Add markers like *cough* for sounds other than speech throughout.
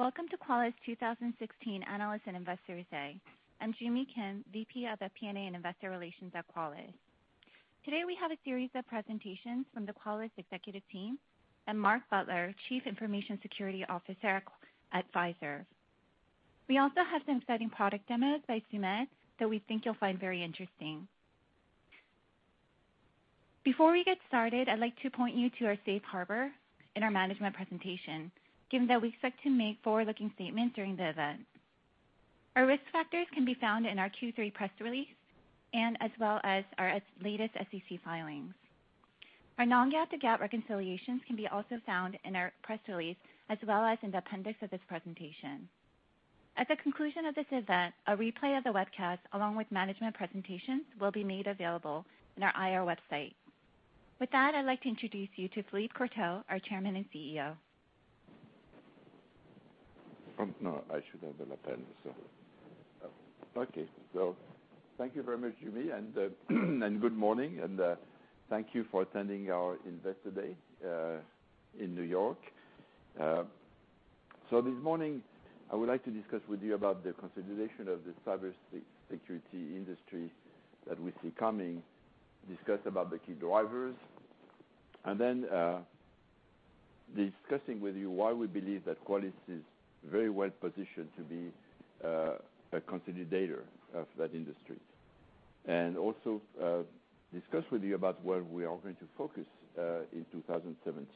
Welcome to Qualys' 2016 Analyst and Investors Day. I'm Joo Mi Kim, VP of FP&A and Investor Relations at Qualys. Today, we have a series of presentations from the Qualys executive team and Mark Butler, Chief Information Security Officer at Fiserv. We also have some exciting product demos by Sumedh that we think you'll find very interesting. Before we get started, I'd like to point you to our safe harbor in our management presentation, given that we expect to make forward-looking statements during the event. Our risk factors can be found in our Q3 press release as well as our latest SEC filings. Our non-GAAP to GAAP reconciliations can also be found in our press release as well as in the appendix of this presentation. At the conclusion of this event, a replay of the webcast, along with management presentations, will be made available on our IR website. With that, I'd like to introduce you to Philippe Courtot, our Chairman and CEO. I should have the lapel. Thank you very much, Joo Mi, and good morning, and thank you for attending our Investor Day in New York. This morning, I would like to discuss with you about the consolidation of the cybersecurity industry that we see coming, discuss about the key drivers, and then discussing with you why we believe that Qualys is very well-positioned to be a consolidator of that industry. Also, discuss with you about where we are going to focus in 2017.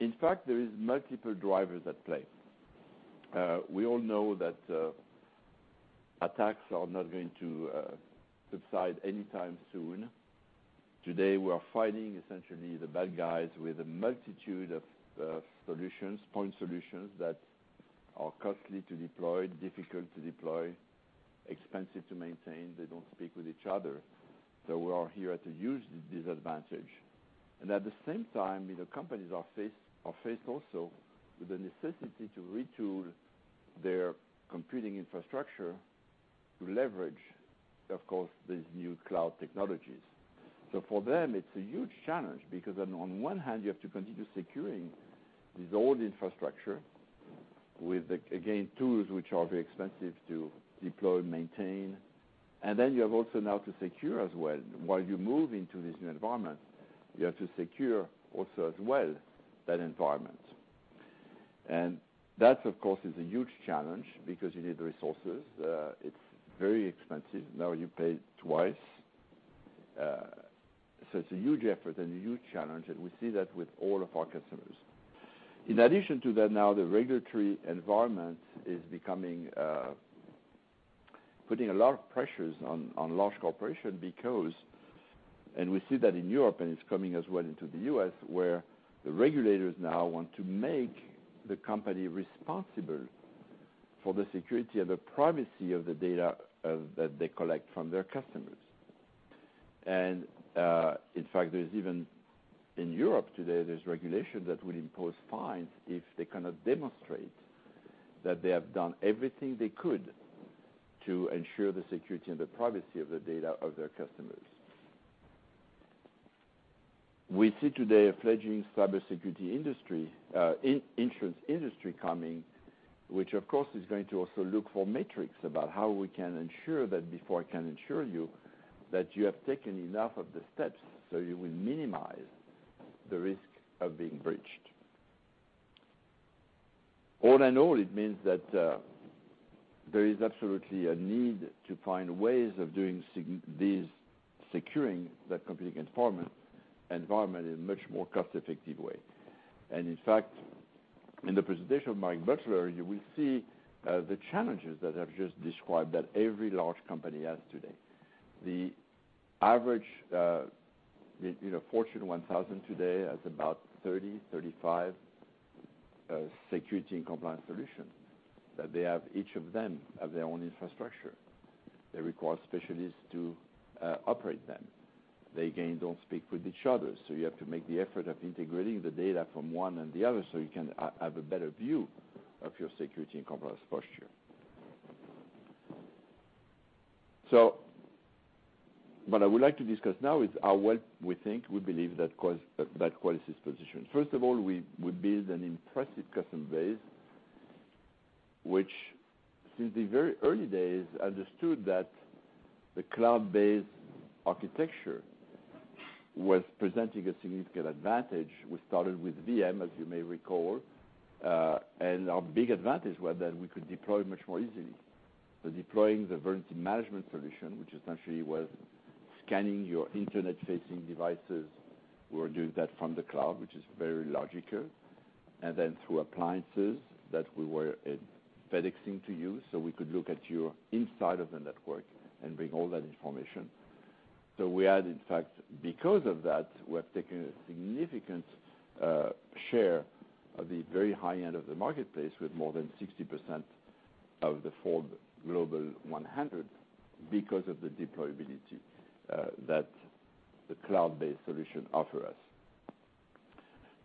In fact, there are multiple drivers at play. We all know that attacks are not going to subside anytime soon. Today, we are fighting essentially the bad guys with a multitude of solutions, point solutions, that are costly to deploy, difficult to deploy, expensive to maintain. They don't speak with each other. We are here at a disadvantage. At the same time, the companies are faced also with the necessity to retool their computing infrastructure to leverage, of course, these new cloud technologies. For them, it's a huge challenge, because on one hand, you have to continue securing this old infrastructure with, again, tools which are very expensive to deploy and maintain. Then you have also now to secure as well. While you move into this new environment, you have to secure also as well that environment. That, of course, is a huge challenge because you need the resources. It's very expensive. Now you pay twice. It's a huge effort and a huge challenge, and we see that with all of our customers. In addition to that now, the regulatory environment is putting a lot of pressures on large corporations because, we see that in Europe, and it's coming as well into the U.S., where the regulators now want to make the company responsible for the security and the privacy of the data that they collect from their customers. In fact, even in Europe today, there's regulation that will impose fines if they cannot demonstrate that they have done everything they could to ensure the security and the privacy of the data of their customers. We see today a fledgling cybersecurity industry, insurance industry coming, which, of course, is going to also look for metrics about how we can ensure that before I can insure you that you have taken enough of the steps so you will minimize the risk of being breached. All in all, it means that there is absolutely a need to find ways of doing these, securing that computing environment in a much more cost-effective way. In fact, in the presentation of Mark Butler, you will see the challenges that I've just described that every large company has today. The average Fortune 1,000 today has about 30, 35 security and compliance solutions that they have each of them have their own infrastructure. They require specialists to operate them. They, again, don't speak with each other, you have to make the effort of integrating the data from one and the other so you can have a better view of your security and compliance posture. What I would like to discuss now is how well we think we believe that Qualys is positioned. First of all, we build an impressive customer base, which since the very early days understood that the cloud-based architecture was presenting a significant advantage. We started with VM, as you may recall, and our big advantage was that we could deploy much more easily. Deploying the Vulnerability Management solution, which essentially was scanning your internet-facing devices. We were doing that from the cloud, which is very logical. Then through appliances that we were FedExing to you, so we could look at your inside of the network and bring all that information. We had, in fact, because of that, we have taken a significant share of the very high-end of the marketplace with more than 60% of the Forbes Global 100 because of the deployability that the cloud-based solution offer us.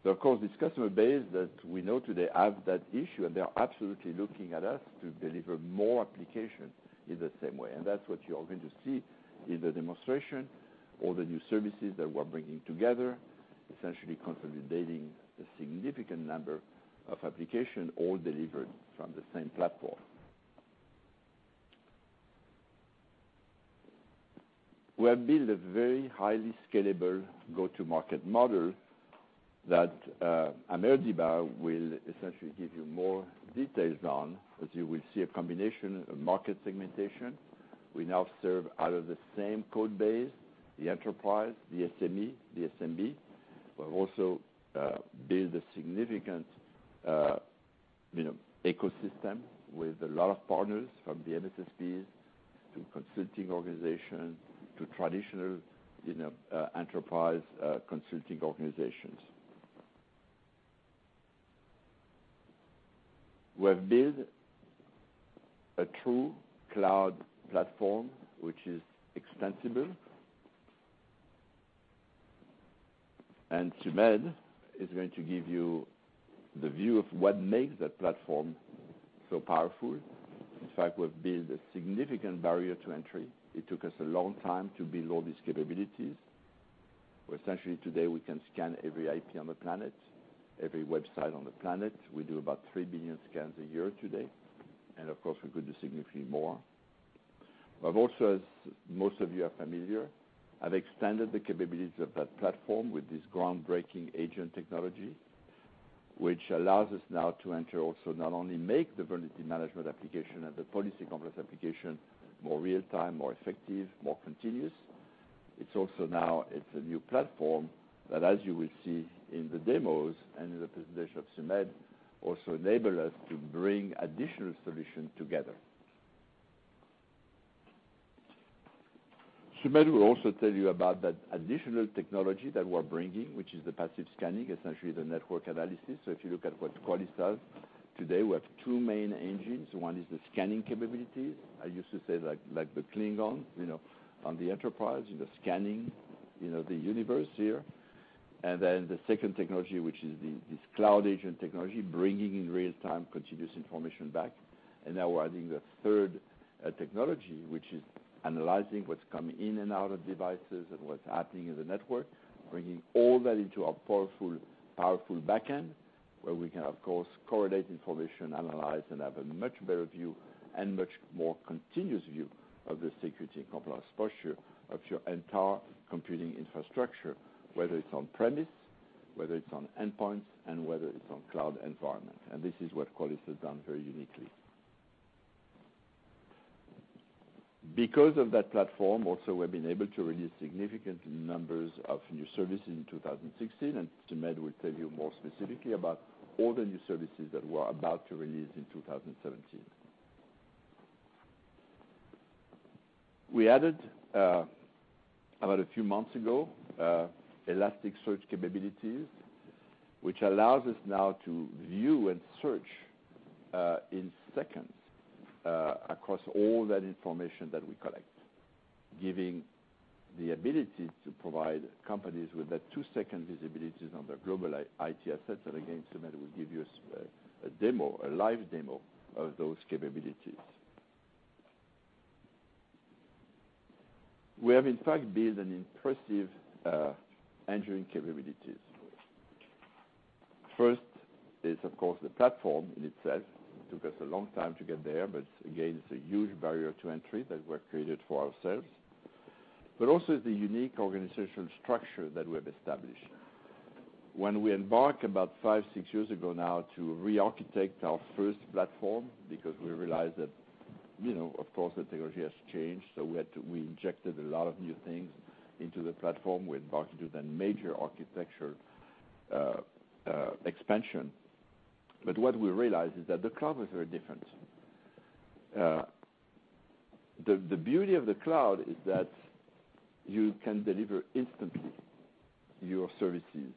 Of course, this customer base that we know today have that issue, and they are absolutely looking at us to deliver more application in the same way. That's what you're going to see in the demonstration, all the new services that we're bringing together, essentially consolidating a significant number of application all delivered from the same platform. We have built a very highly scalable go-to-market model that Amer Deeba will essentially give you more details on, as you will see a combination of market segmentation. We now serve out of the same code base, the enterprise, the SME, the SMB, but also build a significant ecosystem with a lot of partners from the MSSPs to consulting organizations to traditional enterprise consulting organizations. We have built a true cloud platform, which is extensible. Sumedh is going to give you the view of what makes that platform so powerful. In fact, we've built a significant barrier to entry. It took us a long time to build all these capabilities, where essentially today we can scan every IP on the planet, every website on the planet. We do about 3 billion scans a year today, and of course, we could do significantly more. Also, as most of you are familiar, have extended the capabilities of that platform with this groundbreaking agent technology, which allows us now to enter also not only make the vulnerability management application and the policy compliance application more real-time, more effective, more continuous. It's also now, it's a new platform that, as you will see in the demos and in the presentation of Sumedh, also enable us to bring additional solutions together. Sumedh will also tell you about that additional technology that we're bringing, which is the passive scanning, essentially the network analysis. If you look at what Qualys does, today we have two main engines. One is the scanning capabilities. I used to say like the Klingon on the Enterprise, the scanning, the universe here. Then the second technology, which is this Cloud Agent technology, bringing in real-time continuous information back. Now we're adding the third technology, which is analyzing what's coming in and out of devices and what's happening in the network, bringing all that into a powerful back end where we can, of course, correlate information, analyze, and have a much better view and much more continuous view of the security and compliance posture of your entire computing infrastructure, whether it's on-premise, whether it's on endpoints, and whether it's on cloud environment. This is what Qualys has done very uniquely. Because of that platform, also, we've been able to release significant numbers of new services in 2016, and Sumedh will tell you more specifically about all the new services that we're about to release in 2017. We added, about a few months ago, Elasticsearch capabilities, which allows us now to view and search in seconds across all that information that we collect, giving the ability to provide companies with that two-second visibility on their global IT assets. Again, Sumedh will give you a live demo of those capabilities. We have, in fact, built an impressive engineering capabilities. First is, of course, the platform in itself. It took us a long time to get there, but again, it's a huge barrier to entry that we have created for ourselves. Also the unique organizational structure that we have established. When we embarked about five, six years ago now to rearchitect our first platform because we realized that, of course, the technology has changed, so we injected a lot of new things into the platform. We embarked into the major architecture expansion. What we realized is that the cloud was very different. The beauty of the cloud is that you can deliver instantly your services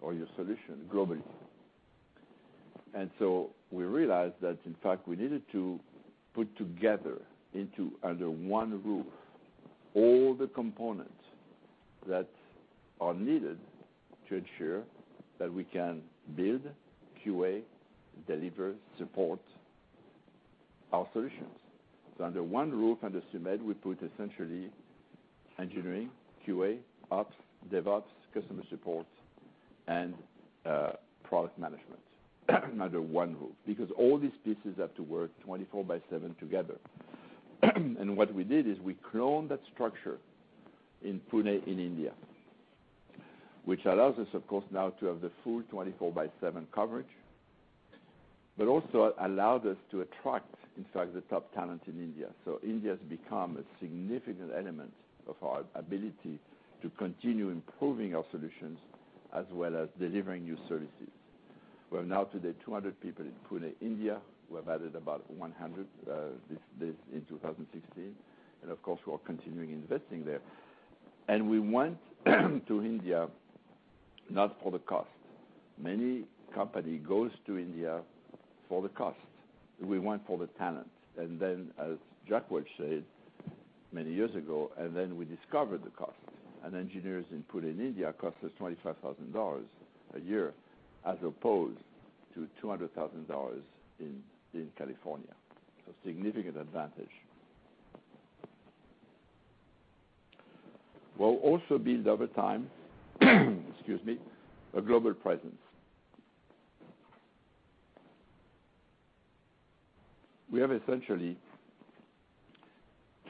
or your solution globally. So we realized that, in fact, we needed to put together into under one roof all the components that are needed to ensure that we can build, QA, deliver, support our solutions. Under one roof, under Sumedh, we put essentially engineering, QA, ops, DevOps, customer support, and product management under one roof because all these pieces have to work 24 by seven together. What we did is we cloned that structure in Pune, in India, which allows us, of course, now to have the full 24 by 7 coverage, but also allowed us to attract, in fact, the top talent in India. India has become a significant element of our ability to continue improving our solutions as well as delivering new services. We have now today 200 people in Pune, India. We have added about 100 this in 2016, of course, we are continuing investing there. We went to India not for the cost. Many company goes to India for the cost. We went for the talent. Then as Jack Welch said many years ago, "And then we discovered the cost." Engineers in Pune, India cost us $25,000 a year as opposed to $200,000 in California. Significant advantage We'll also build over time, excuse me, a global presence. We have essentially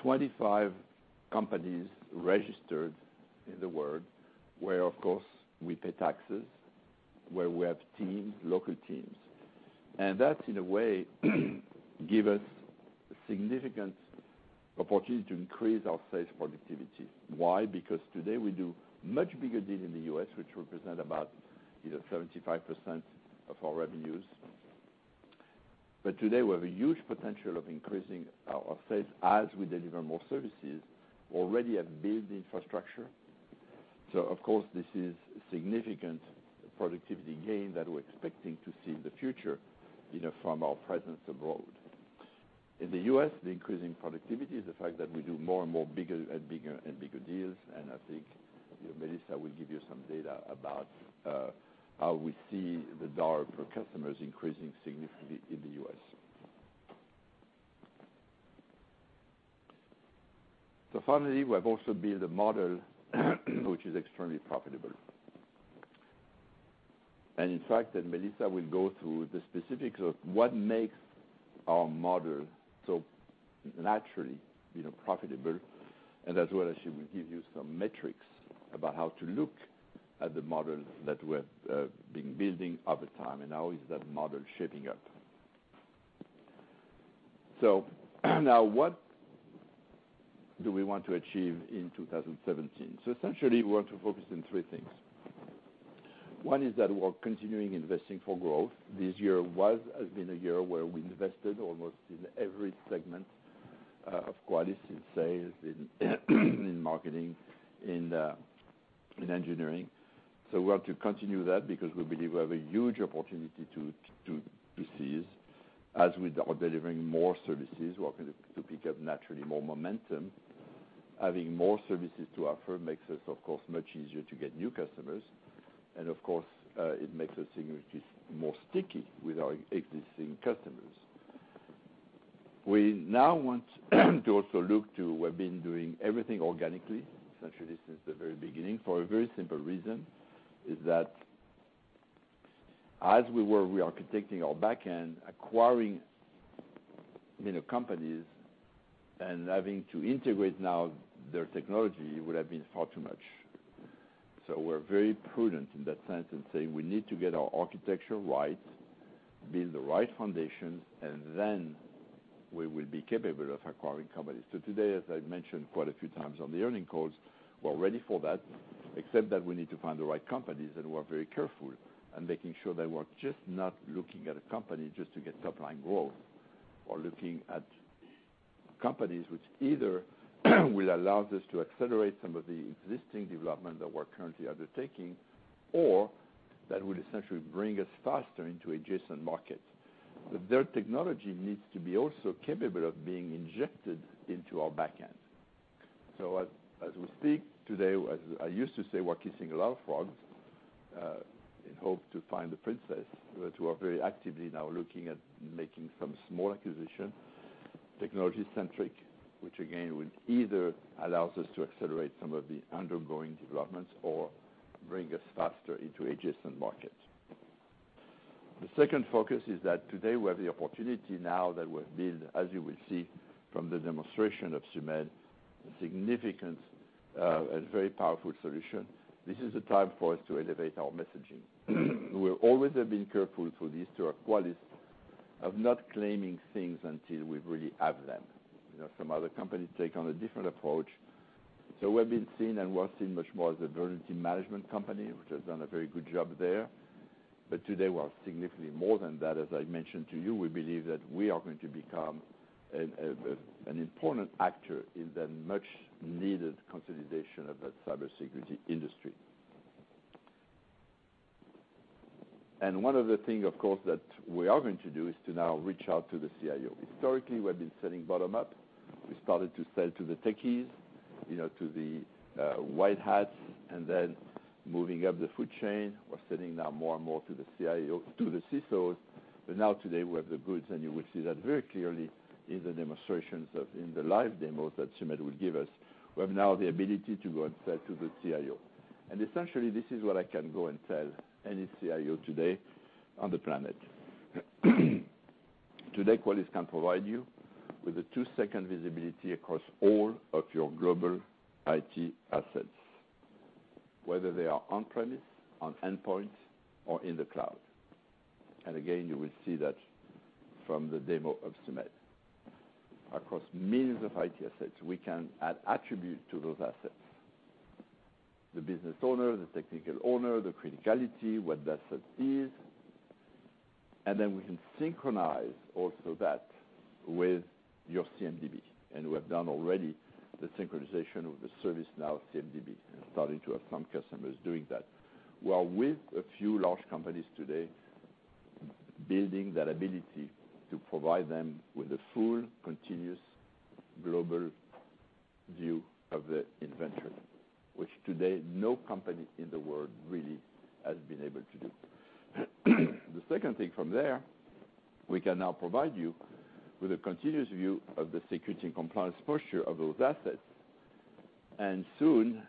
25 companies registered in the world where, of course, we pay taxes, where we have local teams. That, in a way, give us significant opportunity to increase our sales productivity. Why? Because today we do much bigger deals in the U.S., which represent about either 75% of our revenues. Today, we have a huge potential of increasing our sales as we deliver more services, already have built the infrastructure. Of course, this is significant productivity gain that we're expecting to see in the future from our presence abroad. In the U.S., the increase in productivity is the fact that we do more and more bigger and bigger deals. I think Melissa will give you some data about how we see the dollar per customers increasing significantly in the U.S. Finally, we have also built a model which is extremely profitable. In fact, Melissa will go through the specifics of what makes our model so naturally profitable, as well as she will give you some metrics about how to look at the model that we have been building over time, and how is that model shaping up. Now what do we want to achieve in 2017? Essentially, we want to focus on three things. One is that we're continuing investing for growth. This year has been a year where we invested almost in every segment of Qualys, in sales, in marketing, in engineering. We want to continue that because we believe we have a huge opportunity to seize as we are delivering more services. We're going to pick up naturally more momentum. Having more services to offer makes us, of course, much easier to get new customers. Of course, it makes us significantly more sticky with our existing customers. We now want to also look to, we've been doing everything organically, essentially since the very beginning, for a very simple reason is that as we were re-architecting our backend, acquiring companies and having to integrate now their technology would have been far too much. We're very prudent in that sense and say we need to get our architecture right, build the right foundations, then we will be capable of acquiring companies. Today, as I've mentioned quite a few times on the earning calls, we're ready for that, except that we need to find the right companies, we're very careful and making sure that we're just not looking at a company just to get top-line growth. Looking at companies which either will allow us to accelerate some of the existing development that we're currently undertaking, or that would essentially bring us faster into adjacent markets. Their technology needs to be also capable of being injected into our backend. As we speak today, as I used to say, we're kissing a lot of frogs in hope to find the princess. We are very actively now looking at making some small acquisition, technology-centric, which again, will either allow us to accelerate some of the undergoing developments or bring us faster into adjacent markets. The second focus is that today we have the opportunity now that we've built, as you will see from the demonstration of Sumedh, a significant and very powerful solution. This is the time for us to elevate our messaging. We always have been careful to this, to our Qualys, of not claiming things until we really have them. Some other companies take on a different approach. We're being seen and we're seen much more as a vulnerability management company, which has done a very good job there. Today, we're significantly more than that. As I mentioned to you, we believe that we are going to become an important actor in the much needed consolidation of the cybersecurity industry. One of the things, of course, that we are going to do is to now reach out to the CIO. Historically, we've been selling bottom-up. We started to sell to the techies, to the white hats, and then moving up the food chain. We're selling now more and more to the CIO, to the CISO. Now today we have the goods, and you will see that very clearly in the demonstrations of in the live demos that Sumedh will give us. We have now the ability to go and sell to the CIO. Essentially, this is what I can go and tell any CIO today on the planet. Today, Qualys can provide you with a 2-second visibility across all of your global IT assets, whether they are on-premise, on endpoint, or in the cloud. Again, you will see that from the demo of Sumedh. Across millions of IT assets, we can add attribute to those assets, the business owner, the technical owner, the criticality, what the asset is. Then we can synchronize also that with your CMDB. We have done already the synchronization with the ServiceNow CMDB and starting to have some customers doing that. We are with a few large companies today, building that ability to provide them with a full, continuous, global view of the inventory, which today, no company in the world really has been able to do. The second thing from there. We can now provide you with a continuous view of the security and compliance posture of those assets. Soon,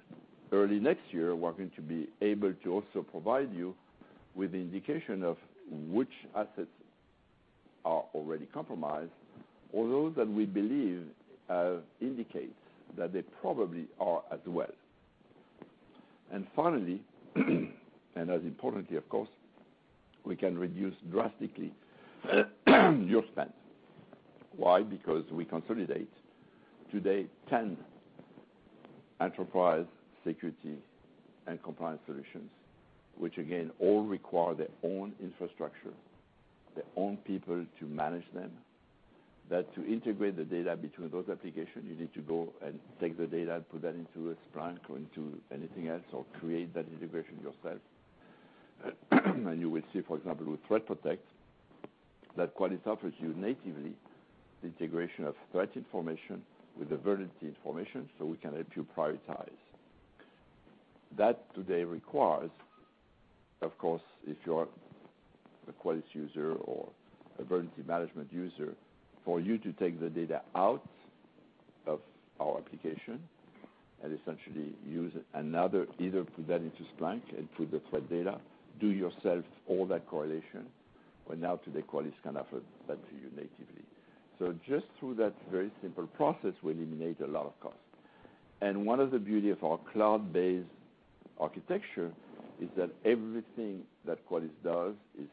early next year, we're going to be able to also provide you with an indication of which assets are already compromised, or those that we believe have indicates that they probably are as well. Finally, and as importantly, of course, we can reduce drastically your spend. Why? Because we consolidate today 10 enterprise security and compliance solutions, which again, all require their own infrastructure, their own people to manage them. That to integrate the data between those applications, you need to go and take the data and put that into a Splunk or into anything else, or create that integration yourself. You will see, for example, with ThreatPROTECT, that Qualys offers you natively integration of threat information with the vulnerability information so we can help you prioritize. That today requires, of course, if you're a Qualys user or a vulnerability management user, for you to take the data out of our application and essentially use another, either put that into Splunk and put the threat data, do yourself all that correlation. Well, now today, Qualys can offer that to you natively. Just through that very simple process, we eliminate a lot of cost. One of the beauty of our cloud-based architecture is that everything that Qualys does is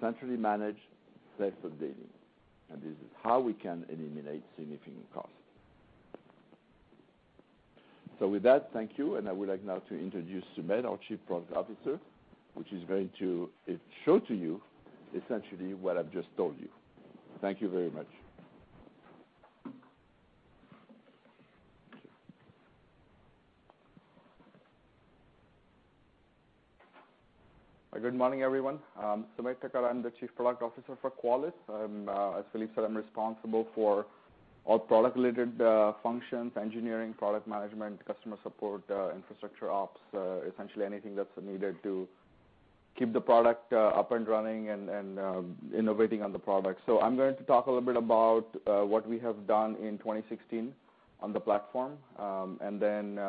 centrally managed, self updating, and this is how we can eliminate significant cost. With that, thank you. I would like now to introduce Sumedh, our Chief Product Officer, which is going to show to you essentially what I've just told you. Thank you very much. Good morning, everyone. I'm Sumedh Thakar, I'm the Chief Product Officer for Qualys. As Philippe said, I'm responsible for all product related functions, engineering, product management, customer support, infrastructure ops, essentially anything that's needed to keep the product up and running and innovating on the product. I'm going to talk a little bit about what we have done in 2016 on the platform, then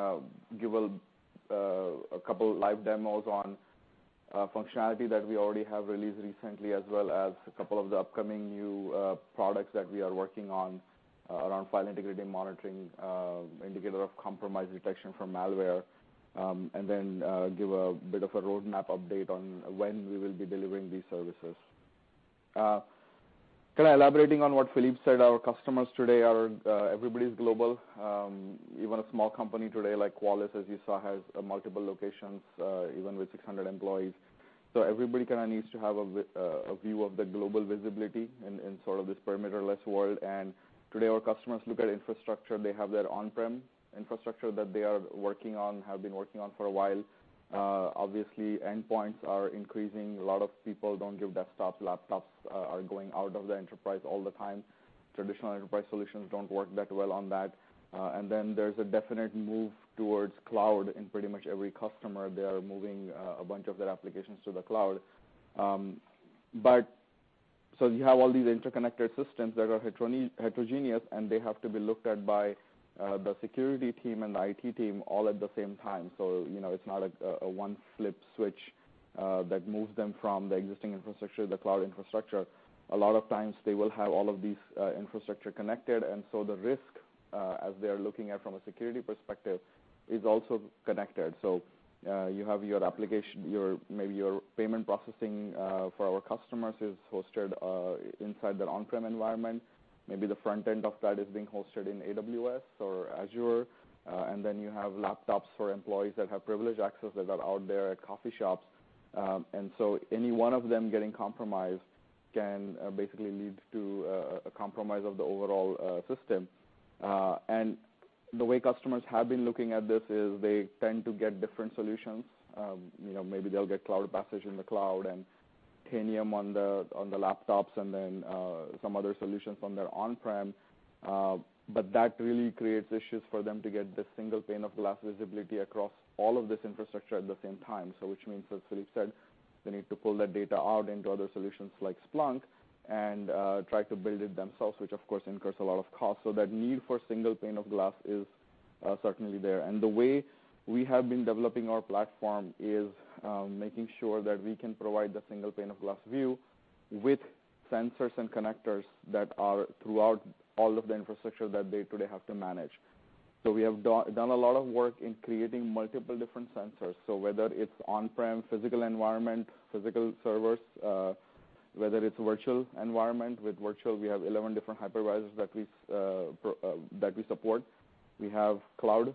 give a couple live demos on functionality that we already have released recently as well as a couple of the upcoming new products that we are working on around file integrity monitoring, indicator of compromise detection from malware. Then give a bit of a roadmap update on when we will be delivering these services. Kind of elaborating on what Philippe said, our customers today are, everybody's global. Even a small company today like Qualys, as you saw, has multiple locations, even with 600 employees. Everybody kind of needs to have a view of the global visibility in sort of this perimeter-less world. Today, our customers look at infrastructure. They have their on-prem infrastructure that they are working on, have been working on for a while. Obviously, endpoints are increasing. A lot of people don't give desktops, laptops are going out of the enterprise all the time. Traditional enterprise solutions don't work that well on that. Then there's a definite move towards cloud in pretty much every customer. They are moving a bunch of their applications to the cloud. You have all these interconnected systems that are heterogeneous, and they have to be looked at by the security team and the IT team all at the same time. It's not a 1-flip switch that moves them from the existing infrastructure to the cloud infrastructure. A lot of times they will have all of these infrastructure connected, the risk, as they're looking at from a security perspective, is also connected. You have your application, maybe your payment processing for our customers is hosted inside their on-prem environment. Maybe the front end of that is being hosted in AWS or Azure. You have laptops for employees that have privileged access that are out there at coffee shops. Any 1 of them getting compromised can basically lead to a compromise of the overall system. The way customers have been looking at this is they tend to get different solutions. Maybe they'll get CloudPassage in the cloud and Tanium on the laptops and then some other solutions on their on-prem. That really creates issues for them to get the single pane of glass visibility across all of this infrastructure at the same time. Which means, as Philippe said, they need to pull that data out into other solutions like Splunk and try to build it themselves, which of course, incurs a lot of cost. That need for single pane of glass is certainly there. The way we have been developing our platform is making sure that we can provide the single pane of glass view with sensors and connectors that are throughout all of the infrastructure that they today have to manage. We have done a lot of work in creating multiple different sensors. Whether it's on-prem, physical environment, physical servers, whether it's virtual environment, with virtual, we have 11 different hypervisors that we support. We have cloud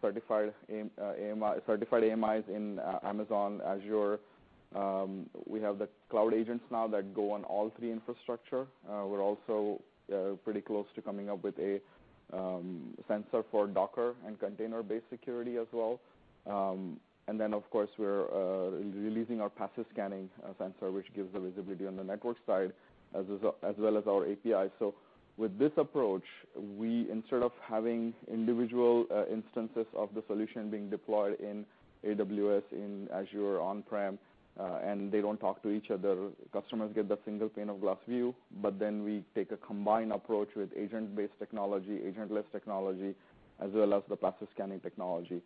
certified AMIs in Amazon, Azure. We have the Cloud Agents now that go on all three infrastructure. We're also pretty close to coming up with a sensor for Docker and container-based security as well. Of course, we're releasing our passive scanning sensor, which gives the visibility on the network side, as well as our API. With this approach, we, instead of having individual instances of the solution being deployed in AWS, in Azure, on-prem, and they don't talk to each other, customers get the single pane of glass view. We take a combined approach with agent-based technology, agentless technology as well as the passive scanning technology.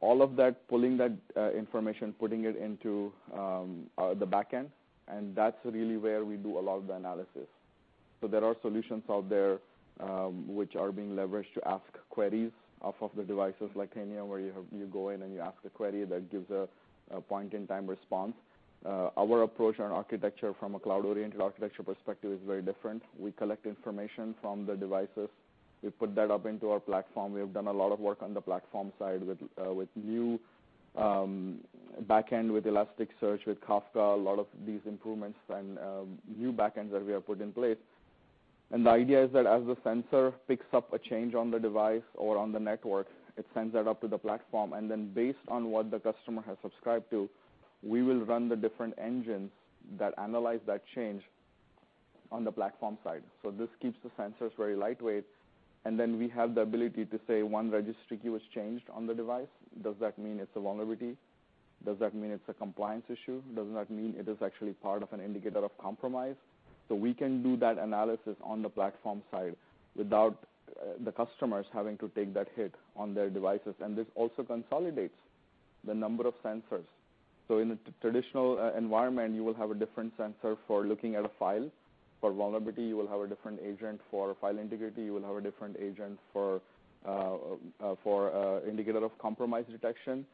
All of that, pulling that information, putting it into the back end, and that's really where we do a lot of the analysis. There are solutions out there which are being leveraged to ask queries off of the devices, like Tanium, where you go in and you ask a query that gives a point-in-time response. Our approach and architecture from a cloud-oriented architecture perspective is very different. We collect information from the devices. We put that up into our platform. We have done a lot of work on the platform side with new back end, with Elasticsearch, with Kafka, a lot of these improvements and new back ends that we have put in place. The idea is that as the sensor picks up a change on the device or on the network, it sends that up to the platform. Based on what the customer has subscribed to, we will run the different engines that analyze that change on the platform side. This keeps the sensors very lightweight. We have the ability to say one registry key was changed on the device. Does that mean it's a vulnerability? Does that mean it's a compliance issue? Does that mean it is actually part of an indicator of compromise? We can do that analysis on the platform side without the customers having to take that hit on their devices. This also consolidates the number of sensors. In a traditional environment, you will have a different sensor for looking at a file for vulnerability. You will have a different agent for file integrity. You will have a different agent for indicator of compromise detection.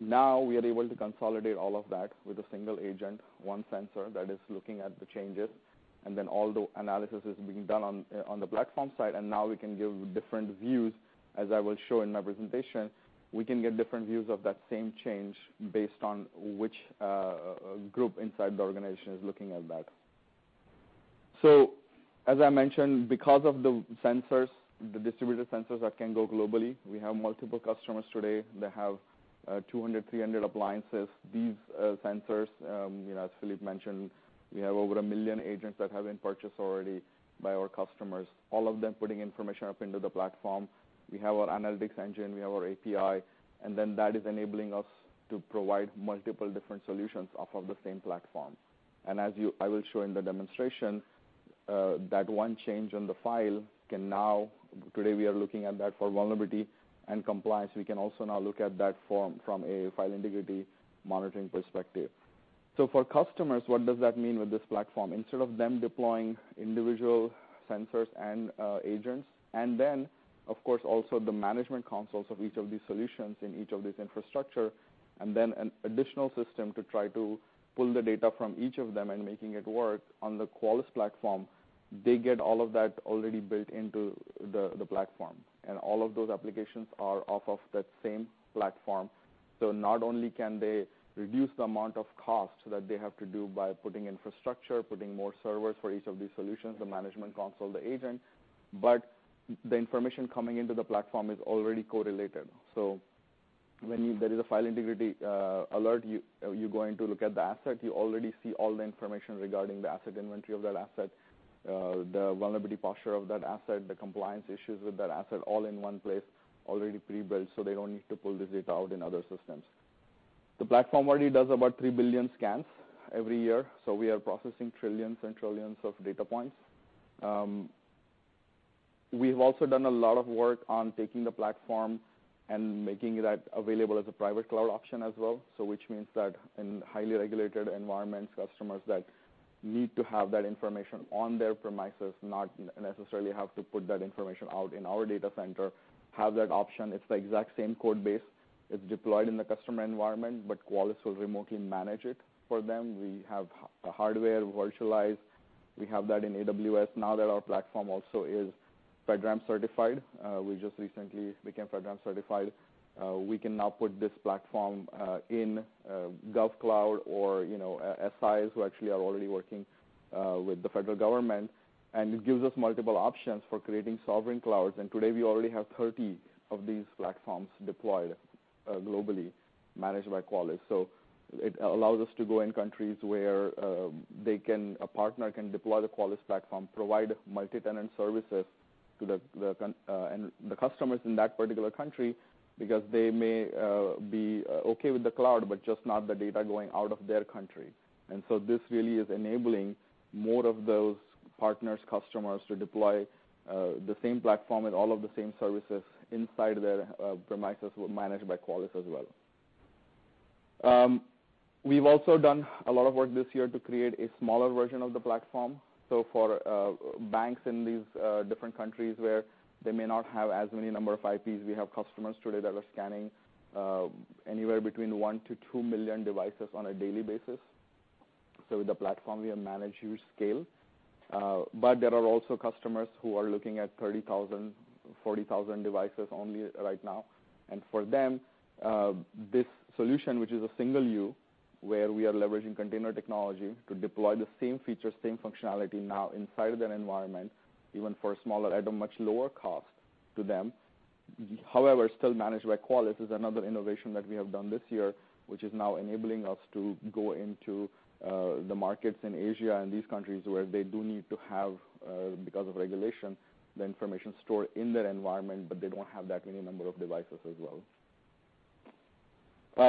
Now we are able to consolidate all of that with a single agent, one sensor that is looking at the changes. All the analysis is being done on the platform side. Now we can give different views, as I will show in my presentation. We can get different views of that same change based on which group inside the organization is looking at that. As I mentioned, because of the sensors, the distributed sensors that can go globally, we have multiple customers today that have 200, 300 appliances. These sensors, as Philippe Courtot mentioned, we have over 1 million agents that have been purchased already by our customers, all of them putting information up into the platform. We have our analytics engine, we have our API. That is enabling us to provide multiple different solutions off of the same platform. As I will show in the demonstration, that one change in the file can now. Today we are looking at that for vulnerability and compliance. We can also now look at that from a file integrity monitoring perspective. For customers, what does that mean with this platform? Instead of them deploying individual sensors and agents, of course also the management consoles of each of these solutions in each of these infrastructure, an additional system to try to pull the data from each of them and making it work on the Qualys platform, they get all of that already built into the platform. All of those applications are off of that same platform. Not only can they reduce the amount of cost that they have to do by putting infrastructure, putting more servers for each of these solutions, the management console, the agent, but the information coming into the platform is already correlated. When there is a file integrity alert, you're going to look at the asset. You already see all the information regarding the asset inventory of that asset, the vulnerability posture of that asset, the compliance issues with that asset, all in one place already pre-built, so they don't need to pull this data out in other systems. The platform already does about 3 billion scans every year. We are processing trillions and trillions of data points. We've also done a lot of work on taking the platform and making that available as a private cloud option as well. Which means that in highly regulated environments, customers that need to have that information on their premises, not necessarily have to put that information out in our data center, have that option. It's the exact same code base. It's deployed in the customer environment, but Qualys will remotely manage it for them. We have hardware virtualized. We have that in AWS now that our platform also is FedRAMP certified. We just recently became FedRAMP certified. We can now put this platform in GovCloud or SIs who actually are already working with the federal government. It gives us multiple options for creating sovereign clouds. Today we already have 30 of these platforms deployed globally, managed by Qualys. It allows us to go in countries where a partner can deploy the Qualys platform, provide multi-tenant services to the customers in that particular country, because they may be okay with the cloud, but just not the data going out of their country. This really is enabling more of those partners, customers to deploy the same platform and all of the same services inside their premises, managed by Qualys as well. We've also done a lot of work this year to create a smaller version of the platform. For banks in these different countries where they may not have as many number of IPs, we have customers today that are scanning anywhere between one to two million devices on a daily basis. With the platform, we manage huge scale. There are also customers who are looking at 30,000, 40,000 devices only right now. For them, this solution, which is a single U, where we are leveraging container technology to deploy the same features, same functionality now inside of their environment, even for a smaller item, much lower cost to them. However, still managed by Qualys is another innovation that we have done this year, which is now enabling us to go into the markets in Asia and these countries where they do need to have, because of regulation, the information stored in their environment, but they don't have that many number of devices as well.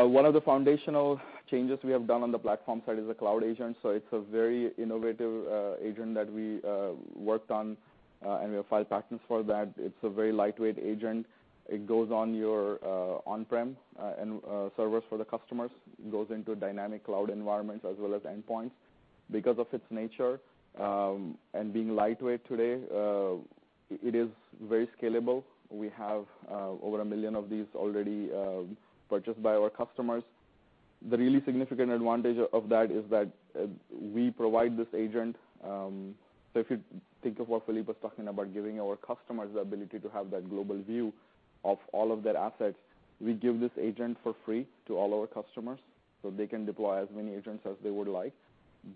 One of the foundational changes we have done on the platform side is the Cloud Agent. It's a very innovative agent that we worked on, and we have filed patents for that. It's a very lightweight agent. It goes on your on-prem and servers for the customers. It goes into dynamic cloud environments as well as endpoints. Because of its nature, and being lightweight today, it is very scalable. We have over a million of these already purchased by our customers. The really significant advantage of that is that we provide this agent. If you think of what Philippe was talking about, giving our customers the ability to have that global view of all of their assets, we give this agent for free to all our customers, so they can deploy as many agents as they would like.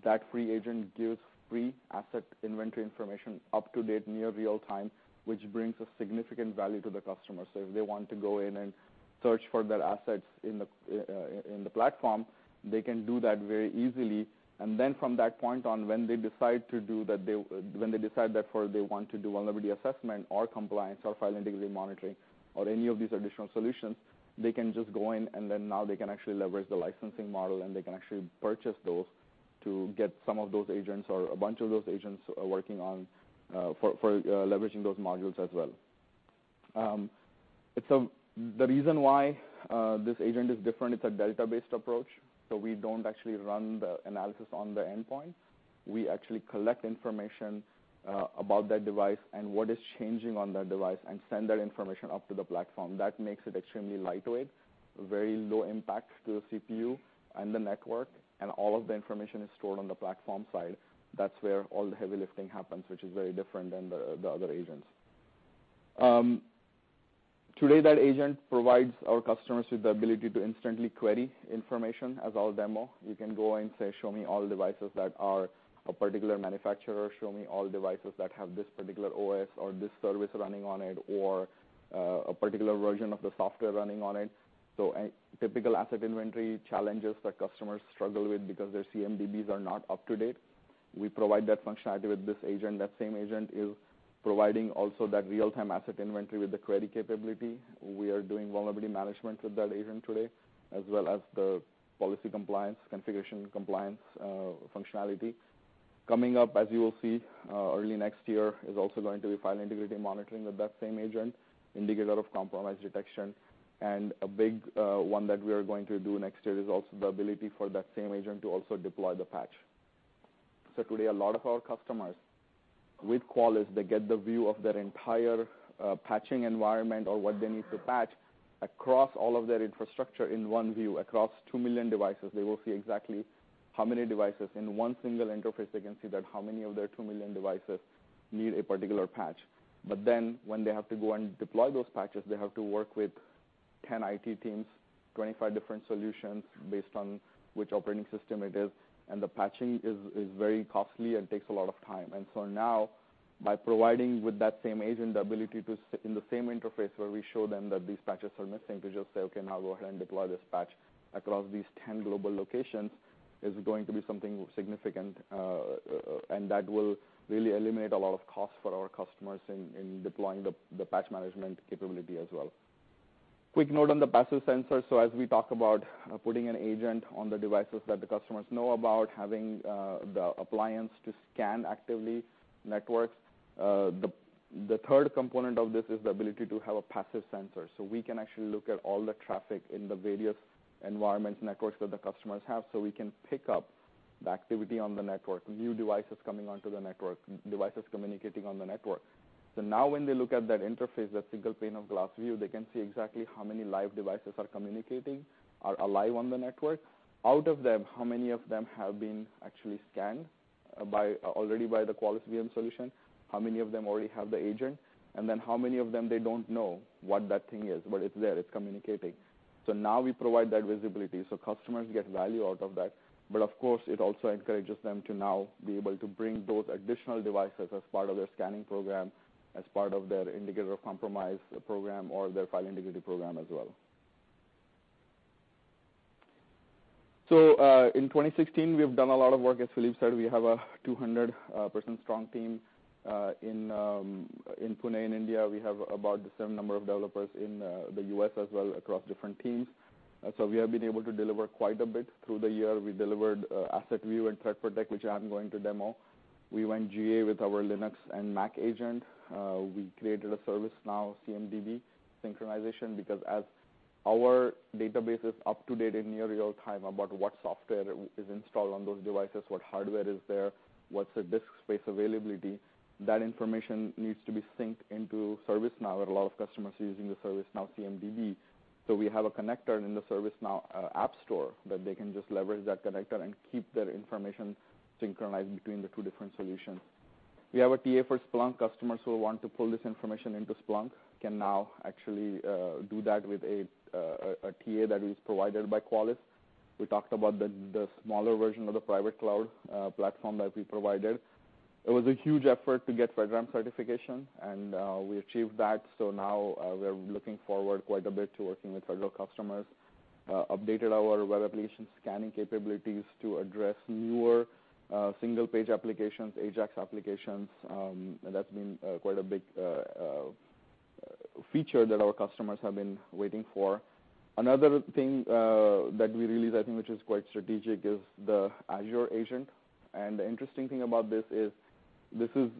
That free agent gives free asset inventory information up to date, near real time, which brings a significant value to the customer. If they want to go in and search for their assets in the platform, they can do that very easily. From that point on, when they decide that they want to do a vulnerability assessment or compliance or file integrity monitoring or any of these additional solutions, they can just go in and now they can actually leverage the licensing model, and they can actually purchase those to get some of those agents or a bunch of those agents working on for leveraging those modules as well. The reason why this agent is different, it is a delta-based approach, so we do not actually run the analysis on the endpoint. We actually collect information about that device and what is changing on that device and send that information up to the platform. That makes it extremely lightweight, very low impact to the CPU and the network, and all of the information is stored on the platform side. That is where all the heavy lifting happens, which is very different than the other agents. Today, that agent provides our customers with the ability to instantly query information as I will demo. You can go and say, "Show me all devices that are a particular manufacturer, show me all devices that have this particular OS or this service running on it, or a particular version of the software running on it." Typical asset inventory challenges that customers struggle with because their CMDBs are not up to date. We provide that functionality with this agent. That same agent is providing also that real-time asset inventory with the query capability. We are doing vulnerability management with that agent today, as well as the policy compliance, configuration compliance functionality. Coming up, as you will see, early next year, is also going to be file integrity monitoring with that same agent, indicator of compromise detection. A big one that we are going to do next year is also the ability for that same agent to also deploy the patch. Today, a lot of our customers with Qualys, they get the view of their entire patching environment or what they need to patch across all of their infrastructure in one view. Across 2 million devices, they will see exactly how many devices. In one single interface, they can see that how many of their 2 million devices need a particular patch. When they have to go and deploy those patches, they have to work with 10 IT teams, 25 different solutions based on which operating system it is. The patching is very costly and takes a lot of time. Now by providing with that same agent, the ability to, in the same interface where we show them that these patches are missing, to just say, "Okay, now go ahead and deploy this patch across these 10 global locations" is going to be something significant, and that will really eliminate a lot of costs for our customers in deploying the patch management capability as well. Quick note on the passive sensor. As we talk about putting an agent on the devices that the customers know about, having the appliance to scan actively networks. The third component of this is the ability to have a passive sensor. We can actually look at all the traffic in the various environment networks that the customers have so we can pick up the activity on the network, new devices coming onto the network, devices communicating on the network. Now when they look at that interface, that single pane of glass view, they can see exactly how many live devices are communicating, are alive on the network. Out of them, how many of them have been actually scanned already by the Qualys VM solution, how many of them already have the agent, and then how many of them they don't know what that thing is. It's there, it's communicating. Now we provide that visibility, so customers get value out of that. Of course, it also encourages them to now be able to bring those additional devices as part of their scanning program, as part of their indicator of compromise program or their file integrity program as well. In 2016, we have done a lot of work. As Philippe said, we have a 200-person strong team, in Pune, in India. We have about the same number of developers in the U.S. as well across different teams. We have been able to deliver quite a bit through the year. We delivered AssetView and ThreatPROTECT, which I'm going to demo. We went GA with our Linux and Mac agent. We created a ServiceNow CMDB synchronization because as our database is up to date in near real time about what software is installed on those devices, what hardware is there, what's the disk space availability, that information needs to be synced into ServiceNow. A lot of customers are using the ServiceNow CMDB. We have a connector in the ServiceNow app store that they can just leverage that connector and keep their information synchronized between the two different solutions. We have a TA for Splunk customers who want to pull this information into Splunk can now actually do that with a TA that is provided by Qualys. We talked about the smaller version of the private cloud platform that we provided. It was a huge effort to get FedRAMP certification and we achieved that, now we're looking forward quite a bit to working with federal customers. Updated our web application scanning capabilities to address newer single page applications, AJAX applications. That's been quite a big feature that our customers have been waiting for. Another thing that we released, I think, which is quite strategic, is the Azure agent. The interesting thing about this is, this is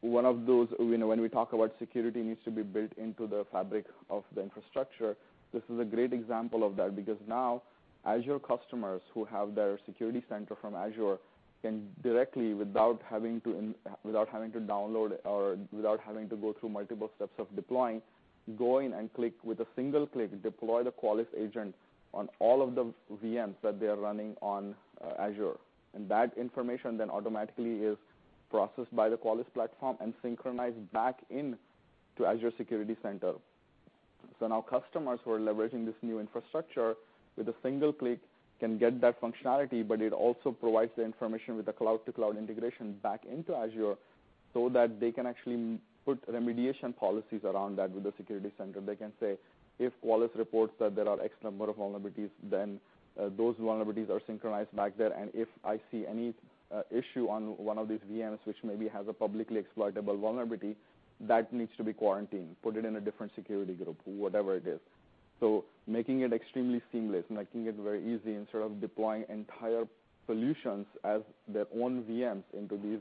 one of those, when we talk about security needs to be built into the fabric of the infrastructure, this is a great example of that. Now Azure customers who have their Azure Security Center from Azure can directly, without having to download or without having to go through multiple steps of deploying, go in and click, with a single click, deploy the Qualys agent on all of the VMs that they're running on Azure. That information then automatically is processed by the Qualys platform and synchronized back into Azure Security Center. Now customers who are leveraging this new infrastructure, with a single click can get that functionality, it also provides the information with the cloud-to-cloud integration back into Azure so that they can actually put remediation policies around that with the Azure Security Center. They can say, if Qualys reports that there are X number of vulnerabilities, those vulnerabilities are synchronized back there, and if I see any issue on one of these VMs, which maybe has a publicly exploitable vulnerability, that needs to be quarantined, put it in a different security group, whatever it is. Making it extremely seamless and making it very easy in sort of deploying entire solutions as their own VMs into these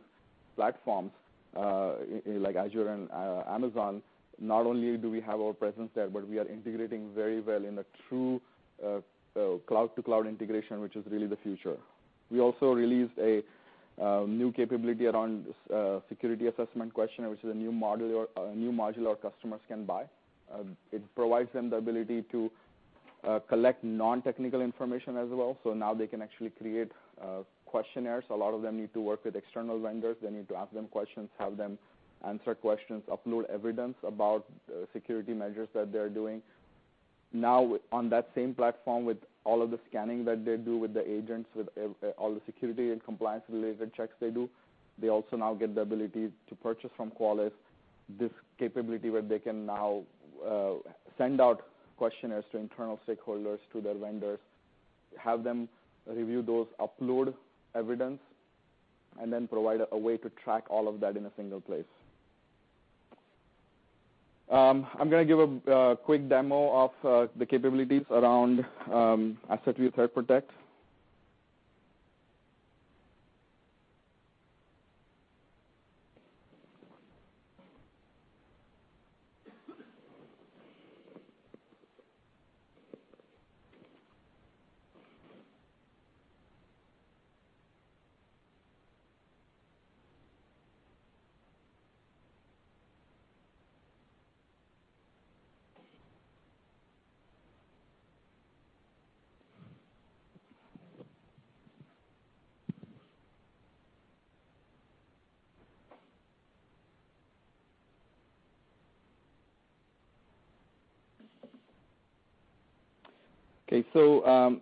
platforms, like Azure and Amazon, not only do we have our presence there, but we are integrating very well in a true cloud-to-cloud integration, which is really the future. We also released a new capability around Security Assessment Questionnaire, which is a new module our customers can buy. It provides them the ability to collect non-technical information as well. Now they can actually create questionnaires. A lot of them need to work with external vendors. They need to ask them questions, have them answer questions, upload evidence about security measures that they're doing. Now, on that same platform, with all of the scanning that they do with the agents, with all the security and compliance-related checks they do, they also now get the ability to purchase from Qualys this capability where they can now send out questionnaires to internal stakeholders, to their vendors, have them review those, upload evidence, and then provide a way to track all of that in a single place. I'm going to give a quick demo of the capabilities around AssetView, ThreatPROTECT.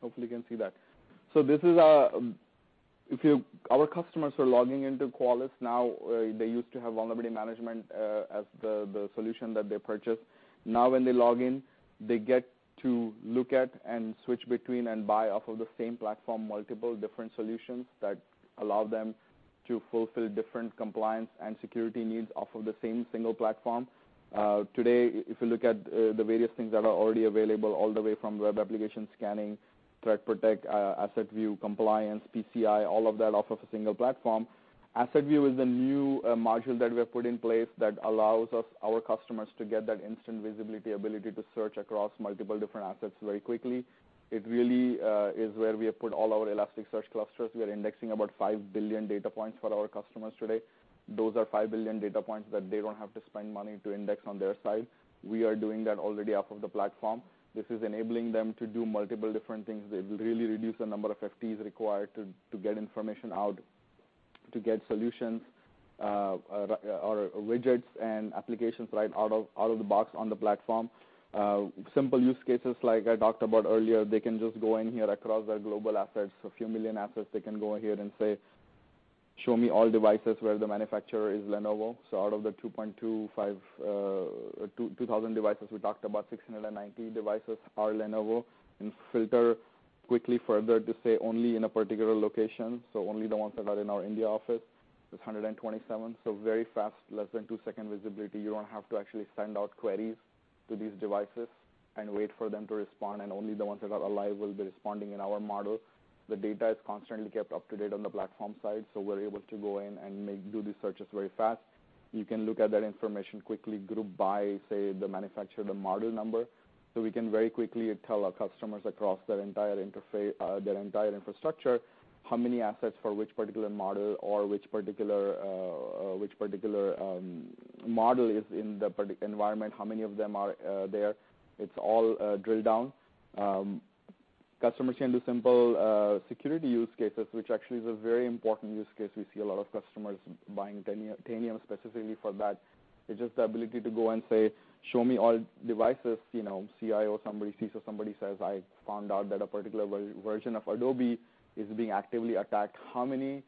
Hopefully you can see that. Our customers are logging into Qualys now. They used to have vulnerability management as the solution that they purchased. Now when they log in, they get to look at and switch between and buy off of the same platform multiple different solutions that allow them to fulfill different compliance and security needs off of the same single platform. Today, if you look at the various things that are already available, all the way from web application scanning, ThreatPROTECT, AssetView compliance, PCI, all of that off of a single platform. AssetView is the new module that we have put in place that allows our customers to get that instant visibility, ability to search across multiple different assets very quickly. It really is where we have put all our Elasticsearch clusters. We are indexing about 5 billion data points for our customers today. Those are 5 billion data points that they don't have to spend money to index on their side. We are doing that already off of the platform. This is enabling them to do multiple different things. It will really reduce the number of FTs required to get information out, to get solutions, or widgets and applications right out of the box on the platform. Simple use cases, like I talked about earlier, they can just go in here across their global assets, a few million assets, they can go in here and say, "Show me all devices where the manufacturer is Lenovo." Out of the 2,000 devices we talked about, 690 devices are Lenovo. Filter quickly further to, say, only in a particular location, only the ones that are in our India office. There's 127. Very fast, less than two-second visibility. You don't have to actually send out queries to these devices and wait for them to respond, and only the ones that are alive will be responding in our model. The data is constantly kept up to date on the platform side. We're able to go in and do the searches very fast. You can look at that information quickly, group by, say, the manufacturer, the model number. We can very quickly tell our customers across their entire infrastructure how many assets for which particular model or which particular model is in the environment, how many of them are there. It's all drill down. Customers can do simple security use cases, which actually is a very important use case. We see a lot of customers buying Tanium specifically for that. It's just the ability to go and say, "Show me all devices." CIO somebody, CISO somebody says, "I found out that a particular version of Adobe is being actively attacked. How many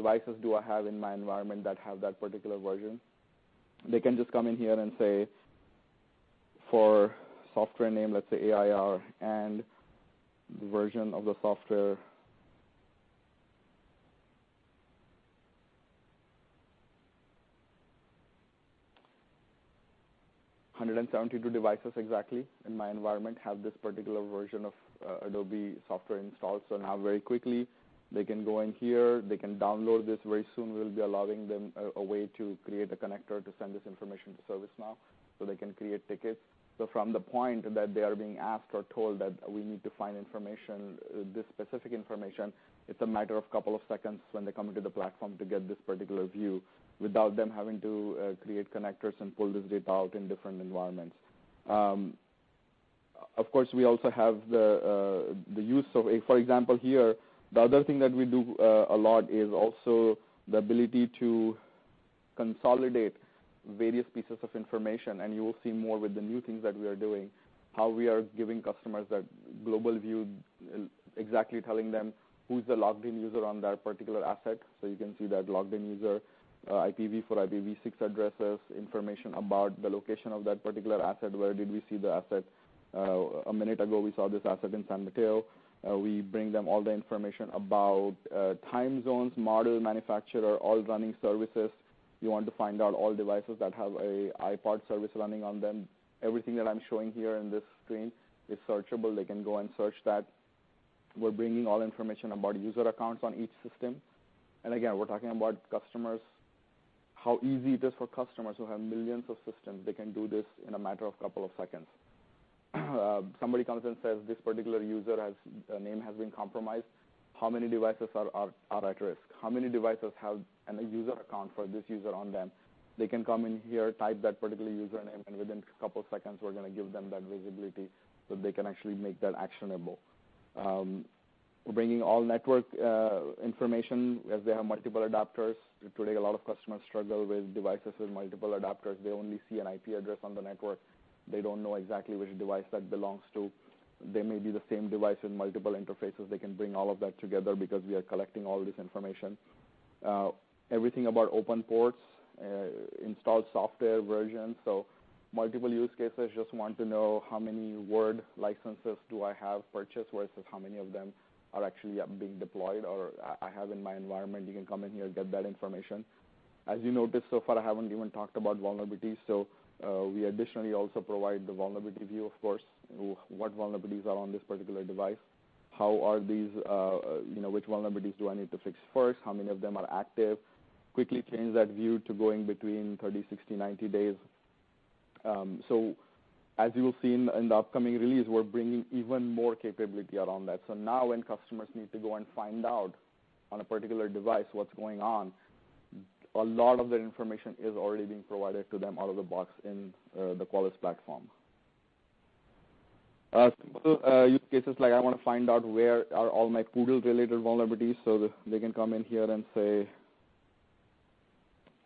devices do I have in my environment that have that particular version?" They can just come in here and say. For software name, let's say AIR and the version of the software. 172 devices exactly in my environment have this particular version of Adobe software installed. Now very quickly they can go in here, they can download this. Very soon we'll be allowing them a way to create a connector to send this information to ServiceNow so they can create tickets. From the point that they are being asked or told that we need to find this specific information, it's a matter of couple of seconds when they come into the platform to get this particular view without them having to create connectors and pull this data out in different environments. Of course, we also have the use of. For example, here, the other thing that we do a lot is also the ability to consolidate various pieces of information. You will see more with the new things that we are doing, how we are giving customers that global view, exactly telling them who's the logged in user on that particular asset. You can see that logged in user, IPv4, IPv6 addresses, information about the location of that particular asset. Where did we see the asset? A minute ago we saw this asset in San Mateo. We bring them all the information about time zones, model, manufacturer, all running services. You want to find out all devices that have a HTTPD service running on them. Everything that I'm showing here in this screen is searchable, they can go and search that. We're bringing all information about user accounts on each system. Again, we're talking about customers, how easy it is for customers who have millions of systems. They can do this in a matter of couple of seconds. Somebody comes and says this particular user name has been compromised. How many devices are at risk? How many devices have a user account for this user on them? They can come in here, type that particular username, and within a couple seconds, we're going to give them that visibility so they can actually make that actionable. We're bringing all network information as they have multiple adapters. Today, a lot of customers struggle with devices with multiple adapters. They only see an IP address on the network. They don't know exactly which device that belongs to. They may be the same device with multiple interfaces. They can bring all of that together because we are collecting all this information. Everything about open ports, installed software versions. Multiple use cases, just want to know how many Word licenses do I have purchased versus how many of them are actually being deployed or I have in my environment. You can come in here and get that information. As you notice so far, I haven't even talked about vulnerabilities. We additionally also provide the vulnerability view, of course, what vulnerabilities are on this particular device, which vulnerabilities do I need to fix first, how many of them are active. Quickly change that view to going between 30, 60, 90 days. As you will see in the upcoming release, we're bringing even more capability around that. Now when customers need to go and find out on a particular device what's going on, a lot of that information is already being provided to them out of the box in the Qualys platform. Simple use cases like I want to find out where are all my Google related vulnerabilities. They can come in here and say,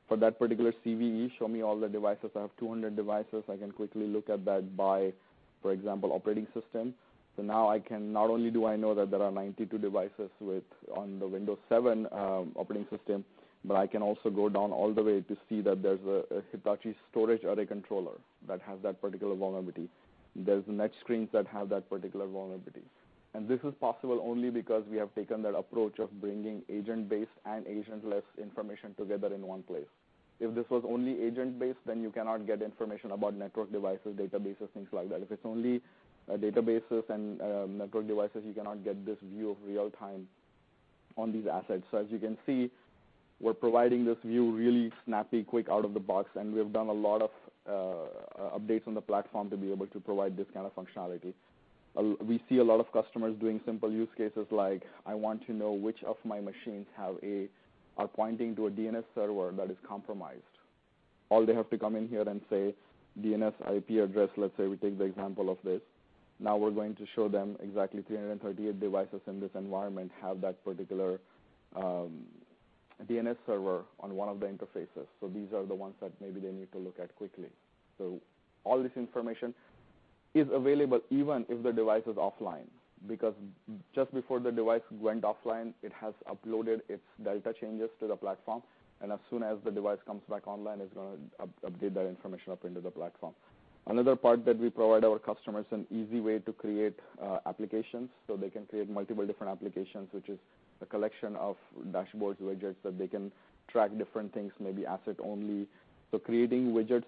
for that particular CVE, show me all the devices. I have 200 devices. I can quickly look at that by, for example, operating system. Now not only do I know that there are 92 devices on the Windows 7 operating system, but I can also go down all the way to see that there's a Hitachi storage array controller that has that particular vulnerability. There's the [net screens] that have that particular vulnerability. This is possible only because we have taken that approach of bringing agent-based and agentless information together in one place. If this was only agent based, then you cannot get information about network devices, databases, things like that. If it's only databases and network devices, you cannot get this view of real time on these assets. As you can see, we're providing this view really snappy, quick, out of the box, and we've done a lot of updates on the platform to be able to provide this kind of functionality. We see a lot of customers doing simple use cases like, I want to know which of my machines are pointing to a DNS server that is compromised. All they have to come in here and say DNS IP address, let's say we take the example of this. Now we're going to show them exactly 338 devices in this environment have that particular DNS server on one of the interfaces. These are the ones that maybe they need to look at quickly. All this information is available even if the device is offline, because just before the device went offline, it has uploaded its delta changes to the platform, and as soon as the device comes back online, it's going to update that information up into the platform. Another part that we provide our customers an easy way to create applications, so they can create multiple different applications, which is a collection of dashboards, widgets that they can track different things, maybe asset only. Creating widgets,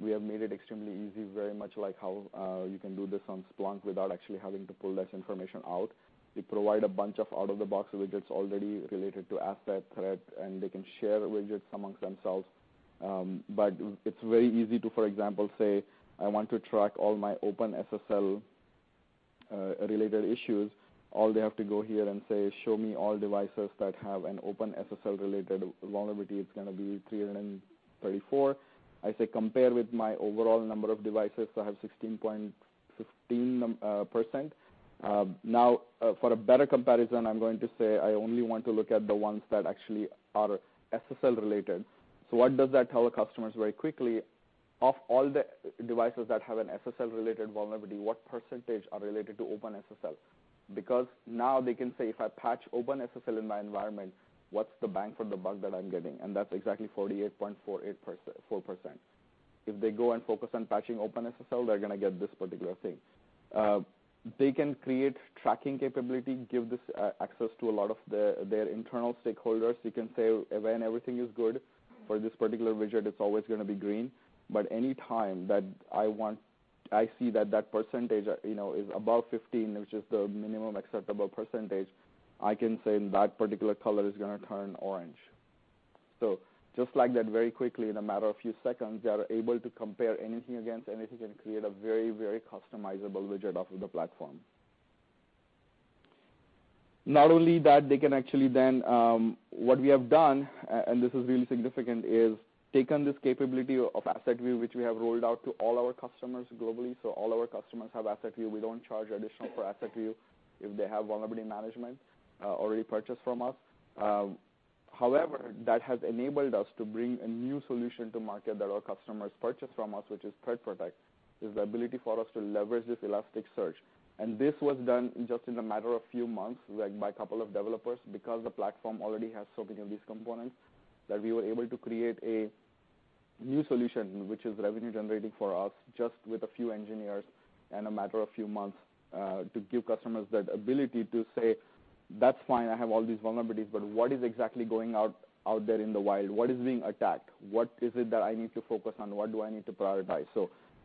we have made it extremely easy, very much like how you can do this on Splunk without actually having to pull that information out. We provide a bunch of out of the box widgets already related to asset threat, and they can share widgets amongst themselves. It's very easy to, for example, say I want to track all my OpenSSL related issues. All they have to go here and say, show me all devices that have an OpenSSL related vulnerability. It's going to be 334. I say compare with my overall number of devices. I have 16.15%. Now for a better comparison, I'm going to say I only want to look at the ones that actually are SSL related. What does that tell the customers very quickly, of all the devices that have an SSL related vulnerability, what percentage are related to OpenSSL? Now they can say, if I patch OpenSSL in my environment, what's the bang for the buck that I'm getting? That's exactly 48.4%. If they go and focus on patching OpenSSL, they're going to get this particular thing. They can create tracking capability, give this access to a lot of their internal stakeholders. You can say when everything is good for this particular widget, it's always going to be green. Any time that I see that percentage is above 15, which is the minimum acceptable percentage, I can say that particular color is going to turn orange. Just like that, very quickly in a matter of few seconds, they are able to compare anything against anything and create a very, very customizable widget off of the platform. Not only that, what we have done, and this is really significant, is taken this capability of AssetView, which we have rolled out to all our customers globally. All our customers have AssetView. We don't charge additional for AssetView if they have vulnerability management already purchased from us. That has enabled us to bring a new solution to market that our customers purchase from us, which is ThreatPROTECT, is the ability for us to leverage this Elasticsearch. This was done just in a matter of few months by a couple of developers because the platform already has so many of these components that we were able to create a new solution, which is revenue generating for us with just a few engineers in a matter of few months, to give customers that ability to say, "That's fine, I have all these vulnerabilities, but what is exactly going out there in the wild? What is being attacked? What is it that I need to focus on? What do I need to prioritize?"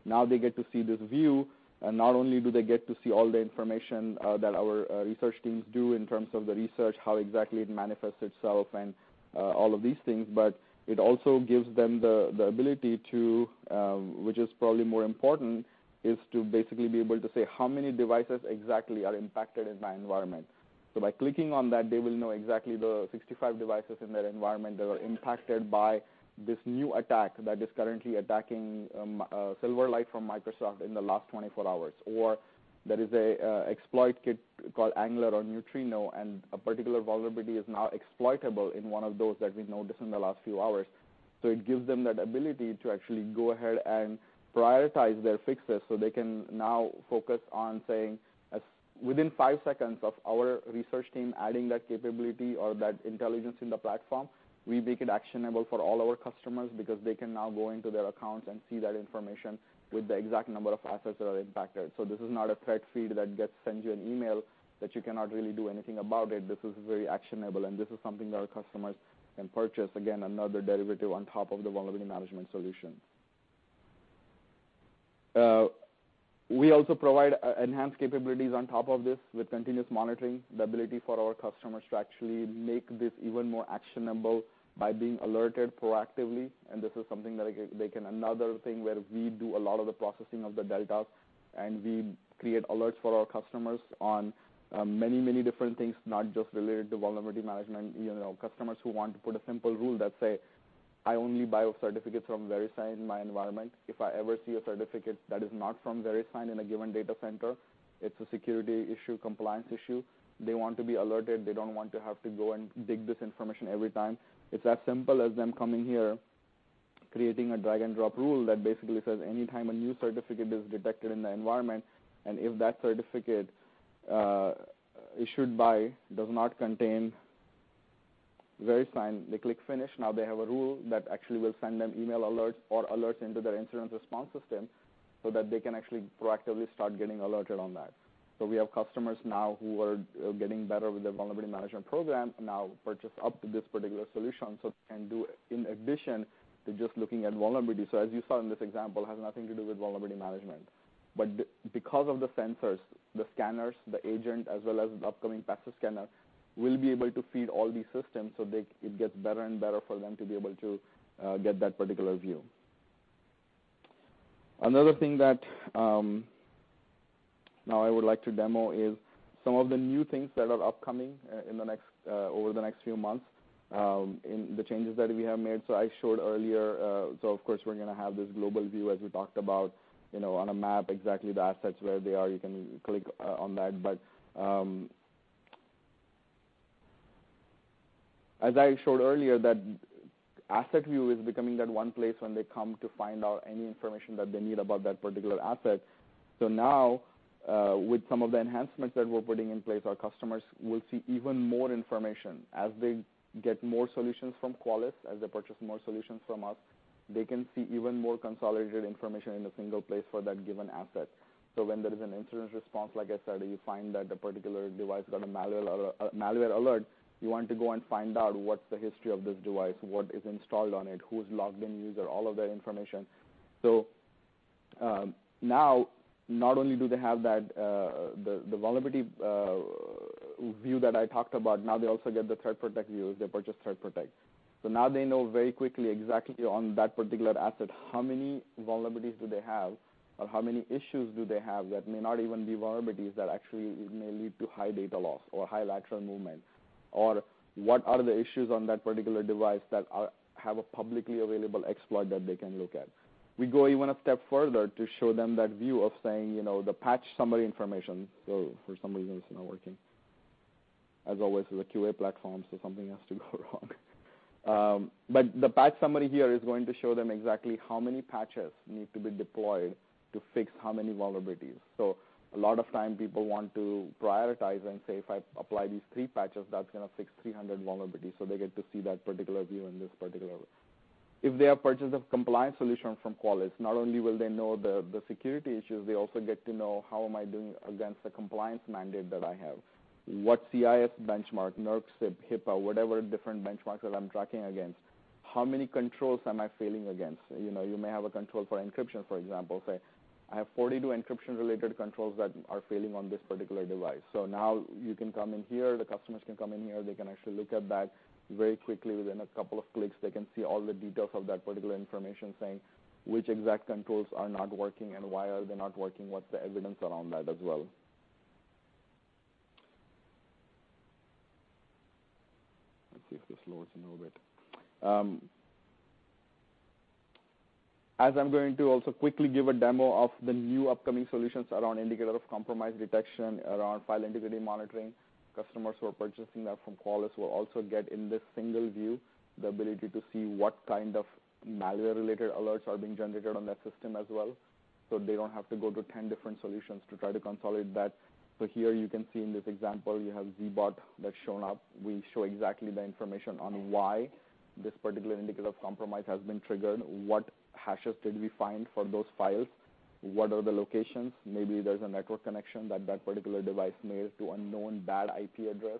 Now they get to see this view, and not only do they get to see all the information that our research teams do in terms of the research, how exactly it manifests itself and all of these things, but it also gives them the ability to, which is probably more important, is to basically be able to say how many devices exactly are impacted in my environment. By clicking on that, they will know exactly the 65 devices in their environment that are impacted by this new attack that is currently attacking Silverlight from Microsoft in the last 24 hours, or there is an exploit kit called Angler or Neutrino and a particular vulnerability is now exploitable in one of those that we've noticed in the last few hours. It gives them that ability to actually go ahead and prioritize their fixes so they can now focus on saying within five seconds of our research team adding that capability or that intelligence in the platform, we make it actionable for all our customers because they can now go into their accounts and see that information with the exact number of assets that are impacted. This is not a threat feed that gets sent you an email that you cannot really do anything about it. This is very actionable and this is something that our customers can purchase. Again, another derivative on top of the vulnerability management solution. We also provide enhanced capabilities on top of this with Continuous Monitoring, the ability for our customers to actually make this even more actionable by being alerted proactively. Another thing where we do a lot of the processing of the deltas, and we create alerts for our customers on many different things, not just related to vulnerability management. Customers who want to put a simple rule that say, "I only buy certificates from VeriSign in my environment. If I ever see a certificate that is not from VeriSign in a given data center, it's a security issue, compliance issue." They want to be alerted. They don't want to have to go and dig this information every time. It's as simple as them coming here, creating a drag and drop rule that basically says anytime a new certificate is detected in the environment and if that certificate issued by does not contain VeriSign, they click finish. They have a rule that actually will send them email alerts or alerts into their incident response system so that they can actually proactively start getting alerted on that. We have customers now who are getting better with their vulnerability management program now purchased up to this particular solution so they can do in addition to just looking at vulnerability. As you saw in this example, has nothing to do with vulnerability management. Because of the sensors, the scanners, the agent as well as the upcoming passive scanner, we'll be able to feed all these systems so it gets better and better for them to be able to get that particular view. Another thing that now I would like to demo is some of the new things that are upcoming over the next few months in the changes that we have made. I showed earlier, of course we're going to have this global view as we talked about on a map exactly the assets where they are. You can click on that. As I showed earlier, that AssetView is becoming that one place when they come to find out any information that they need about that particular asset. Now, with some of the enhancements that we're putting in place, our customers will see even more information as they get more solutions from Qualys, as they purchase more solutions from us, they can see even more consolidated information in a single place for that given asset. When there is an incident response, like I said, you find that a particular device got a malware alert. You want to go and find out what's the history of this device, what is installed on it, who's logged in user, all of that information. Now not only do they have the vulnerability view that I talked about, now they also get the ThreatPROTECT view. They purchase ThreatPROTECT. Now they know very quickly exactly on that particular asset how many vulnerabilities do they have or how many issues do they have that may not even be vulnerabilities that actually may lead to high data loss or high lateral movement. What are the issues on that particular device that have a publicly available exploit that they can look at. We go even a step further to show them that view of saying the patch summary information. For some reason it's not working As always, it's a QA platform, something has to go wrong. The patch summary here is going to show them exactly how many patches need to be deployed to fix how many vulnerabilities. A lot of time people want to prioritize and say, "If I apply these three patches, that's going to fix 300 vulnerabilities." They get to see that particular view in this particular way. If they have purchased a compliance solution from Qualys, not only will they know the security issues, they also get to know, how am I doing against the compliance mandate that I have? What CIS benchmark, NERC CIP, HIPAA, whatever different benchmarks that I'm tracking against, how many controls am I failing against? You may have a control for encryption, for example. Say I have 42 encryption-related controls that are failing on this particular device. Now you can come in here, the customers can come in here, they can actually look at that very quickly. Within a couple of clicks, they can see all the details of that particular information saying which exact controls are not working and why are they not working, what's the evidence around that as well. Let's see if this loads in a little bit. As I'm going to also quickly give a demo of the new upcoming solutions around indicator of compromise detection, around file integrity monitoring. Customers who are purchasing that from Qualys will also get, in this single view, the ability to see what kind of malware-related alerts are being generated on that system as well. They don't have to go to 10 different solutions to try to consolidate that. Here you can see in this example, you have Zbot that's shown up. We show exactly the information on why this particular indicator of compromise has been triggered. What hashes did we find for those files? What are the locations? Maybe there's a network connection that that particular device made to unknown bad IP address,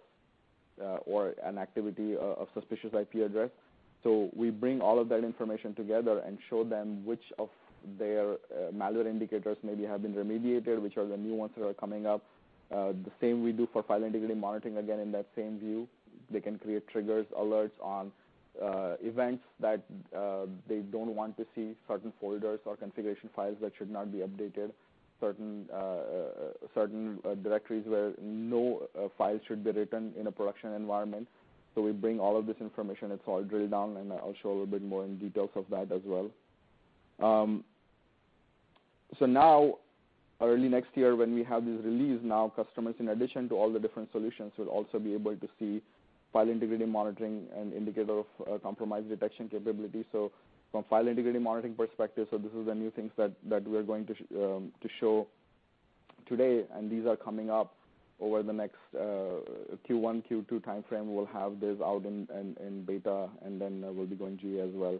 or an activity, a suspicious IP address. We bring all of that information together and show them which of their malware indicators maybe have been remediated, which are the new ones that are coming up. The same we do for file integrity monitoring, again, in that same view. They can create triggers, alerts on events that they don't want to see, certain folders or configuration files that should not be updated, certain directories where no files should be written in a production environment. We bring all of this information. It's all drilled down, and I'll show a little bit more in details of that as well. Now, early next year when we have this release, now customers, in addition to all the different solutions, will also be able to see file integrity monitoring and indicator of compromise detection capability. From file integrity monitoring perspective, this is the new things that we're going to show today, and these are coming up over the next Q1, Q2 timeframe. We'll have this out in beta, and then we'll be going G as well.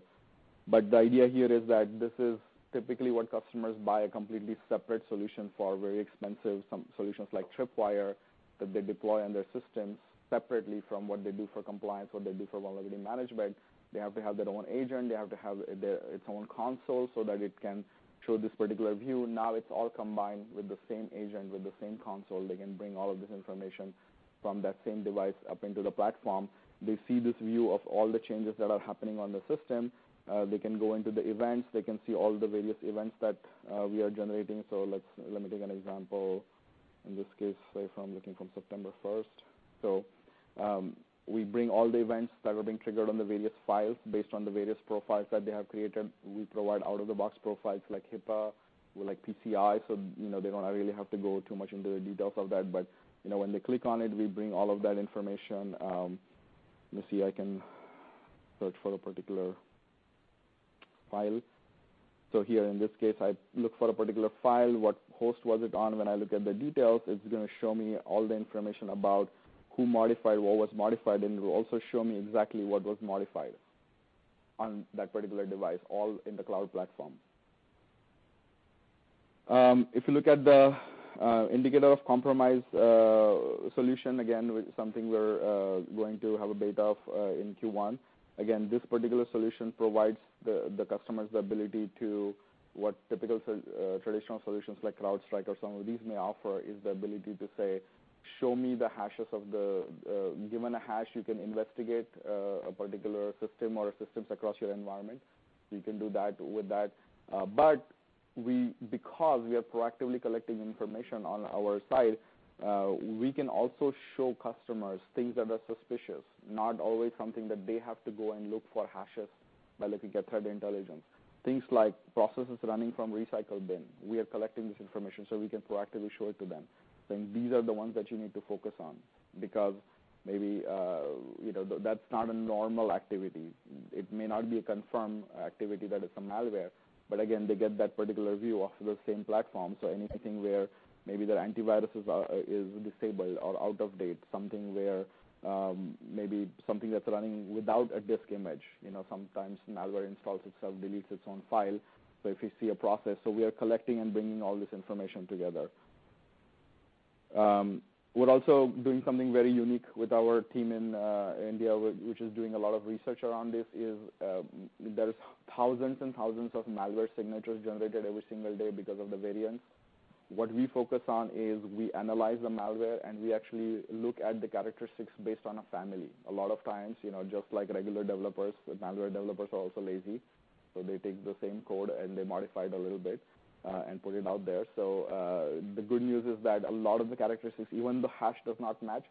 The idea here is that this is typically what customers buy a completely separate solution for, very expensive solutions like Tripwire, that they deploy on their systems separately from what they do for compliance, what they do for vulnerability management. They have to have their own agent, they have to have its own console so that it can show this particular view. Now it's all combined with the same agent, with the same console. They can bring all of this information from that same device up into the platform. They see this view of all the changes that are happening on the system. They can go into the events. They can see all the various events that we are generating. Let me take an example. In this case, say from looking from September 1st. We bring all the events that are being triggered on the various files based on the various profiles that they have created. We provide out-of-the-box profiles like HIPAA or like PCI, so they don't really have to go too much into the details of that. When they click on it, we bring all of that information. Let me see, I can search for a particular file. Here in this case, I look for a particular file. What host was it on? When I look at the details, it's going to show me all the information about who modified, what was modified, and it will also show me exactly what was modified on that particular device, all in the cloud platform. If you look at the indicator of compromise solution, again, with something we're going to have a beta of in Q1. Again, this particular solution provides the customers the ability to, what typical traditional solutions like CrowdStrike or some of these may offer is the ability to say, show me the hashes. Given a hash, you can investigate a particular system or systems across your environment. You can do that with that. Because we are proactively collecting information on our side, we can also show customers things that are suspicious, not always something that they have to go and look for hashes by looking at threat intelligence. Things like processes running from recycle bin. We are collecting this information so we can proactively show it to them, saying, "These are the ones that you need to focus on." Because maybe that's not a normal activity. It may not be a confirmed activity that it's a malware, but again, they get that particular view off of the same platform. Anything where maybe their antivirus is disabled or out of date, something that's running without a disk image. Sometimes malware installs itself, deletes its own file. If you see a process. We are collecting and bringing all this information together. We're also doing something very unique with our team in India, which is doing a lot of research around this, is there is thousands and thousands of malware signatures generated every single day because of the variance. What we focus on is we analyze the malware, and we actually look at the characteristics based on a family. A lot of times, just like regular developers, malware developers are also lazy. They take the same code and they modify it a little bit, and put it out there. The good news is that a lot of the characteristics, even the hash, does not match.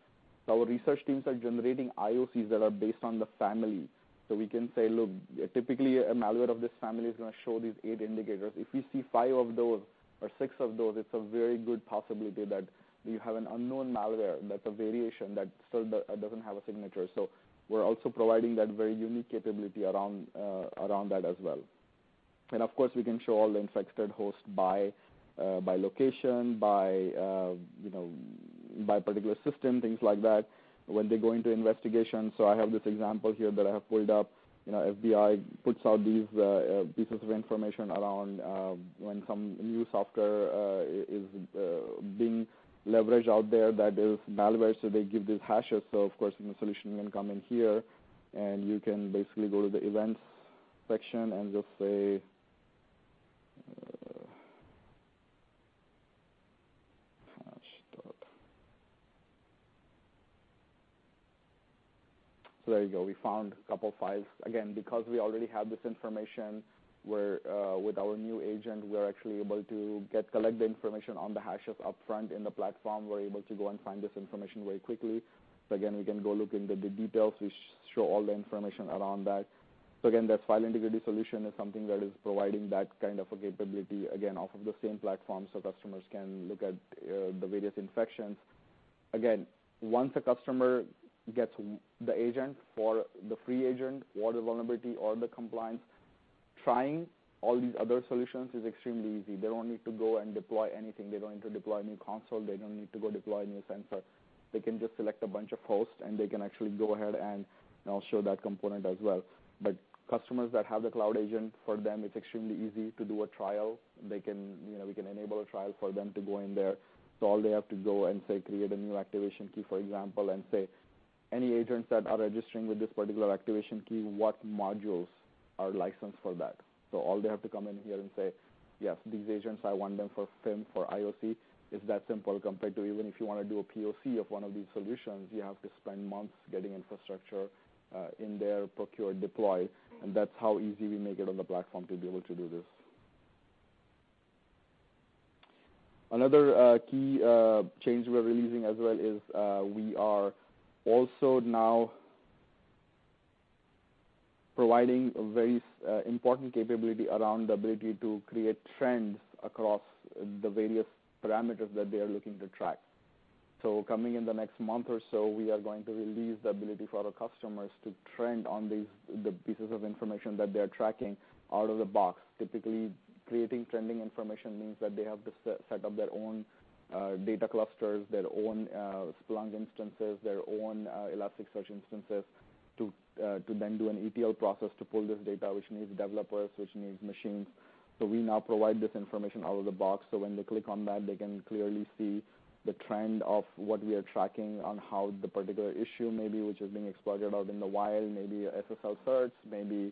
Our research teams are generating IoCs that are based on the family. We can say, look, typically, a malware of this family is going to show these eight indicators. If we see five of those or six of those, it's a very good possibility that you have an unknown malware that's a variation that still doesn't have a signature. We're also providing that very unique capability around that as well. Of course, we can show all the infected hosts by location, by particular system, things like that, when they go into investigation. I have this example here that I have pulled up. FBI puts out these pieces of information around when some new software is being leveraged out there that is malware. They give these hashes. Of course, the solution can come in here, and you can basically go to the Events section and just say, hash dot There you go. We found a couple files. Again, because we already have this information with our new agent, we are actually able to collect the information on the hashes up front in the platform. We're able to go and find this information very quickly. Again, we can go look into the details, which show all the information around that. Again, that file integrity solution is something that is providing that kind of a capability, again, off of the same platform, so customers can look at the various infections. Again, once a customer gets the agent, for the free agent or the vulnerability or the compliance, trying all these other solutions is extremely easy. They don't need to go and deploy anything. They don't need to deploy a new console. They don't need to go deploy a new sensor. They can just select a bunch of hosts, they can actually go ahead and I'll show that component as well. Customers that have the Cloud Agent, for them, it's extremely easy to do a trial. We can enable a trial for them to go in there. All they have to go and, say, create a new activation key, for example, and say, any agents that are registering with this particular activation key, what modules are licensed for that? All they have to come in here and say, "Yes, these agents, I want them for FIM, for IoC." It's that simple compared to even if you want to do a POC of one of these solutions, you have to spend months getting infrastructure in there, procure, deploy, and that's how easy we make it on the platform to be able to do this. Another key change we're releasing as well is, we are also now providing a very important capability around the ability to create trends across the various parameters that they are looking to track. Coming in the next month or so, we are going to release the ability for our customers to trend on the pieces of information that they are tracking out of the box. Typically, creating trending information means that they have to set up their own data clusters, their own Splunk instances, their own Elasticsearch instances to do an ETL process to pull this data, which needs developers, which needs machines. We now provide this information out of the box, so when they click on that, they can clearly see the trend of what we are tracking on how the particular issue may be, which is being exploited out in the wild, maybe SSL certs, maybe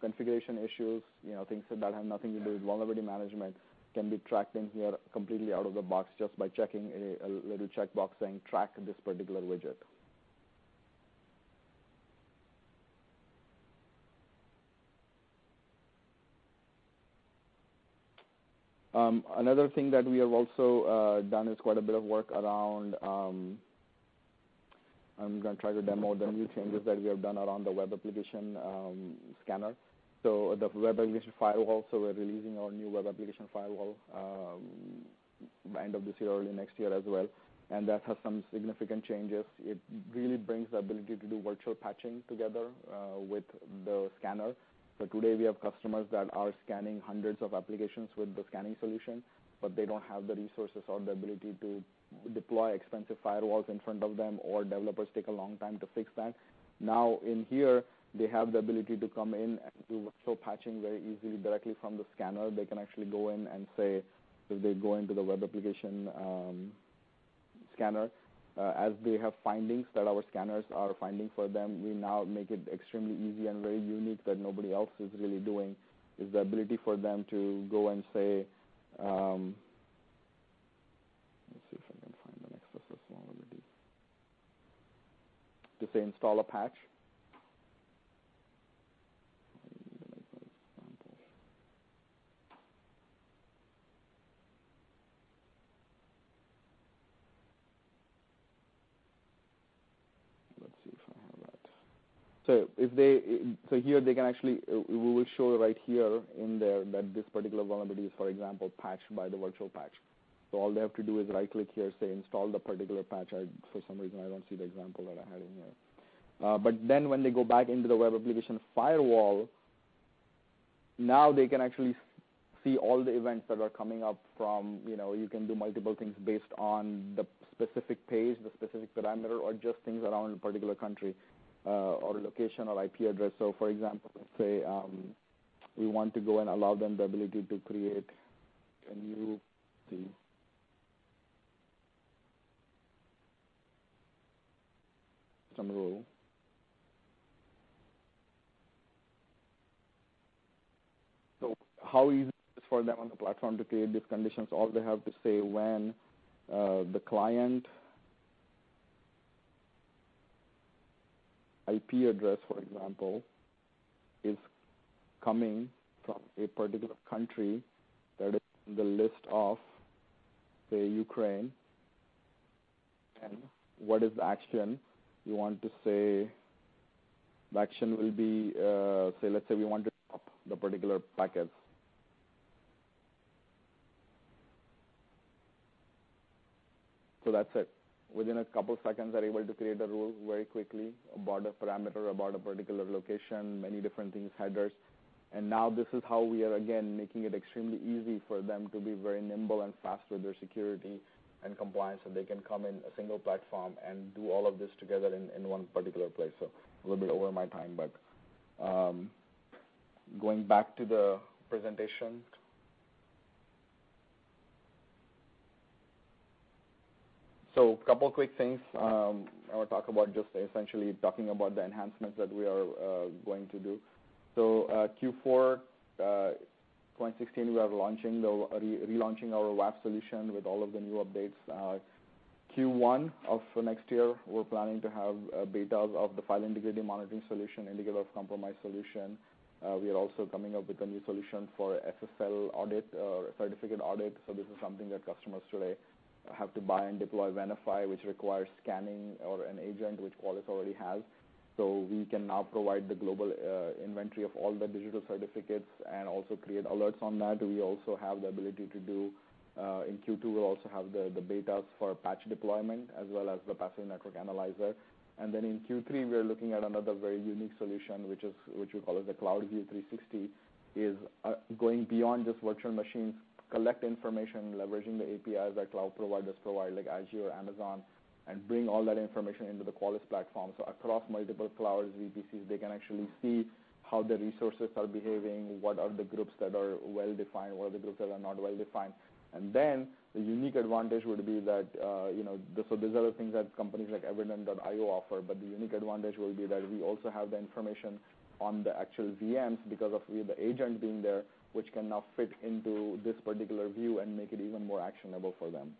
configuration issues. Things that have nothing to do with vulnerability management can be tracked in here completely out of the box just by checking a little checkbox saying, "Track this particular widget." Another thing that we have also done is quite a bit of work around I'm going to try to demo the new changes that we have done around the web application scanner. The Web Application Firewall, we're releasing our new Web Application Firewall end of this year, early next year as well, and that has some significant changes. It really brings the ability to do virtual patching together with the scanner. Today we have customers that are scanning hundreds of applications with the scanning solution, but they don't have the resources or the ability to deploy expensive firewalls in front of them, or developers take a long time to fix that. Now in here, they have the ability to come in and do virtual patching very easily directly from the scanner. They can actually go in and say, if they go into the web application scanner, as they have findings that our scanners are finding for them, we now make it extremely easy and very unique that nobody else is really doing, is the ability for them to go and say, 'Let me see if I can find the next vulnerability.' To say, 'Install a patch.' Let me make that example. Let's see if I have that. Here we will show right here in there that this particular vulnerability is, for example, patched by the virtual patch. All they have to do is right click here, say install the particular patch. For some reason, I don't see the example that I had in here. When they go back into the Web Application Firewall, now they can actually see all the events that are coming up from, you can do multiple things based on the specific page, the specific parameter, or just things around a particular country, or location or IP address. For example, let's say we want to go and allow them the ability to create a new key. Some rule. How easy is it for them on the platform to create these conditions? All they have to say when the client IP address, for example, is coming from a particular country that is in the list of, say, Ukraine. What is the action you want to say? The action will be, let's say we want to drop the particular packets. That's it. Within a couple seconds, they're able to create a rule very quickly about a parameter, about a particular location, many different things, headers. This is how we are, again, making it extremely easy for them to be very nimble and fast with their security and compliance, so they can come in a single platform and do all of this together in one particular place. A little bit over my time, but going back to the presentation. A couple quick things I want to talk about, just essentially talking about the enhancements that we are going to do. Q4 2016, we are relaunching our WAF solution with all of the new updates. Q1 of next year, we're planning to have betas of the file integrity monitoring solution, indicator of compromise solution. We are also coming up with a new solution for SSL certificate audit. This is something that customers today have to buy and deploy Venafi, which requires scanning or an agent which Qualys already has. We can now provide the global inventory of all the digital certificates and also create alerts on that. In Q2, we'll also have the betas for patch deployment as well as the passive network analyzer. In Q3, we are looking at another very unique solution, which we call the CloudView 360. Is going beyond just virtual machines, collect information, leveraging the APIs that cloud providers provide, like Azure or Amazon, and bring all that information into the Qualys platform. Across multiple clouds, VPCs, they can actually see how the resources are behaving, what are the groups that are well-defined, what are the groups that are not well-defined. The unique advantage would be that these are the things that companies like Evident.io offer, but the unique advantage will be that we also have the information on the actual VMs because of the agent being there, which can now fit into this particular view and make it even more actionable for them.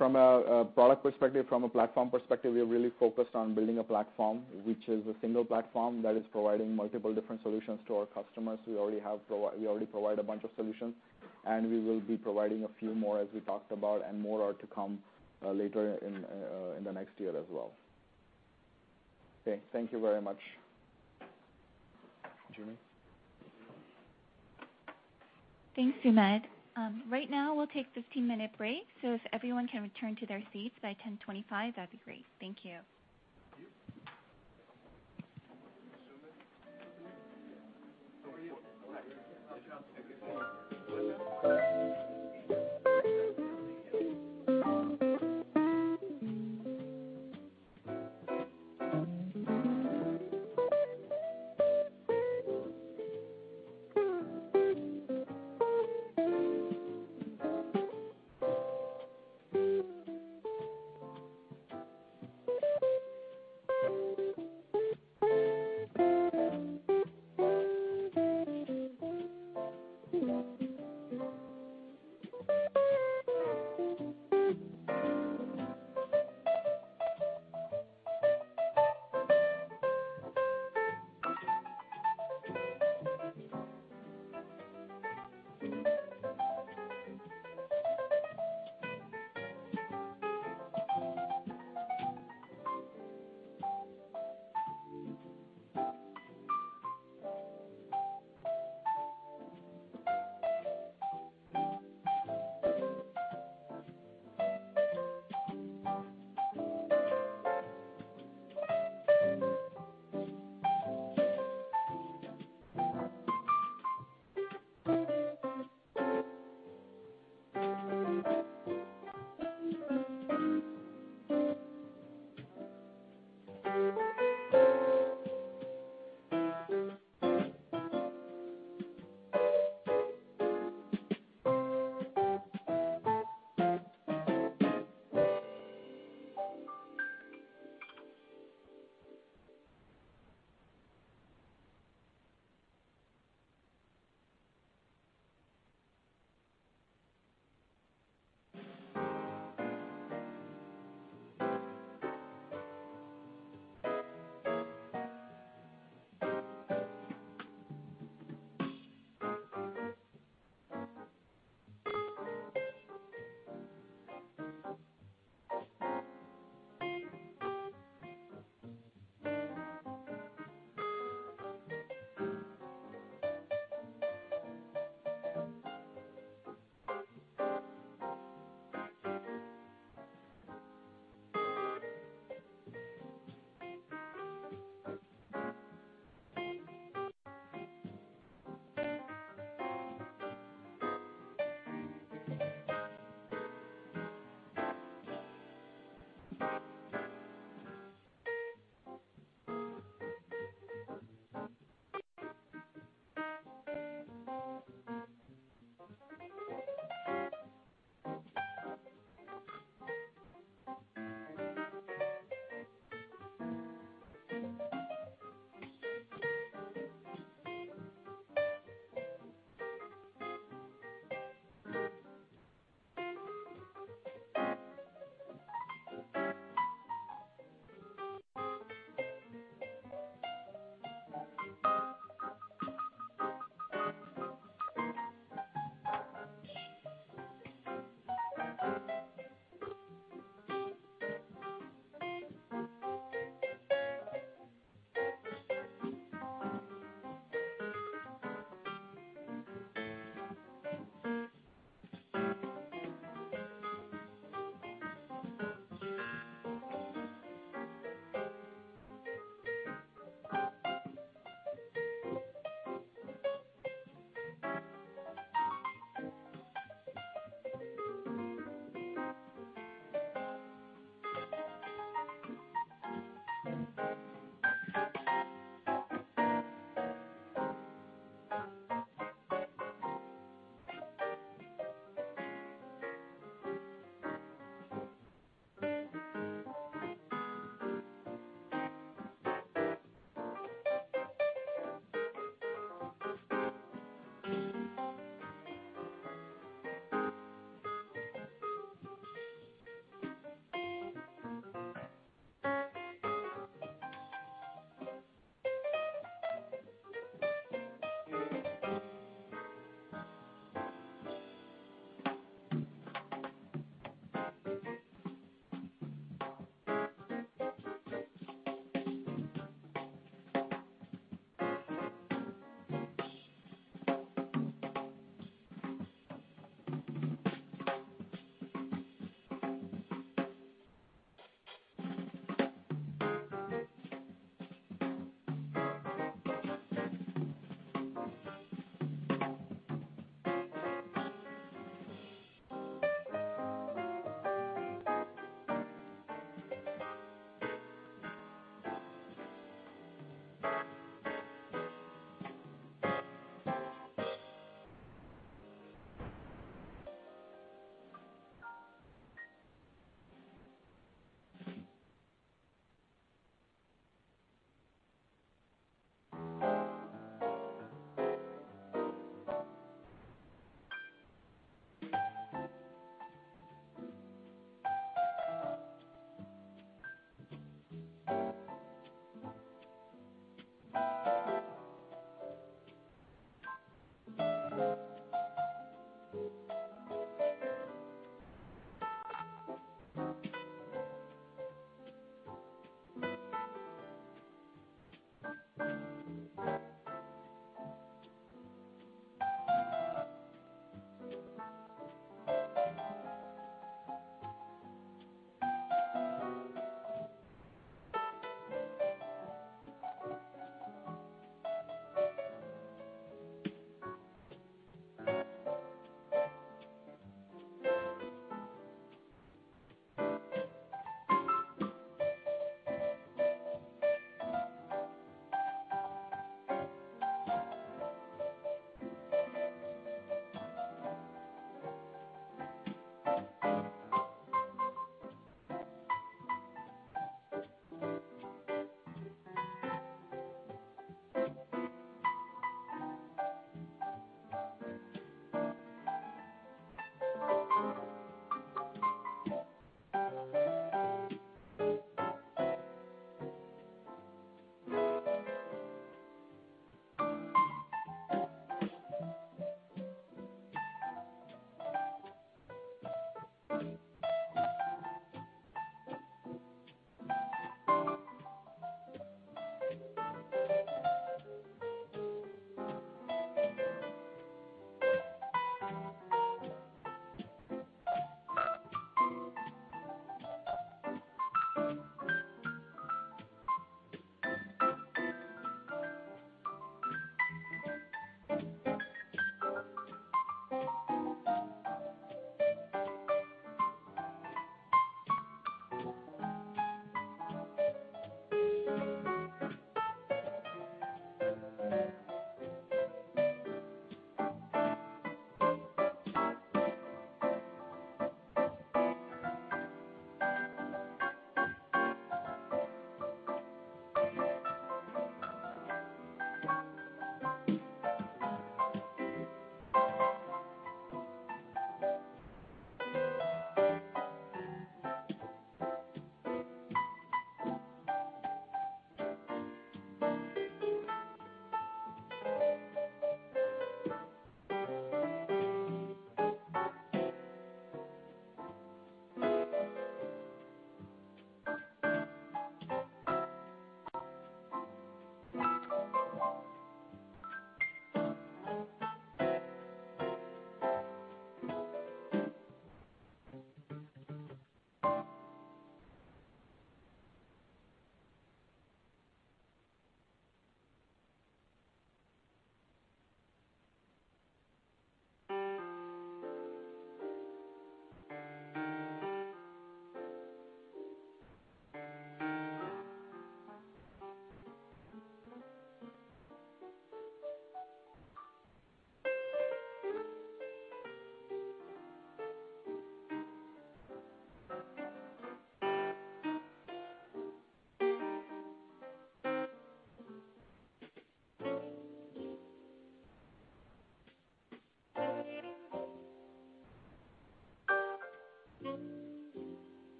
From a product perspective, from a platform perspective, we are really focused on building a platform, which is a single platform that is providing multiple different solutions to our customers. We already provide a bunch of solutions, and we will be providing a few more as we talked about, and more are to come later in the next year as well. Okay. Thank you very much. Joo Mi? Thanks, Sumedh. Right now, we'll take 15-minute break. If everyone can return to their seats by 10:25, that'd be great. Thank you.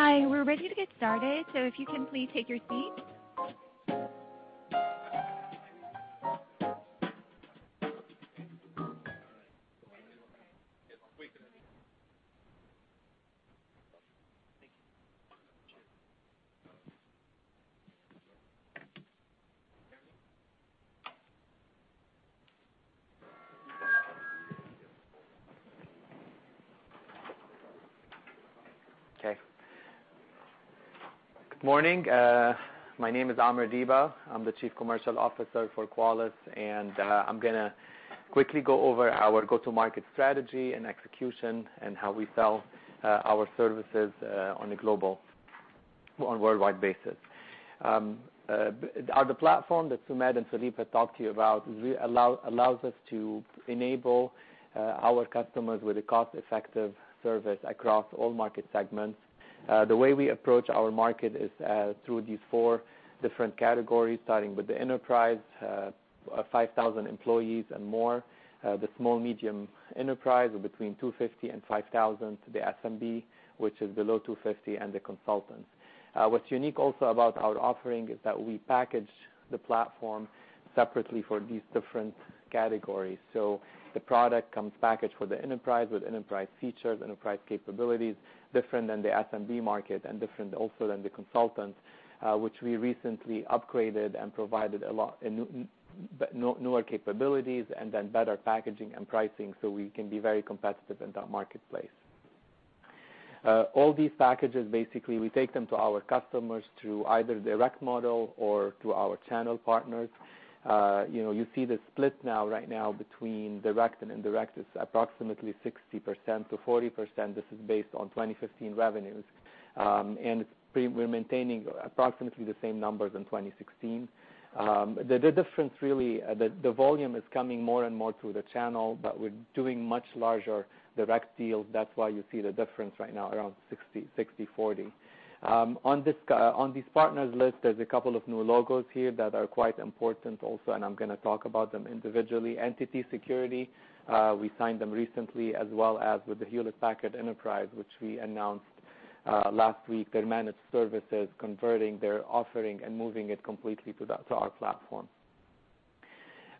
Hi, we're ready to get started. If you can please take your seats. Okay. Good morning. My name is Amer Deeba. I'm the Chief Commercial Officer for Qualys, and I'm going to quickly go over our go-to-market strategy and execution and how we sell our services on a worldwide basis. Our platform that Sumedh and Philippe had talked to you about allows us to enable our customers with a cost-effective service across all market segments. The way we approach our market is through these four different categories, starting with the enterprise, 5,000 employees and more, the small medium enterprise of between 250 and 5,000, the SMB, which is below 250, and the consultants. What's unique also about our offering is that we package the platform separately for these different categories. The product comes packaged for the enterprise with enterprise features, enterprise capabilities, different than the SMB market and different also than the consultants, which we recently upgraded and provided a lot newer capabilities and then better packaging and pricing so we can be very competitive in that marketplace. All these packages, basically, we take them to our customers through either direct model or through our channel partners. You see the split right now between direct and indirect is approximately 60%-40%. This is based on 2015 revenues. We're maintaining approximately the same numbers in 2016. The difference really, the volume is coming more and more through the channel, but we're doing much larger direct deals. That's why you see the difference right now around 60-40. On this partners list, there's a couple of new logos here that are quite important also, and I'm going to talk about them individually. NTT Security, we signed them recently, as well as with the Hewlett Packard Enterprise, which we announced last week, their managed services, converting their offering and moving it completely to our platform.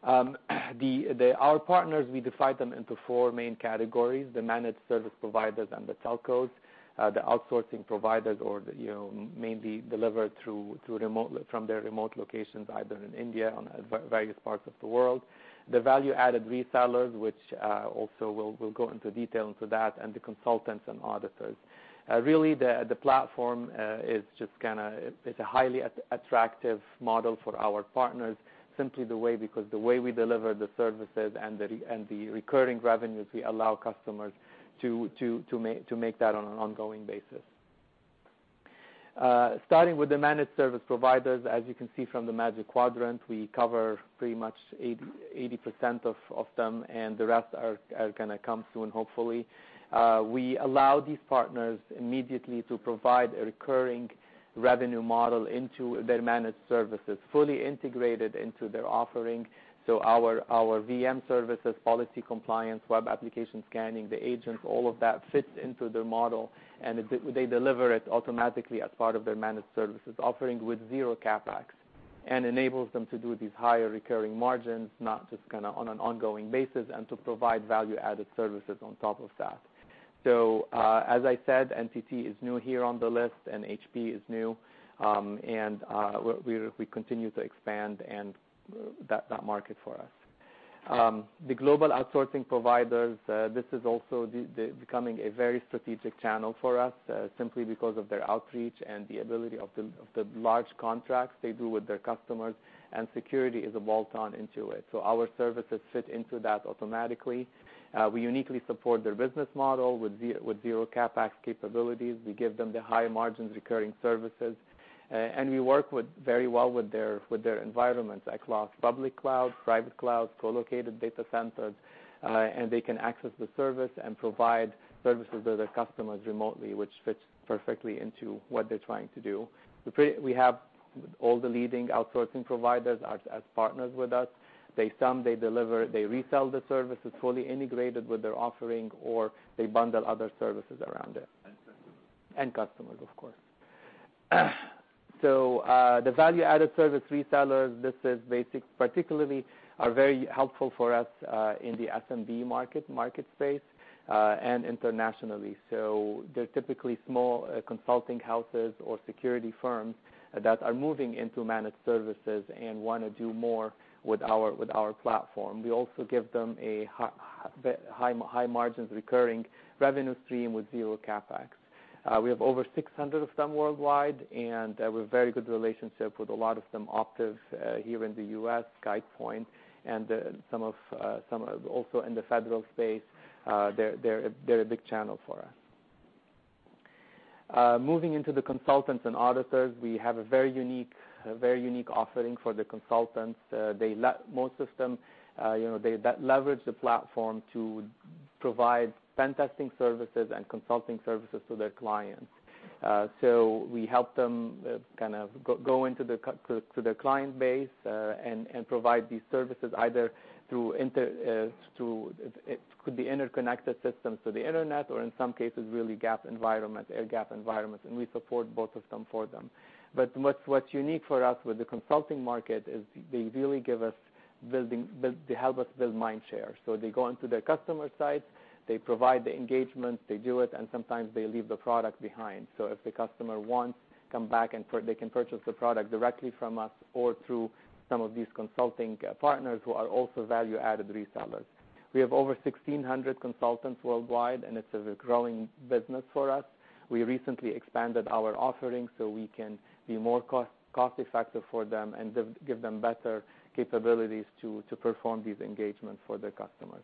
Our partners, we divide them into four main categories, the managed service providers and the telcos, the outsourcing providers or mainly delivered from their remote locations, either in India, on various parts of the world. The value-added resellers, which also we'll go into detail into that, and the consultants and auditors. Really, the platform is a highly attractive model for our partners, simply because the way we deliver the services and the recurring revenues we allow customers to make that on an ongoing basis. Starting with the managed service providers, as you can see from the Magic Quadrant, we cover pretty much 80% of them, and the rest are going to come soon, hopefully. We allow these partners immediately to provide a recurring revenue model into their managed services, fully integrated into their offering. Our VM services, policy compliance, web application scanning, the agents, all of that fits into their model, and they deliver it automatically as part of their managed services offering with zero CapEx, and enables them to do these higher recurring margins, not just on an ongoing basis, and to provide value-added services on top of that. As I said, NTT is new here on the list, and HP is new. We continue to expand that market for us. The global outsourcing providers, this is also becoming a very strategic channel for us simply because of their outreach and the ability of the large contracts they do with their customers and security is a bolt-on into it. Our services fit into that automatically. We uniquely support their business model with zero CapEx capabilities. We give them the high margins recurring services. And we work very well with their environments across public cloud, private clouds, co-located data centers, and they can access the service and provide services to their customers remotely, which fits perfectly into what they're trying to do. We have all the leading outsourcing providers as partners with us. Some, they deliver, they resell the services fully integrated with their offering, or they bundle other services around it. End customers. End customers, of course. The value-added service resellers, this is basic, particularly are very helpful for us in the SMB market space, and internationally. They're typically small consulting houses or security firms that are moving into managed services and want to do more with our platform. We also give them high margins recurring revenue stream with zero CapEx. We have over 600 of them worldwide, and we have very good relationship with a lot of them, Optiv here in the U.S., SkyPoint, and some are also in the federal space. They're a big channel for us. Moving into the consultants and auditors, we have a very unique offering for the consultants. Most of them leverage the platform to provide pen testing services and consulting services to their clients. We help them go into their client base and provide these services either through, it could be interconnected systems to the internet or in some cases really air-gapped environments, and we support both of them for them. But what's unique for us with the consulting market is they help us build mind share. They go into their customer sites, they provide the engagement, they do it, and sometimes they leave the product behind. If the customer wants, come back and they can purchase the product directly from us or through some of these consulting partners who are also value-added resellers. We have over 1,600 consultants worldwide, and it's a growing business for us. We recently expanded our offerings so we can be more cost-effective for them and give them better capabilities to perform these engagements for their customers.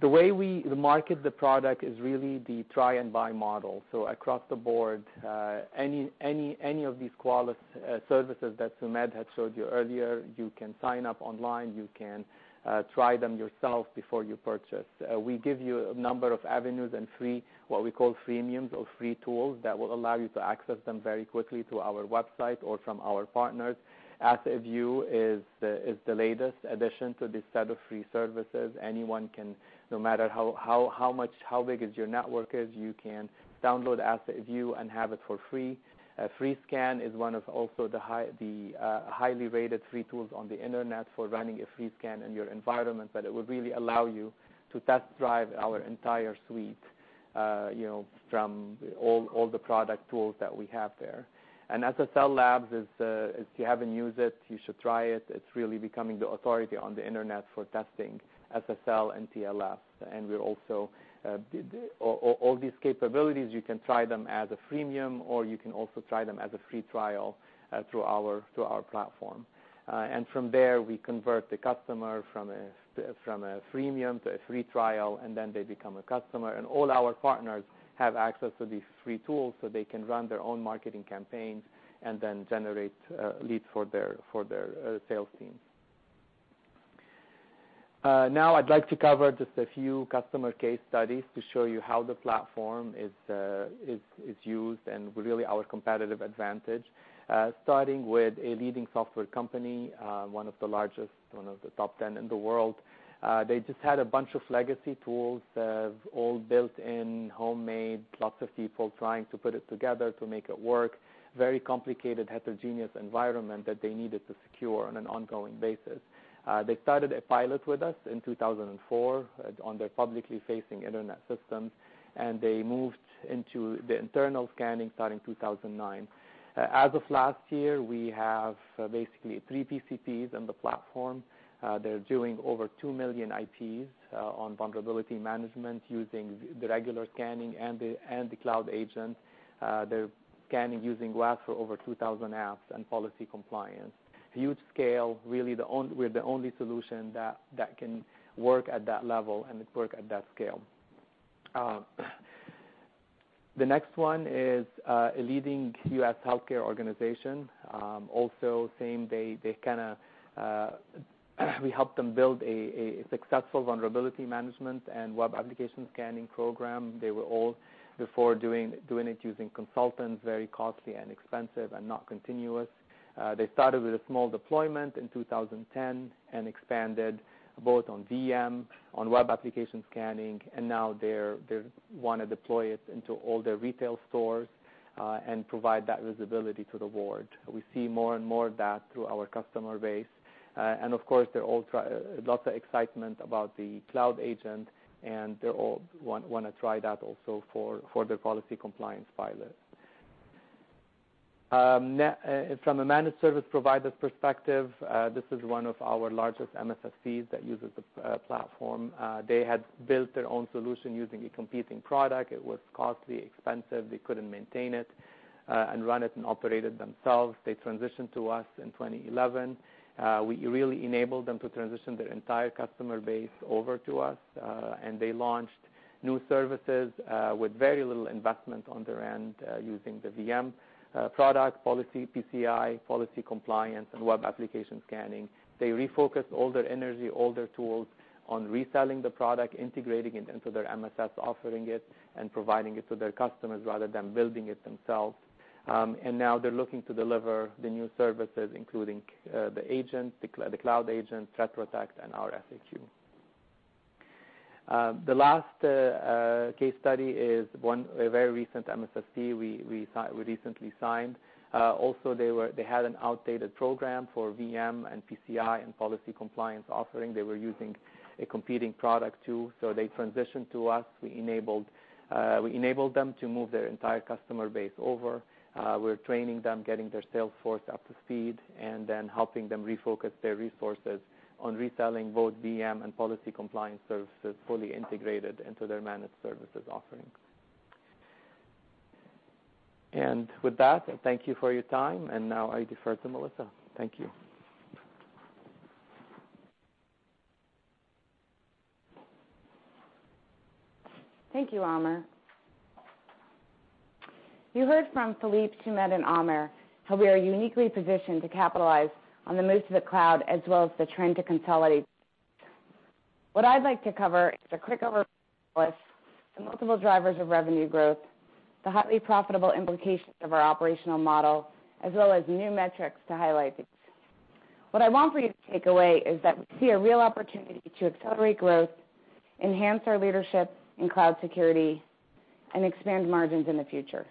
The way we market the product is really the try and buy model. Across the board, any of these Qualys services that Sumedh had showed you earlier, you can sign up online, you can try them yourself before you purchase. We give you a number of avenues and free, what we call freemiums or free tools that will allow you to access them very quickly through our website or from our partners. AssetView is the latest addition to this set of free services. Anyone can, no matter how big your network is, you can download AssetView and have it for free. FreeScan is one of also the highly rated free tools on the internet for running a free scan in your environment that it would really allow you to test drive our entire suite from all the product tools that we have there. SSL Labs, if you haven't used it, you should try it. It's really becoming the authority on the internet for testing SSL and TLS. All these capabilities, you can try them as a freemium, or you can also try them as a free trial through our platform. From there, we convert the customer from a freemium to a free trial, and then they become a customer. All our partners have access to these free tools so they can run their own marketing campaigns and then generate leads for their sales teams. I'd like to cover just a few customer case studies to show you how the platform is used and really our competitive advantage. Starting with a leading software company, one of the largest, one of the top 10 in the world. They just had a bunch of legacy tools, all built-in, homemade, lots of people trying to put it together to make it work. Very complicated, heterogeneous environment that they needed to secure on an ongoing basis. They started a pilot with us in 2004 on their publicly facing internet systems. They moved into the internal scanning starting 2009. As of last year, we have basically three PCPs on the platform. They're doing over 2 million IPs on vulnerability management using the regular scanning and the Cloud Agent. They're scanning using WAF for over 2,000 apps and policy compliance. Huge scale, we're the only solution that can work at that level and work at that scale. The next one is a leading U.S. healthcare organization. Same day, we helped them build a successful vulnerability management and web application scanning program. They were all before doing it using consultants, very costly and expensive and not continuous. They started with a small deployment in 2010 and expanded both on VM, on web application scanning, and now they want to deploy it into all their retail stores and provide that visibility to the board. We see more and more of that through our customer base. Of course, lots of excitement about the Cloud Agent, and they all want to try that also for their policy compliance pilot. From a managed service provider's perspective, this is one of our largest MSSPs that uses the platform. They had built their own solution using a competing product. It was costly, expensive. They couldn't maintain it and run it and operate it themselves. They transitioned to us in 2011. We really enabled them to transition their entire customer base over to us. They launched new services with very little investment on their end using the VM product, policy, PCI, policy compliance, and web application scanning. They refocused all their energy, all their tools on reselling the product, integrating it into their MSS, offering it, and providing it to their customers rather than building it themselves. Now they're looking to deliver the new services, including the agent, the Cloud Agent, ThreatPROTECT, and our SAQ. The last case study is a very recent MSSP we recently signed. They had an outdated program for VM and PCI and policy compliance offering. They were using a competing product too. They transitioned to us. We enabled them to move their entire customer base over. We're training them, getting their sales force up to speed, then helping them refocus their resources on reselling both VM and policy compliance services fully integrated into their managed services offerings. With that, thank you for your time, now I defer to Melissa. Thank you. Thank you, Amer. You heard from Philippe, Sumedh, and Amer how we are uniquely positioned to capitalize on the move to the cloud as well as the trend to consolidate. What I'd like to cover is a quick overview of Qualys, the multiple drivers of revenue growth, the highly profitable implications of our operational model, as well as new metrics to highlight these. What I want for you to take away is that we see a real opportunity to accelerate growth, enhance our leadership in cloud security, and expand margins in the future.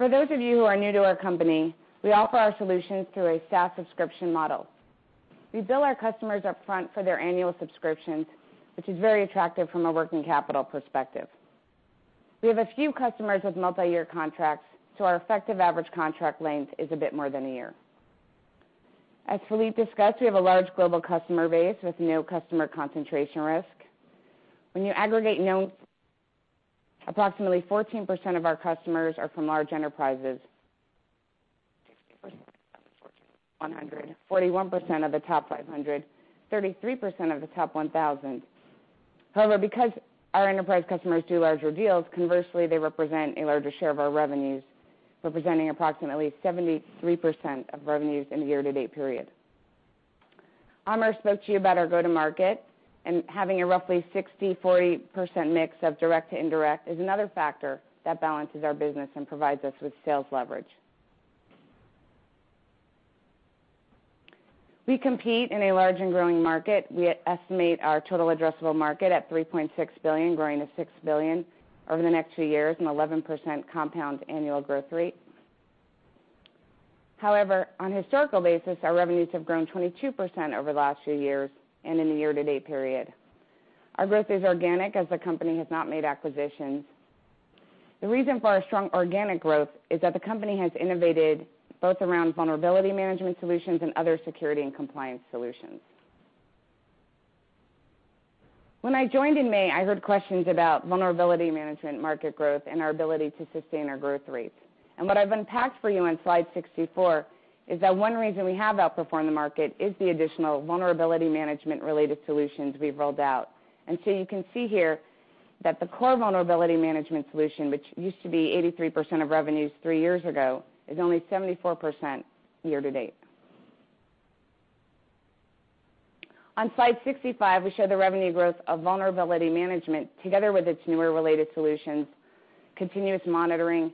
For those of you who are new to our company, we offer our solutions through a SaaS subscription model. We bill our customers up front for their annual subscriptions, which is very attractive from a working capital perspective. We have a few customers with multi-year contracts, so our effective average contract length is a bit more than a year. As Philippe discussed, we have a large global customer base with no customer concentration risk. When you aggregate known, approximately 14% of our customers are from large enterprises, 50% of the Fortune 100, 41% of the Fortune 500, 33% of the Fortune 1000. However, because our enterprise customers do larger deals, conversely, they represent a larger share of our revenues, representing approximately 73% of revenues in the year-to-date period. Amer spoke to you about our go-to-market, having a roughly 60%-40% mix of direct to indirect is another factor that balances our business and provides us with sales leverage. We compete in a large and growing market. We estimate our total addressable market at $3.6 billion, growing to $6 billion over the next few years and 11% compound annual growth rate. However, on a historical basis, our revenues have grown 22% over the last few years and in the year-to-date period. Our growth is organic as the company has not made acquisitions. The reason for our strong organic growth is that the company has innovated both around vulnerability management solutions and other security and compliance solutions. When I joined in May, I heard questions about vulnerability management market growth and our ability to sustain our growth rates. What I've unpacked for you on slide 64 is that one reason we have outperformed the market is the additional vulnerability management related solutions we've rolled out. You can see here that the core vulnerability management solution, which used to be 83% of revenues three years ago, is only 74% year-to-date. On slide 65, we show the revenue growth of vulnerability management together with its newer related solutions, Continuous Monitoring,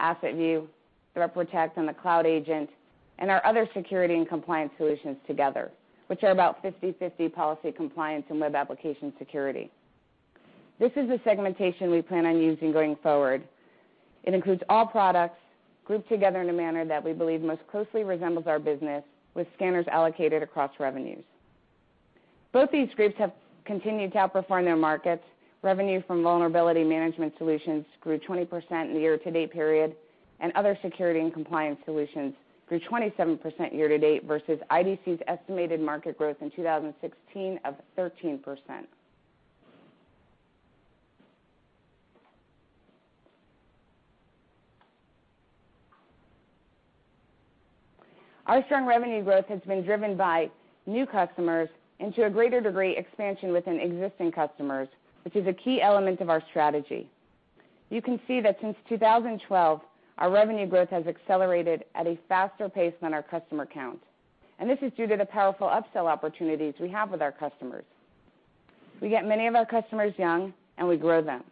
AssetView, ThreatPROTECT, and the Cloud Agent, and our other security and compliance solutions together, which are about 50/50 policy compliance and web application security. This is the segmentation we plan on using going forward. It includes all products grouped together in a manner that we believe most closely resembles our business, with scanners allocated across revenues. Both these groups have continued to outperform their markets. Revenue from vulnerability management solutions grew 20% in the year-to-date period, and other security and compliance solutions grew 27% year-to-date versus IDC's estimated market growth in 2016 of 13%. Our strong revenue growth has been driven by new customers and, to a greater degree, expansion within existing customers, which is a key element of our strategy. You can see that since 2012, our revenue growth has accelerated at a faster pace than our customer count. This is due to the powerful upsell opportunities we have with our customers. We get many of our customers young, and we grow them.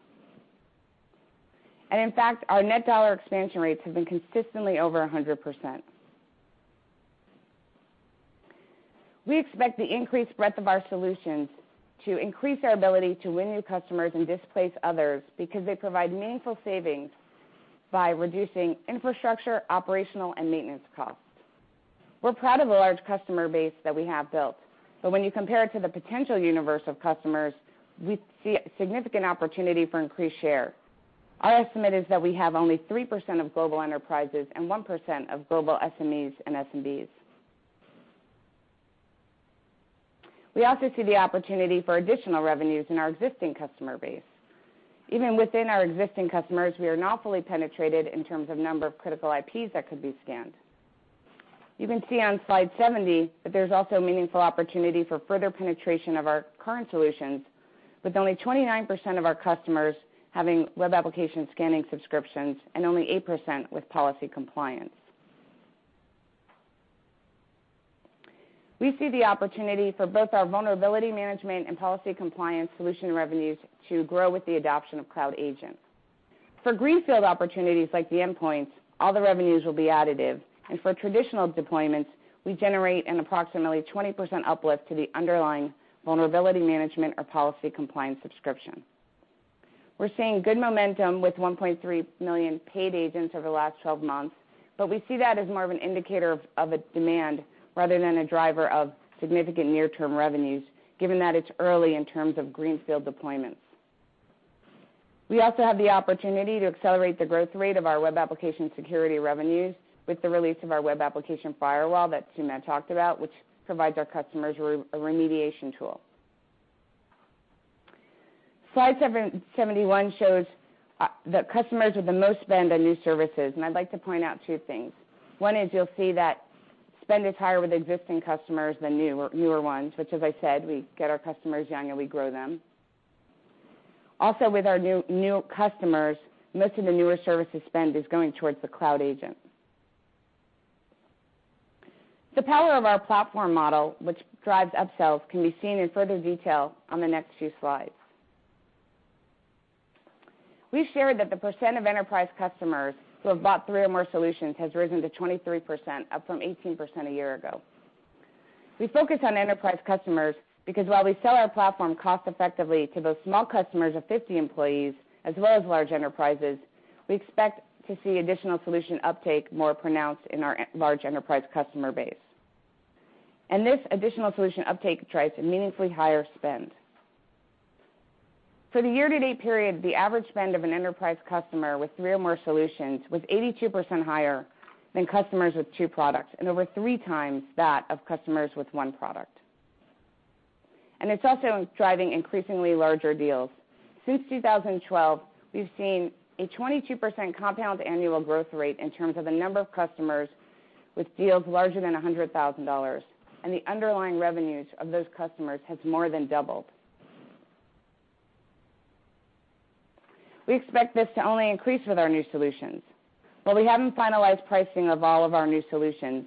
In fact, our net dollar expansion rates have been consistently over 100%. We expect the increased breadth of our solutions to increase our ability to win new customers and displace others because they provide meaningful savings by reducing infrastructure, operational, and maintenance costs. We're proud of the large customer base that we have built. When you compare it to the potential universe of customers, we see a significant opportunity for increased share. Our estimate is that we have only 3% of global enterprises and 1% of global SMEs and SMBs. We also see the opportunity for additional revenues in our existing customer base. Even within our existing customers, we are not fully penetrated in terms of number of critical IPs that could be scanned. You can see on slide 70 that there's also meaningful opportunity for further penetration of our current solutions, with only 29% of our customers having web application scanning subscriptions and only 8% with policy compliance. We see the opportunity for both our vulnerability management and policy compliance solution revenues to grow with the adoption of Cloud Agent. For greenfield opportunities like the endpoint, all the revenues will be additive, and for traditional deployments, we generate an approximately 20% uplift to the underlying vulnerability management or policy compliance subscription. We're seeing good momentum with 1.3 million paid agents over the last 12 months, but we see that as more of an indicator of a demand rather than a driver of significant near-term revenues, given that it's early in terms of greenfield deployments. We also have the opportunity to accelerate the growth rate of our web application security revenues with the release of our web application firewall that Sumedh talked about, which provides our customers a remediation tool. Slide 71 shows the customers with the most spend on new services, and I'd like to point out two things. One is you'll see that spend is higher with existing customers than newer ones, which as I said, we get our customers young and we grow them. Also, with our new customers, most of the newer services spend is going towards the Cloud Agent. The power of our platform model, which drives upsells, can be seen in further detail on the next few slides. We've shared that the percent of enterprise customers who have bought three or more solutions has risen to 23%, up from 18% a year ago. We focus on enterprise customers because while we sell our platform cost effectively to both small customers of 50 employees as well as large enterprises, we expect to see additional solution uptake more pronounced in our large enterprise customer base. This additional solution uptake drives meaningfully higher spend. For the year-to-date period, the average spend of an enterprise customer with three or more solutions was 82% higher than customers with two products and over three times that of customers with one product. It's also driving increasingly larger deals. Since 2012, we've seen a 22% compound annual growth rate in terms of the number of customers with deals larger than $100,000, and the underlying revenues of those customers has more than doubled. We expect this to only increase with our new solutions. While we haven't finalized pricing of all of our new solutions,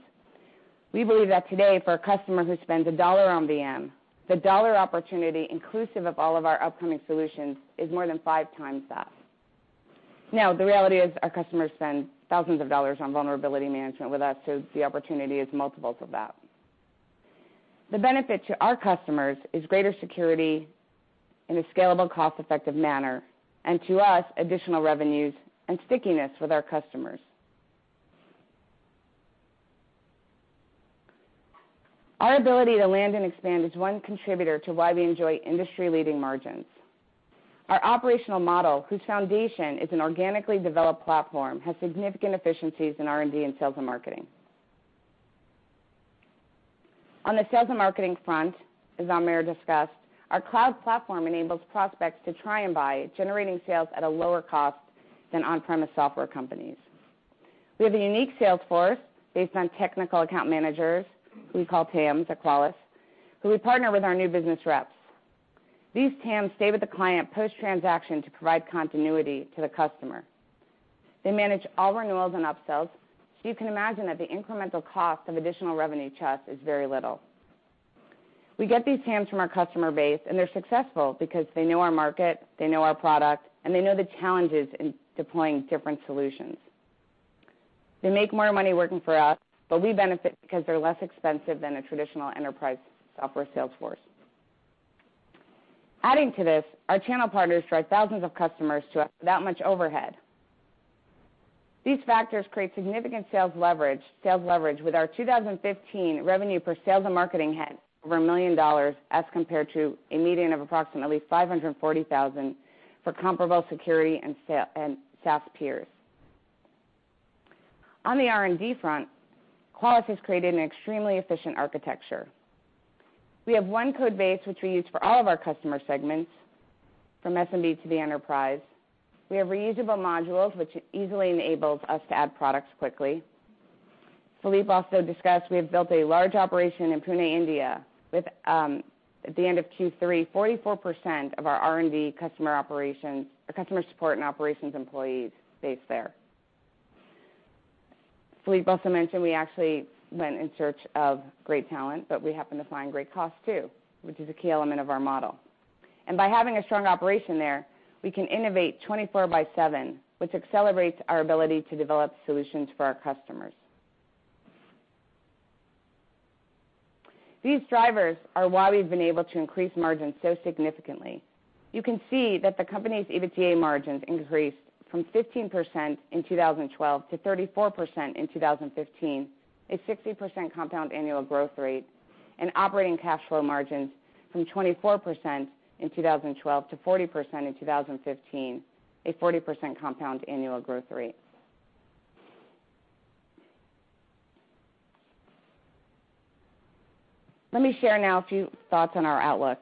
we believe that today, for a customer who spends a dollar on VM, the dollar opportunity inclusive of all of our upcoming solutions is more than five times that. The reality is our customers spend thousands of dollars on vulnerability management with us, so the opportunity is multiples of that. The benefit to our customers is greater security in a scalable, cost-effective manner, and to us, additional revenues and stickiness with our customers. Our ability to land and expand is one contributor to why we enjoy industry-leading margins. Our operational model, whose foundation is an organically developed platform, has significant efficiencies in R&D and sales and marketing. On the sales and marketing front, as Amer discussed, our cloud platform enables prospects to try and buy, generating sales at a lower cost than on-premise software companies. We have a unique sales force based on technical account managers, who we call TAMs at Qualys, who we partner with our new business reps. These TAMs stay with the client post-transaction to provide continuity to the customer. They manage all renewals and upsells, so you can imagine that the incremental cost of additional revenue, Chas, is very little. We get these TAMs from our customer base, and they're successful because they know our market, they know our product, and they know the challenges in deploying different solutions. They make more money working for us, we benefit because they're less expensive than a traditional enterprise software sales force. Adding to this, our channel partners drive thousands of customers to us without much overhead. These factors create significant sales leverage with our 2015 revenue per sales and marketing head over $1 million as compared to a median of approximately $540,000 for comparable security and SaaS peers. On the R&D front, Qualys has created an extremely efficient architecture. We have one code base, which we use for all of our customer segments, from SMB to the enterprise. We have reusable modules, which easily enables us to add products quickly. Philippe also discussed we have built a large operation in Pune, India, with at the end of Q3, 44% of our R&D customer operations or customer support and operations employees based there. Philippe also mentioned we actually went in search of great talent, but we happened to find great cost, too, which is a key element of our model. By having a strong operation there, we can innovate 24 by seven, which accelerates our ability to develop solutions for our customers. These drivers are why we've been able to increase margins so significantly. You can see that the company's EBITDA margins increased from 15% in 2012 to 34% in 2015, a 60% compound annual growth rate, and operating cash flow margins from 24% in 2012 to 40% in 2015, a 40% compound annual growth rate. Let me share now a few thoughts on our outlook.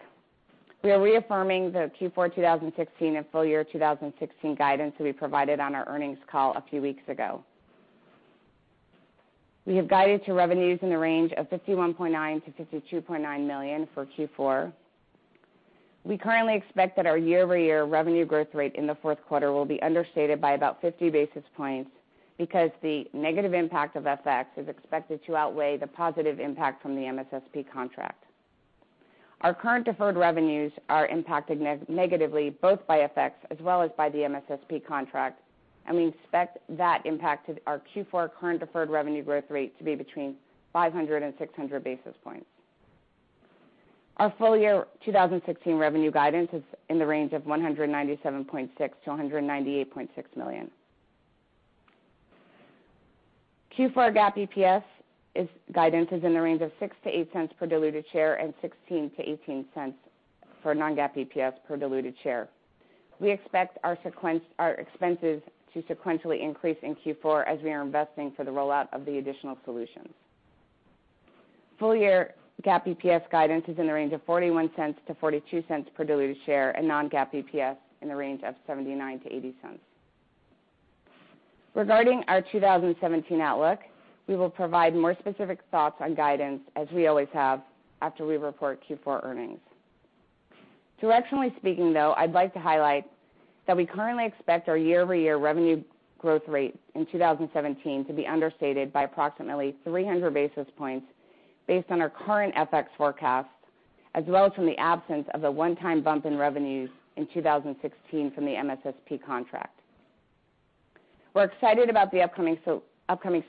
We are reaffirming the Q4 2016 and full year 2016 guidance that we provided on our earnings call a few weeks ago. We have guided to revenues in the range of $51.9 million-$52.9 million for Q4. We currently expect that our year-over-year revenue growth rate in the fourth quarter will be understated by about 50 basis points because the negative impact of FX is expected to outweigh the positive impact from the MSSP contract. Our current deferred revenues are impacted negatively both by FX as well as by the MSSP contract. We expect that impacted our Q4 current deferred revenue growth rate to be between 500 and 600 basis points. Our full year 2016 revenue guidance is in the range of $197.6 million-$198.6 million. Q4 GAAP EPS guidance is in the range of $0.06-$0.08 per diluted share and $0.16-$0.18 for non-GAAP EPS per diluted share. We expect our expenses to sequentially increase in Q4 as we are investing for the rollout of the additional solutions. Full year GAAP EPS guidance is in the range of $0.41-$0.42 per diluted share and non-GAAP EPS in the range of $0.79-$0.80. Regarding our 2017 outlook, we will provide more specific thoughts on guidance, as we always have, after we report Q4 earnings. Directionally speaking, though, I'd like to highlight that we currently expect our year-over-year revenue growth rate in 2017 to be understated by approximately 300 basis points based on our current FX forecast, as well as from the absence of a one-time bump in revenues in 2016 from the MSSP contract. We're excited about the upcoming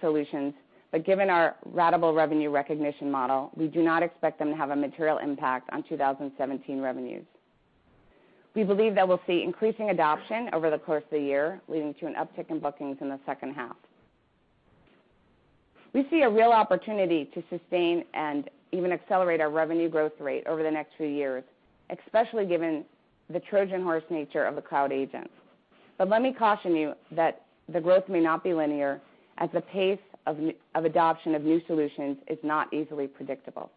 solutions, but given our ratable revenue recognition model, we do not expect them to have a material impact on 2017 revenues. We believe that we'll see increasing adoption over the course of the year, leading to an uptick in bookings in the second half. We see a real opportunity to sustain and even accelerate our revenue growth rate over the next few years, especially given the Trojan horse nature of the Cloud Agent. Let me caution you that the growth may not be linear as the pace of adoption of new solutions is not easily predictable.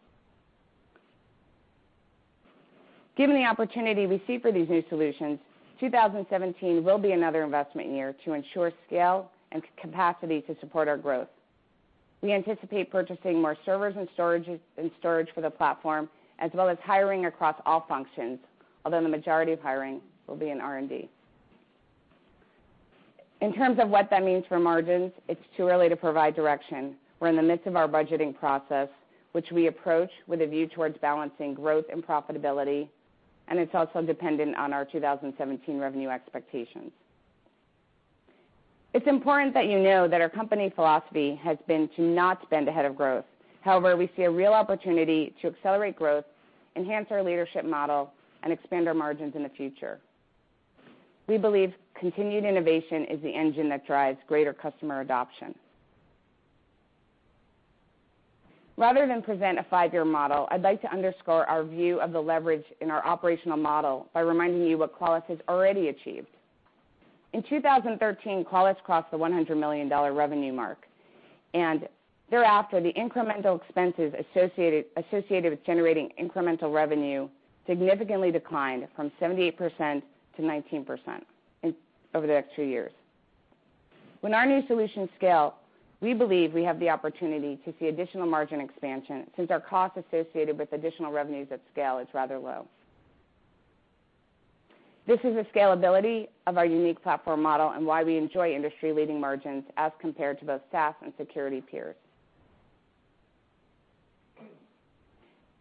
Given the opportunity we see for these new solutions, 2017 will be another investment year to ensure scale and capacity to support our growth. We anticipate purchasing more servers and storage for the platform, as well as hiring across all functions, although the majority of hiring will be in R&D. In terms of what that means for margins, it's too early to provide direction. We're in the midst of our budgeting process, which we approach with a view towards balancing growth and profitability, and it's also dependent on our 2017 revenue expectations. It's important that you know that our company philosophy has been to not spend ahead of growth. However, we see a real opportunity to accelerate growth, enhance our leadership model, and expand our margins in the future. We believe continued innovation is the engine that drives greater customer adoption. Rather than present a five-year model, I'd like to underscore our view of the leverage in our operational model by reminding you what Qualys has already achieved. In 2013, Qualys crossed the $100 million revenue mark, and thereafter, the incremental expenses associated with generating incremental revenue significantly declined from 78% to 19% over the next two years. When our new solutions scale, we believe we have the opportunity to see additional margin expansion since our cost associated with additional revenues at scale is rather low. This is the scalability of our unique platform model and why we enjoy industry-leading margins as compared to both SaaS and security peers.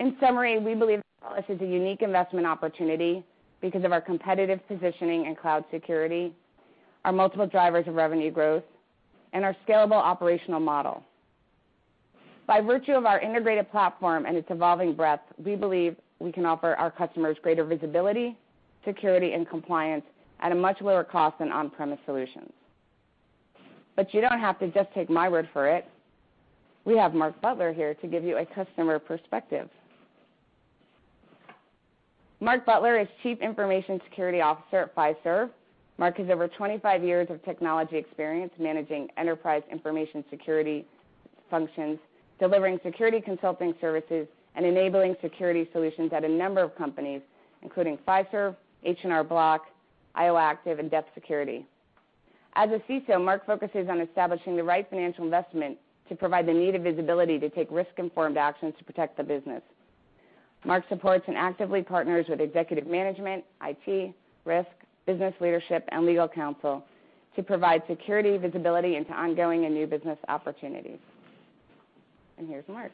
In summary, we believe Qualys is a unique investment opportunity because of our competitive positioning in cloud security, our multiple drivers of revenue growth, and our scalable operational model. By virtue of our integrated platform and its evolving breadth, we believe we can offer our customers greater visibility, security, and compliance at a much lower cost than on-premise solutions. You don't have to just take my word for it. We have Mark Butler here to give you a customer perspective. Mark Butler is Chief Information Security Officer at Fiserv. Mark has over 25 years of technology experience managing enterprise information security functions, delivering security consulting services, and enabling security solutions at a number of companies, including Fiserv, H&R Block, IOActive, and Depth Security. As a CISO, Mark focuses on establishing the right financial investment to provide the needed visibility to take risk-informed actions to protect the business. Mark supports and actively partners with executive management, IT, risk, business leadership, and legal counsel to provide security visibility into ongoing and new business opportunities. Here's Mark.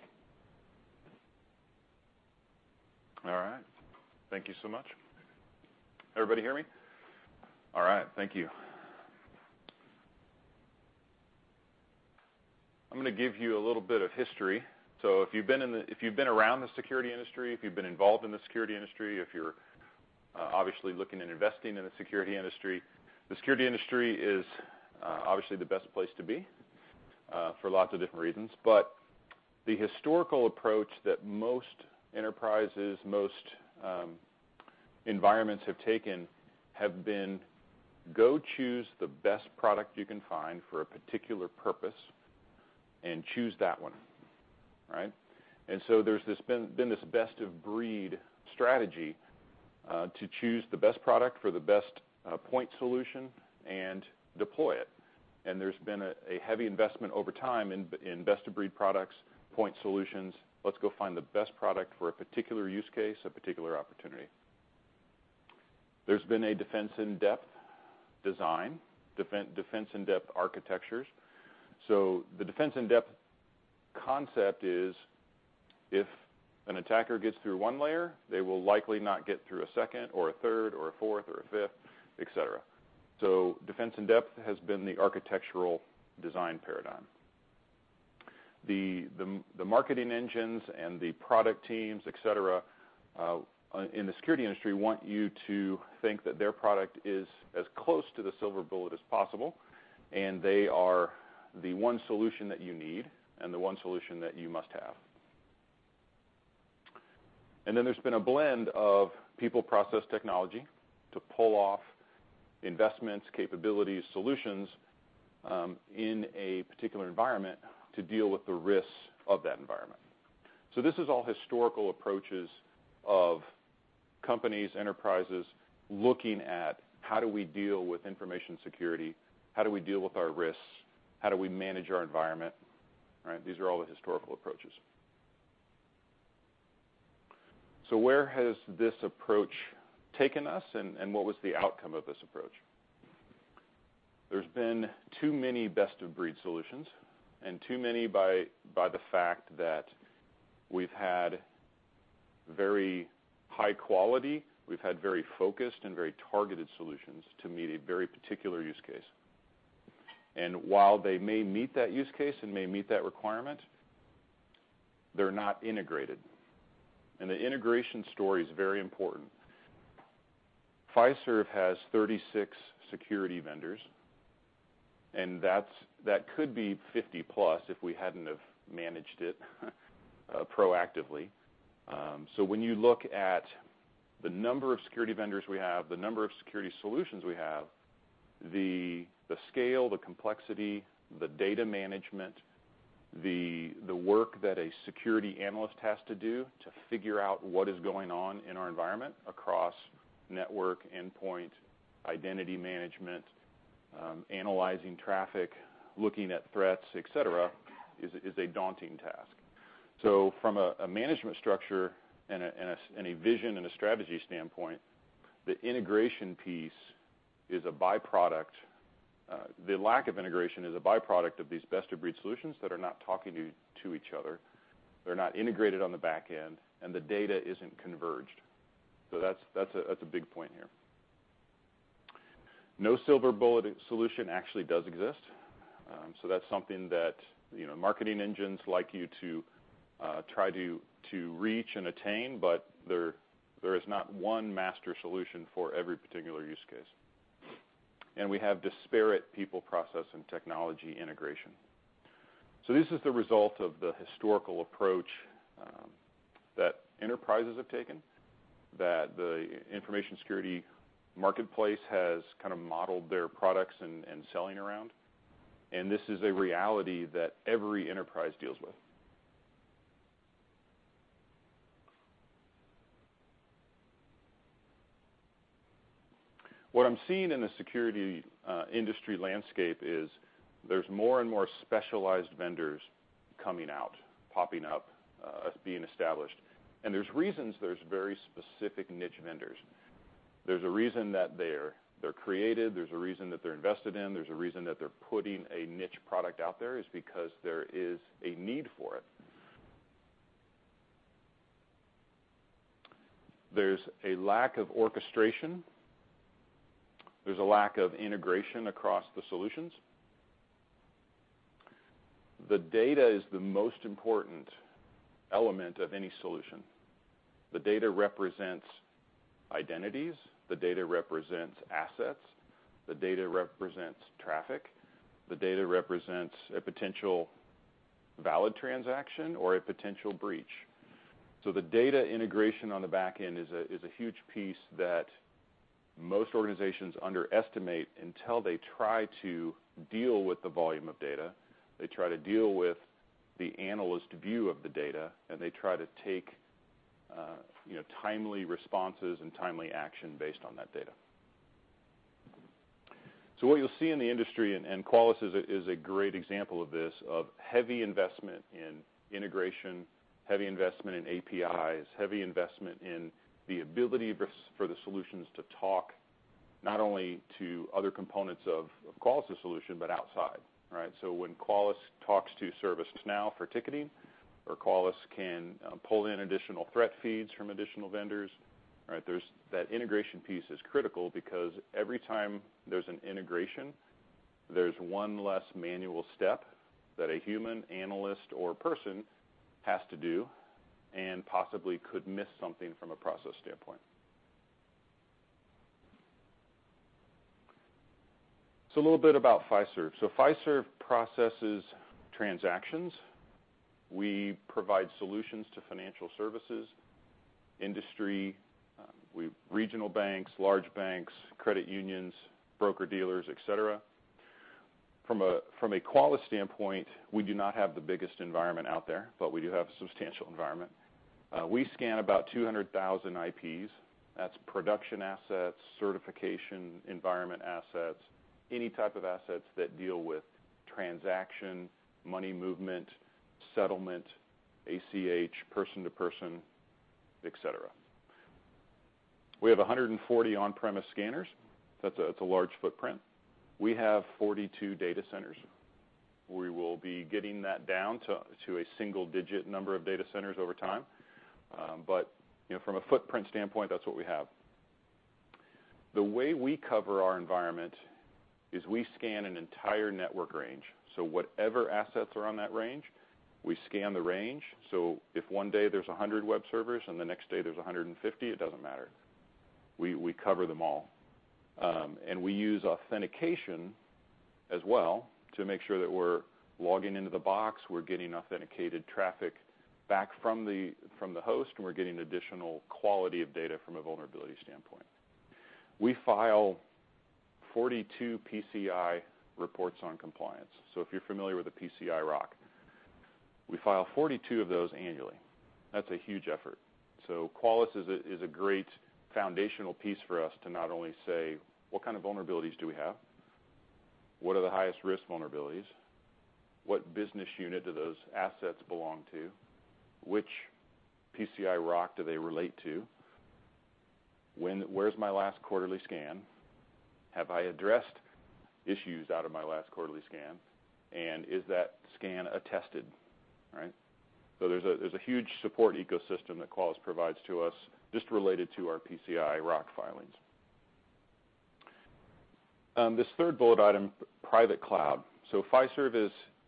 All right. Thank you so much. Everybody hear me? All right. Thank you. I'm going to give you a little bit of history. If you've been around the security industry, if you've been involved in the security industry, if you're obviously looking at investing in the security industry, the security industry is obviously the best place to be for lots of different reasons. The historical approach that most enterprises, most environments have taken have been go choose the best product you can find for a particular purpose and choose that one. Right? There's been this best of breed strategy to choose the best product for the best point solution and deploy it, and there's been a heavy investment over time in best of breed products, point solutions. Let's go find the best product for a particular use case, a particular opportunity. There's been a defense in depth design, defense in depth architectures. The defense in depth concept is if an attacker gets through one layer, they will likely not get through a second or a third or a fourth or a fifth, et cetera. Defense in depth has been the architectural design paradigm. The marketing engines and the product teams, et cetera, in the security industry want you to think that their product is as close to the silver bullet as possible, they are the one solution that you need and the one solution that you must have. There's been a blend of people, process, technology to pull off investments, capabilities, solutions, in a particular environment to deal with the risks of that environment. This is all historical approaches of companies, enterprises looking at how do we deal with information security, how do we deal with our risks, how do we manage our environment, right? These are all the historical approaches. Where has this approach taken us, what was the outcome of this approach? There's been too many best-of-breed solutions, too many by the fact that we've had very high quality, we've had very focused and very targeted solutions to meet a very particular use case. While they may meet that use case and may meet that requirement, they're not integrated, the integration story is very important. Fiserv has 36 security vendors, that could be 50 plus if we hadn't have managed it proactively. When you look at the number of security vendors we have, the number of security solutions we have, the scale, the complexity, the data management, the work that a security analyst has to do to figure out what is going on in our environment across network, endpoint, identity management, analyzing traffic, looking at threats, et cetera, is a daunting task. From a management structure and a vision and a strategy standpoint, the integration piece is a byproduct. The lack of integration is a byproduct of these best-of-breed solutions that are not talking to each other. They're not integrated on the back end, the data isn't converged. That's a big point here. No silver bullet solution actually does exist. That's something that marketing engines like you to try to reach and attain, there is not one master solution for every particular use case. We have disparate people, process, and technology integration. This is the result of the historical approach that enterprises have taken, that the information security marketplace has kind of modeled their products and selling around. This is a reality that every enterprise deals with. What I'm seeing in the security industry landscape is there's more and more specialized vendors coming out, popping up, being established, there's reasons there's very specific niche vendors. There's a reason that they're created, there's a reason that they're invested in, there's a reason that they're putting a niche product out there is because there is a need for it. There's a lack of orchestration. There's a lack of integration across the solutions. The data is the most important element of any solution. The data represents identities. The data represents assets. The data represents traffic. The data represents a potential valid transaction or a potential breach. The data integration on the back end is a huge piece that most organizations underestimate until they try to deal with the volume of data, they try to deal with the analyst view of the data, and they try to take timely responses and timely action based on that data. What you'll see in the industry, and Qualys is a great example of this, of heavy investment in integration, heavy investment in APIs, heavy investment in the ability for the solutions to talk not only to other components of Qualys' solution, but outside, right? When Qualys talks to ServiceNow for ticketing or Qualys can pull in additional threat feeds from additional vendors, right? That integration piece is critical because every time there's an integration, there's one less manual step that a human analyst or person has to do and possibly could miss something from a process standpoint. A little bit about Fiserv. Fiserv processes transactions. We provide solutions to financial services industry, regional banks, large banks, credit unions, broker-dealers, et cetera. From a Qualys standpoint, we do not have the biggest environment out there, but we do have a substantial environment. We scan about 200,000 IPs. That's production assets, certification environment assets, any type of assets that deal with transaction, money movement, settlement, ACH, person to person, et cetera. We have 140 on-premise scanners. That's a large footprint. We have 42 data centers. We will be getting that down to a single-digit number of data centers over time. From a footprint standpoint, that's what we have. The way we cover our environment is we scan an entire network range. Whatever assets are on that range, we scan the range. If one day there's 100 web servers and the next day there's 150, it doesn't matter. We cover them all. We use authentication as well to make sure that we're logging into the box, we're getting authenticated traffic back from the host, and we're getting additional quality of data from a vulnerability standpoint. We file 42 PCI reports on compliance. If you're familiar with the PCI ROC, we file 42 of those annually. That's a huge effort. Qualys is a great foundational piece for us to not only say, what kind of vulnerabilities do we have? What are the highest risk vulnerabilities? What business unit do those assets belong to? Which PCI ROC do they relate to? Where's my last quarterly scan? Have I addressed issues out of my last quarterly scan? Is that scan attested? Right? There's a huge support ecosystem that Qualys provides to us just related to our PCI ROC filings. This third bullet item, private cloud. Fiserv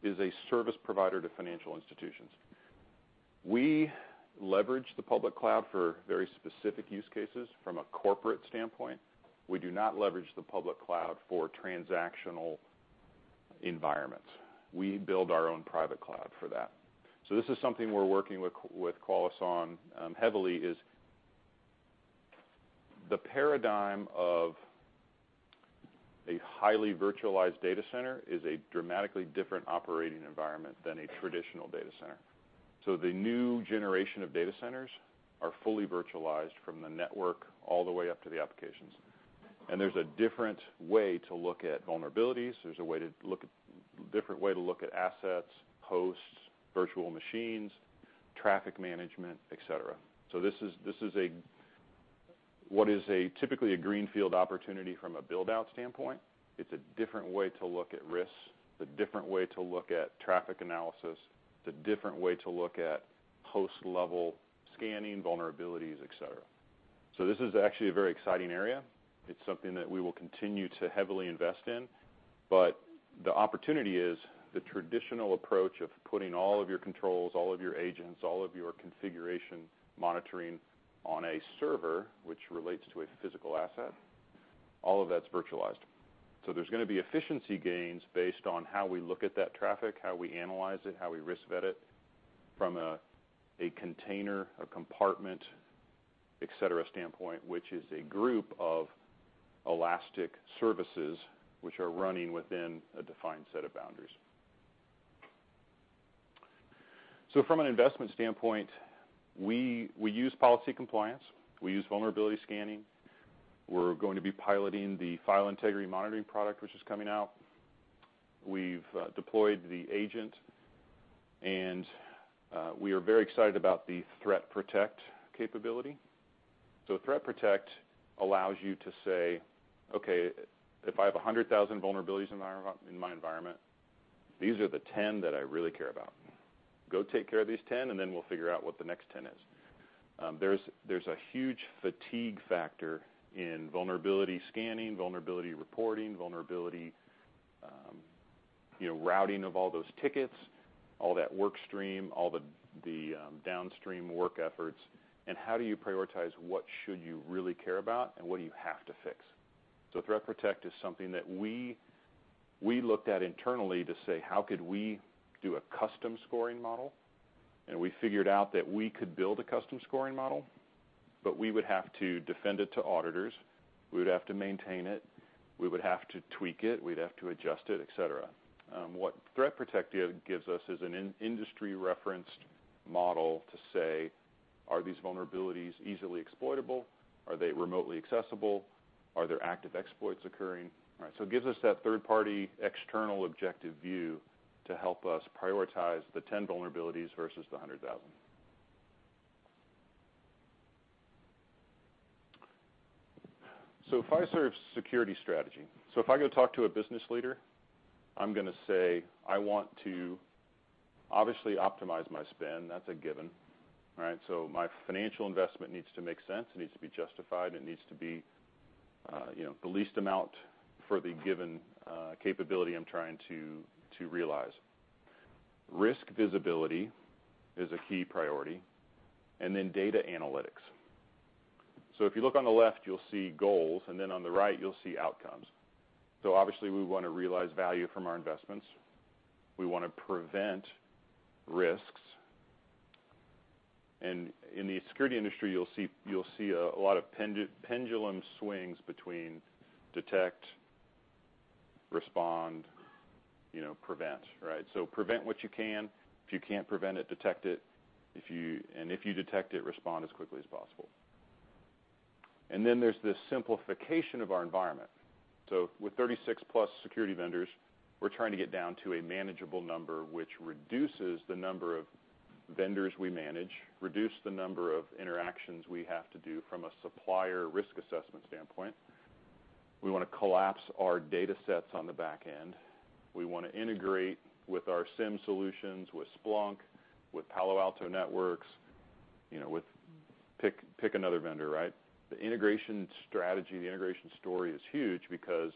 is a service provider to financial institutions. We leverage the public cloud for very specific use cases from a corporate standpoint. We do not leverage the public cloud for transactional environments. We build our own private cloud for that. This is something we're working with Qualys on heavily is the paradigm of a highly virtualized data center is a dramatically different operating environment than a traditional data center. The new generation of data centers are fully virtualized from the network all the way up to the applications, and there's a different way to look at vulnerabilities. There's a different way to look at assets, hosts, virtual machines, traffic management, et cetera. This is what is typically a greenfield opportunity from a build-out standpoint. It's a different way to look at risks. It's a different way to look at traffic analysis. It's a different way to look at host-level scanning vulnerabilities, et cetera. This is actually a very exciting area. It's something that we will continue to heavily invest in. The opportunity is the traditional approach of putting all of your controls, all of your agents, all of your configuration monitoring on a server, which relates to a physical asset, all of that's virtualized. There's going to be efficiency gains based on how we look at that traffic, how we analyze it, how we risk vet it from a container, a compartment, et cetera, standpoint, which is a group of elastic services which are running within a defined set of boundaries. From an investment standpoint, we use policy compliance, we use vulnerability scanning. We're going to be piloting the file integrity monitoring product, which is coming out. We've deployed the agent, we are very excited about the ThreatPROTECT capability. ThreatPROTECT allows you to say, okay, if I have 100,000 vulnerabilities in my environment, these are the 10 that I really care about. Go take care of these 10, then we'll figure out what the next 10 is. There's a huge fatigue factor in vulnerability scanning, vulnerability reporting, vulnerability routing of all those tickets, all that work stream, all the downstream work efforts, how do you prioritize what should you really care about and what do you have to fix? ThreatPROTECT is something that we looked at internally to say, how could we do a custom scoring model? We figured out that we could build a custom scoring model, we would have to defend it to auditors, we would have to maintain it, we would have to tweak it, we'd have to adjust it, et cetera. What ThreatPROTECT gives us is an industry-referenced model to say, are these vulnerabilities easily exploitable? Are they remotely accessible? Are there active exploits occurring, right? It gives us that third-party, external, objective view to help us prioritize the 10 vulnerabilities versus the 100,000. Fiserv's security strategy. If I go talk to a business leader, I'm going to say, I want to obviously optimize my spend. That's a given, right? My financial investment needs to make sense. It needs to be justified. It needs to be the least amount for the given capability I'm trying to realize. Risk visibility is a key priority. Then data analytics. If you look on the left, you'll see goals, on the right, you'll see outcomes. Obviously we want to realize value from our investments. We want to prevent risks. In the security industry, you'll see a lot of pendulum swings between detect, respond, prevent, right? Prevent what you can. If you can't prevent it, detect it. If you detect it, respond as quickly as possible. Then there's the simplification of our environment. With 36+ security vendors, we're trying to get down to a manageable number, which reduces the number of vendors we manage, reduce the number of interactions we have to do from a supplier risk assessment standpoint. We want to collapse our data sets on the back end. We want to integrate with our SIEM solutions, with Splunk, with Palo Alto Networks. With pick another vendor, right? The integration strategy, the integration story is huge because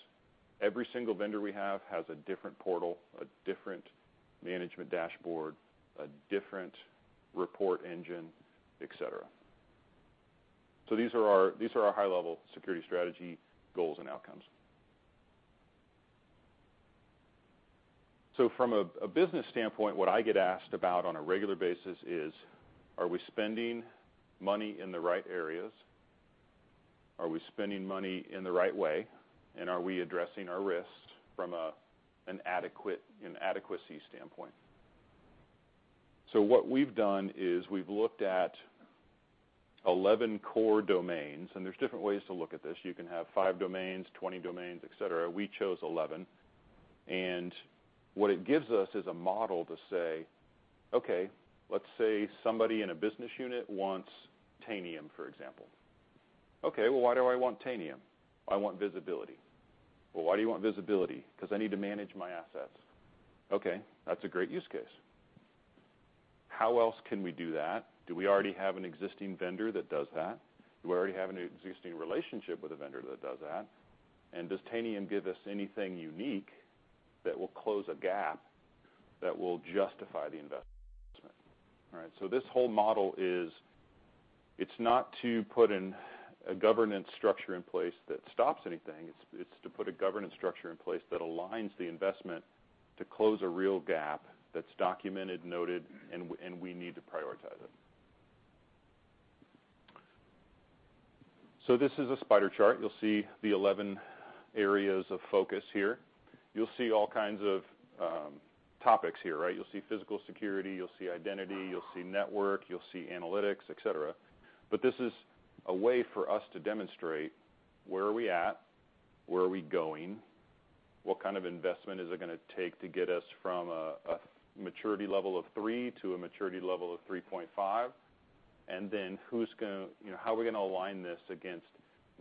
every single vendor we have has a different portal, a different management dashboard, a different report engine, et cetera. These are our high-level security strategy goals and outcomes. From a business standpoint, what I get asked about on a regular basis is, are we spending money in the right areas? Are we spending money in the right way? Are we addressing our risks from an adequacy standpoint? What we've done is we've looked at 11 core domains, and there's different ways to look at this. You can have 5 domains, 20 domains, et cetera. We chose 11. What it gives us is a model to say, okay, let's say somebody in a business unit wants Tanium, for example. Okay, well, why do I want Tanium? I want visibility. Well, why do you want visibility? Because I need to manage my assets. Okay, that's a great use case. How else can we do that? Do we already have an existing vendor that does that? Do we already have an existing relationship with a vendor that does that? Does Tanium give us anything unique that will close a gap that will justify the investment? All right. This whole model is not to put a governance structure in place that stops anything. It's to put a governance structure in place that aligns the investment to close a real gap that's documented, noted, and we need to prioritize it. This is a spider chart. You'll see the 11 areas of focus here. You'll see all kinds of topics here, right? You'll see physical security, you'll see identity, you'll see network, you'll see analytics, et cetera. But this is a way for us to demonstrate where are we at, where are we going, what kind of investment is it going to take to get us from a maturity level of 3 to a maturity level of 3.5? Then how are we going to align this against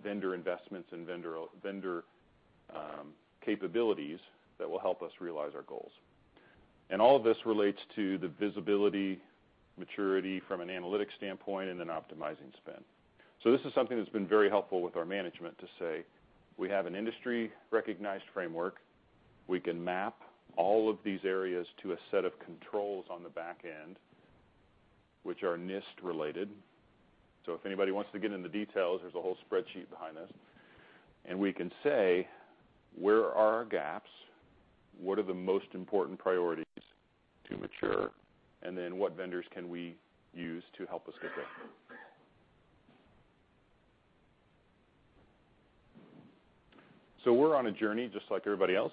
vendor investments and vendor capabilities that will help us realize our goals? All of this relates to the visibility, maturity from an analytics standpoint, and then optimizing spend. This is something that's been very helpful with our management to say, we have an industry-recognized framework. We can map all of these areas to a set of controls on the back end, which are NIST related. If anybody wants to get into details, there's a whole spreadsheet behind this, and we can say, where are our gaps, what are the most important priorities to mature, then what vendors can we use to help us get there? We're on a journey just like everybody else.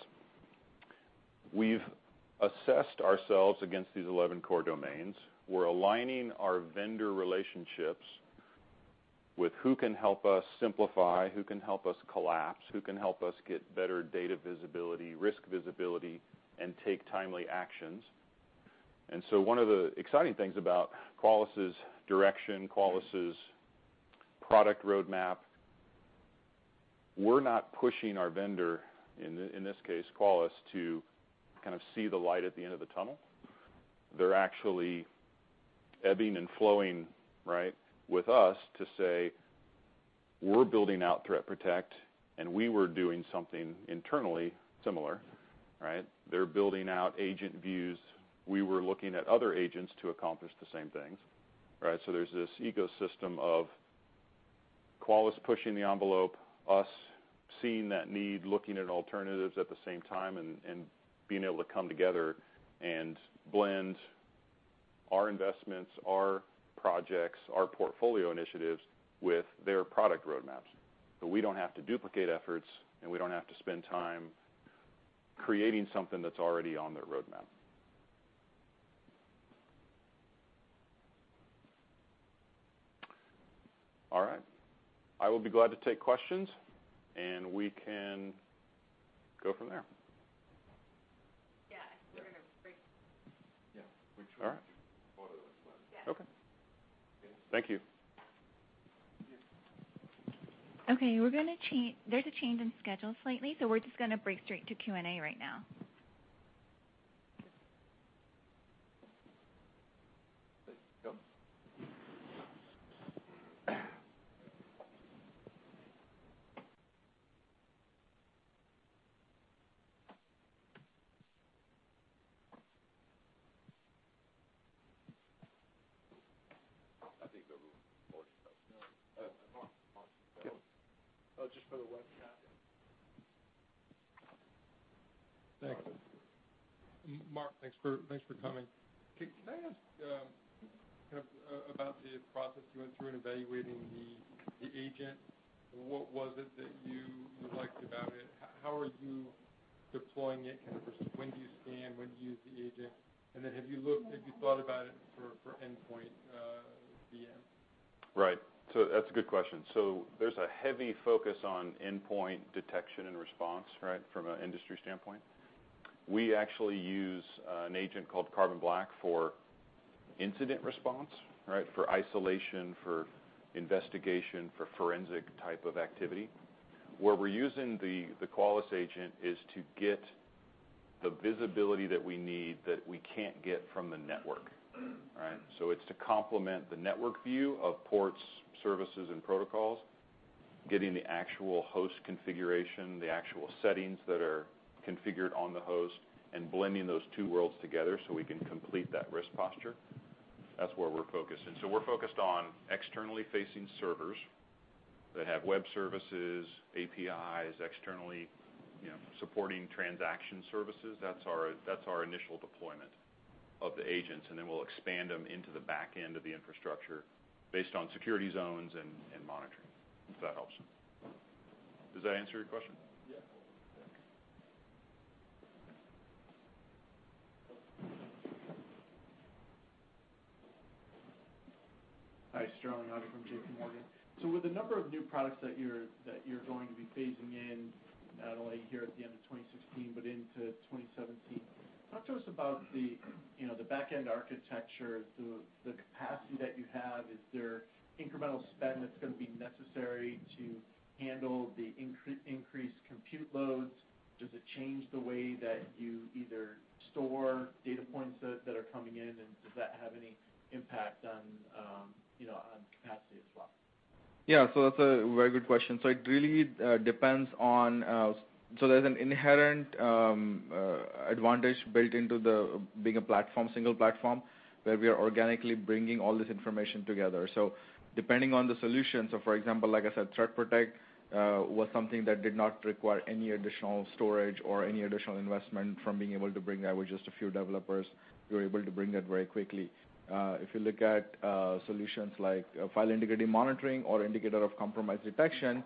We've assessed ourselves against these 11 core domains. We're aligning our vendor relationships with who can help us simplify, who can help us collapse, who can help us get better data visibility, risk visibility, and take timely actions. One of the exciting things about Qualys' direction, Qualys' product roadmap, we're not pushing our vendor, in this case, Qualys, to kind of see the light at the end of the tunnel. They're actually ebbing and flowing, right, with us to say, we're building out ThreatPROTECT, and we were doing something internally similar, right? They're building out agent views. We were looking at other agents to accomplish the same things, right? There's this ecosystem of Qualys pushing the envelope, us seeing that need, looking at alternatives at the same time, and being able to come together and blend our investments, our projects, our portfolio initiatives with their product roadmaps. We don't have to duplicate efforts, and we don't have to spend time creating something that's already on their roadmap. All right. I will be glad to take questions, and we can go from there. Yeah, I think we're going to break. Yeah. We try to follow the slide. Yeah. Okay. Thank you. There's a change in schedule slightly. We're just going to break straight to Q&A right now. There you go. I think the room is for. Come on. Come on. Just for the webinar? Thanks. Mark, thanks for coming. Can I ask about the process you went through in evaluating the agent? What was it that you liked about it? How are you deploying it? When do you scan? When do you use the agent? Have you thought about it for endpoint VM? Right. That's a good question. There's a heavy focus on endpoint detection and response, right, from an industry standpoint. We actually use an agent called Carbon Black for incident response. Right? For isolation, for investigation, for forensic type of activity. Where we're using the Qualys agent is to get the visibility that we need that we can't get from the network. Right? It's to complement the network view of ports, services, and protocols, getting the actual host configuration, the actual settings that are configured on the host, and blending those two worlds together so we can complete that risk posture. That's where we're focused. We're focused on externally facing servers that have web services, APIs, externally supporting transaction services. That is our initial deployment of the agents. Then we will expand them into the back end of the infrastructure based on security zones and monitoring, if that helps. Does that answer your question? Yes. Hi, Sterling Auty from JPMorgan. With the number of new products that you are going to be phasing in, not only here at the end of 2016 but into 2017, talk to us about the back end architecture, the capacity that you have. Is there incremental spend that is going to be necessary to handle the increased compute loads? Does it change the way that you either store data points that are coming in, and does that have any impact on capacity as well? Yeah, that is a very good question. There is an inherent advantage built into the bigger platform, single platform, where we are organically bringing all this information together. Depending on the solution, for example, like I said, ThreatPROTECT was something that did not require any additional storage or any additional investment from being able to bring that with just a few developers. We were able to bring that very quickly. If you look at solutions like file integrity monitoring or indicator of compromise detection,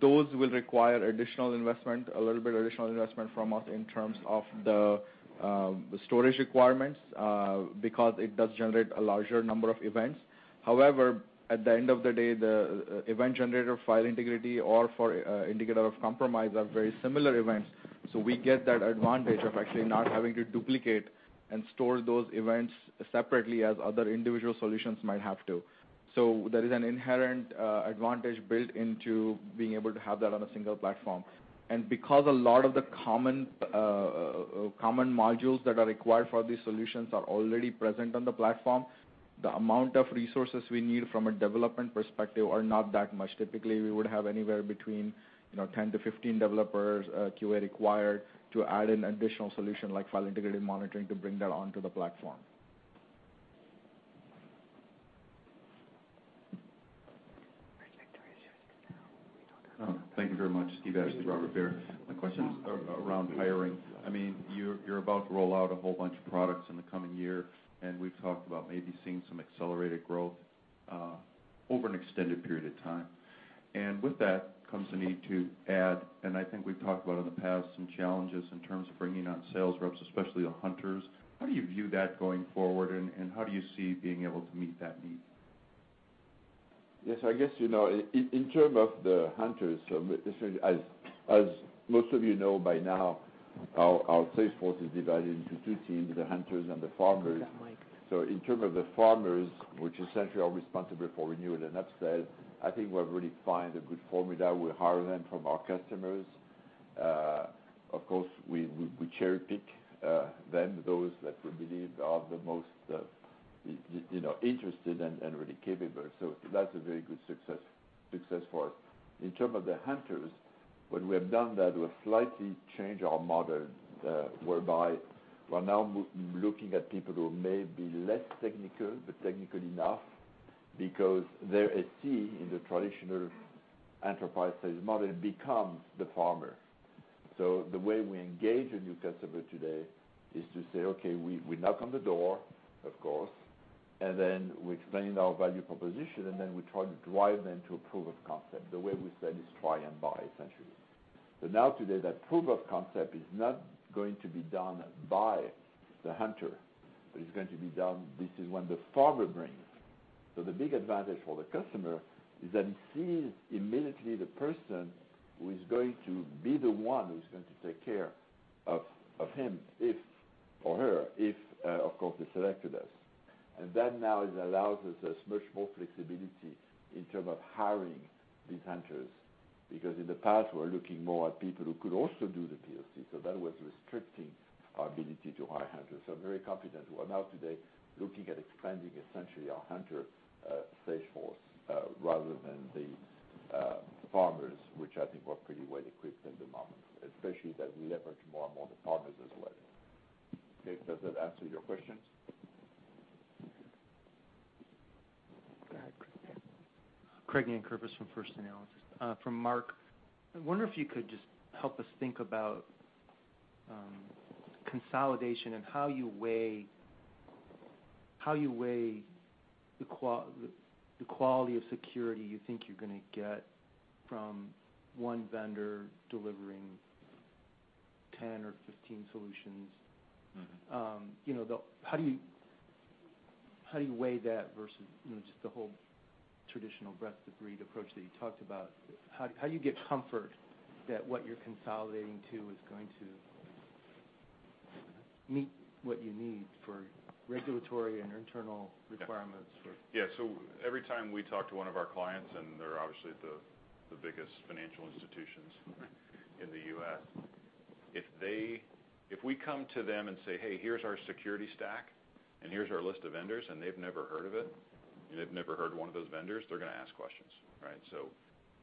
those will require additional investment, a little bit of additional investment from us in terms of the storage requirements, because it does generate a larger number of events. However, at the end of the day, the event generator file integrity or for indicator of compromise are very similar events. We get that advantage of actually not having to duplicate and store those events separately as other individual solutions might have to. There is an inherent advantage built into being able to have that on a single platform. Because a lot of the common modules that are required for these solutions are already present on the platform, the amount of resources we need from a development perspective are not that much. Typically, we would have anywhere between 10-15 developers QA required to add an additional solution like file integrity monitoring to bring that onto the platform. Where's Victoria? She went to the bathroom. Oh, thank you very much. Steve Ashley, Robert W. Baird. My question is around hiring. You're about to roll out a whole bunch of products in the coming year, we've talked about maybe seeing some accelerated growth over an extended period of time. With that comes the need to add, I think we've talked about in the past, some challenges in terms of bringing on sales reps, especially the hunters. How do you view that going forward, and how do you see being able to meet that need? Yes, I guess, in term of the hunters, as most of you know by now, our sales force is divided into two teams, the hunters and the farmers. Use that mic. In terms of the farmers, which essentially are responsible for renewal and upsell, I think we've really found a good formula. We hire them from our customers. Of course, we cherry-pick then those that we believe are the most interested and really capable. That's a very good success for us. In terms of the hunters, when we have done that, we have slightly changed our model, whereby we're now looking at people who may be less technical, but technical enough, because the key in the traditional enterprise sales model becomes the farmer. The way we engage a new customer today is to say, "Okay," we knock on the door, of course, and then we explain our value proposition, and then we try to drive them to a proof of concept. The way we sell is try and buy, essentially. Now today, that proof of concept is not going to be done by the hunter, but it's going to be done, this is when the farmer brings. The big advantage for the customer is that he sees immediately the person who is going to be the one who's going to take care of him if, or her, if, of course, they selected us. That now allows us much more flexibility in terms of hiring these hunters, because in the past, we were looking more at people who could also do the POC, that was restricting our ability to hire hunters. I'm very confident we're now today looking at expanding essentially our hunter sales force, rather than the farmers, which I think we're pretty well-equipped at the moment, especially as we leverage more and more the partners as well. Okay, does that answer your questions? Go ahead, Craig. Craig Nankervis from First Analysis. For Mark, I wonder if you could just help us think about consolidation and how you weigh the quality of security you think you're going to get from one vendor delivering 10 or 15 solutions. How do you weigh that versus just the whole traditional best of breed approach that you talked about? How do you get comfort that what you're consolidating to is going to meet what you need for regulatory and internal requirements for- Yeah. Every time we talk to one of our clients, they're obviously the biggest financial institutions in the U.S. If we come to them and say, "Hey, here's our security stack, and here's our list of vendors," they've never heard of it, and they've never heard of one of those vendors, they're going to ask questions.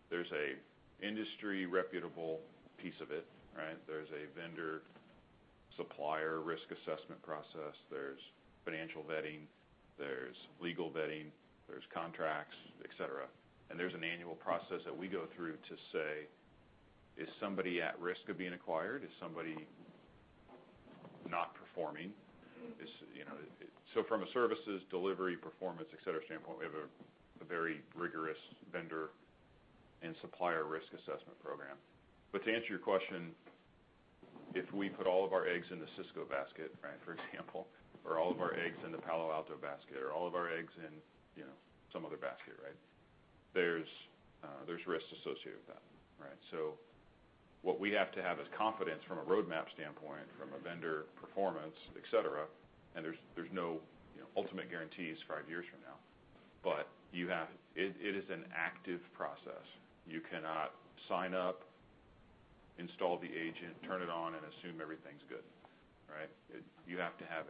There's an industry reputable piece of it. There's a vendor supplier risk assessment process, there's financial vetting, there's legal vetting, there's contracts, et cetera. There's an annual process that we go through to say, is somebody at risk of being acquired? Is somebody not performing? From a services delivery, performance, et cetera, standpoint, we have a very rigorous vendor and supplier risk assessment program. To answer your question, if we put all of our eggs in the Cisco basket, for example, or all of our eggs in the Palo Alto basket, or all of our eggs in some other basket, there's risk associated with that. What we have to have is confidence from a roadmap standpoint, from a vendor performance, et cetera, and there's no ultimate guarantees 5 years from now. It is an active process. You cannot sign up, install the agent, turn it on, and assume everything's good. You have to have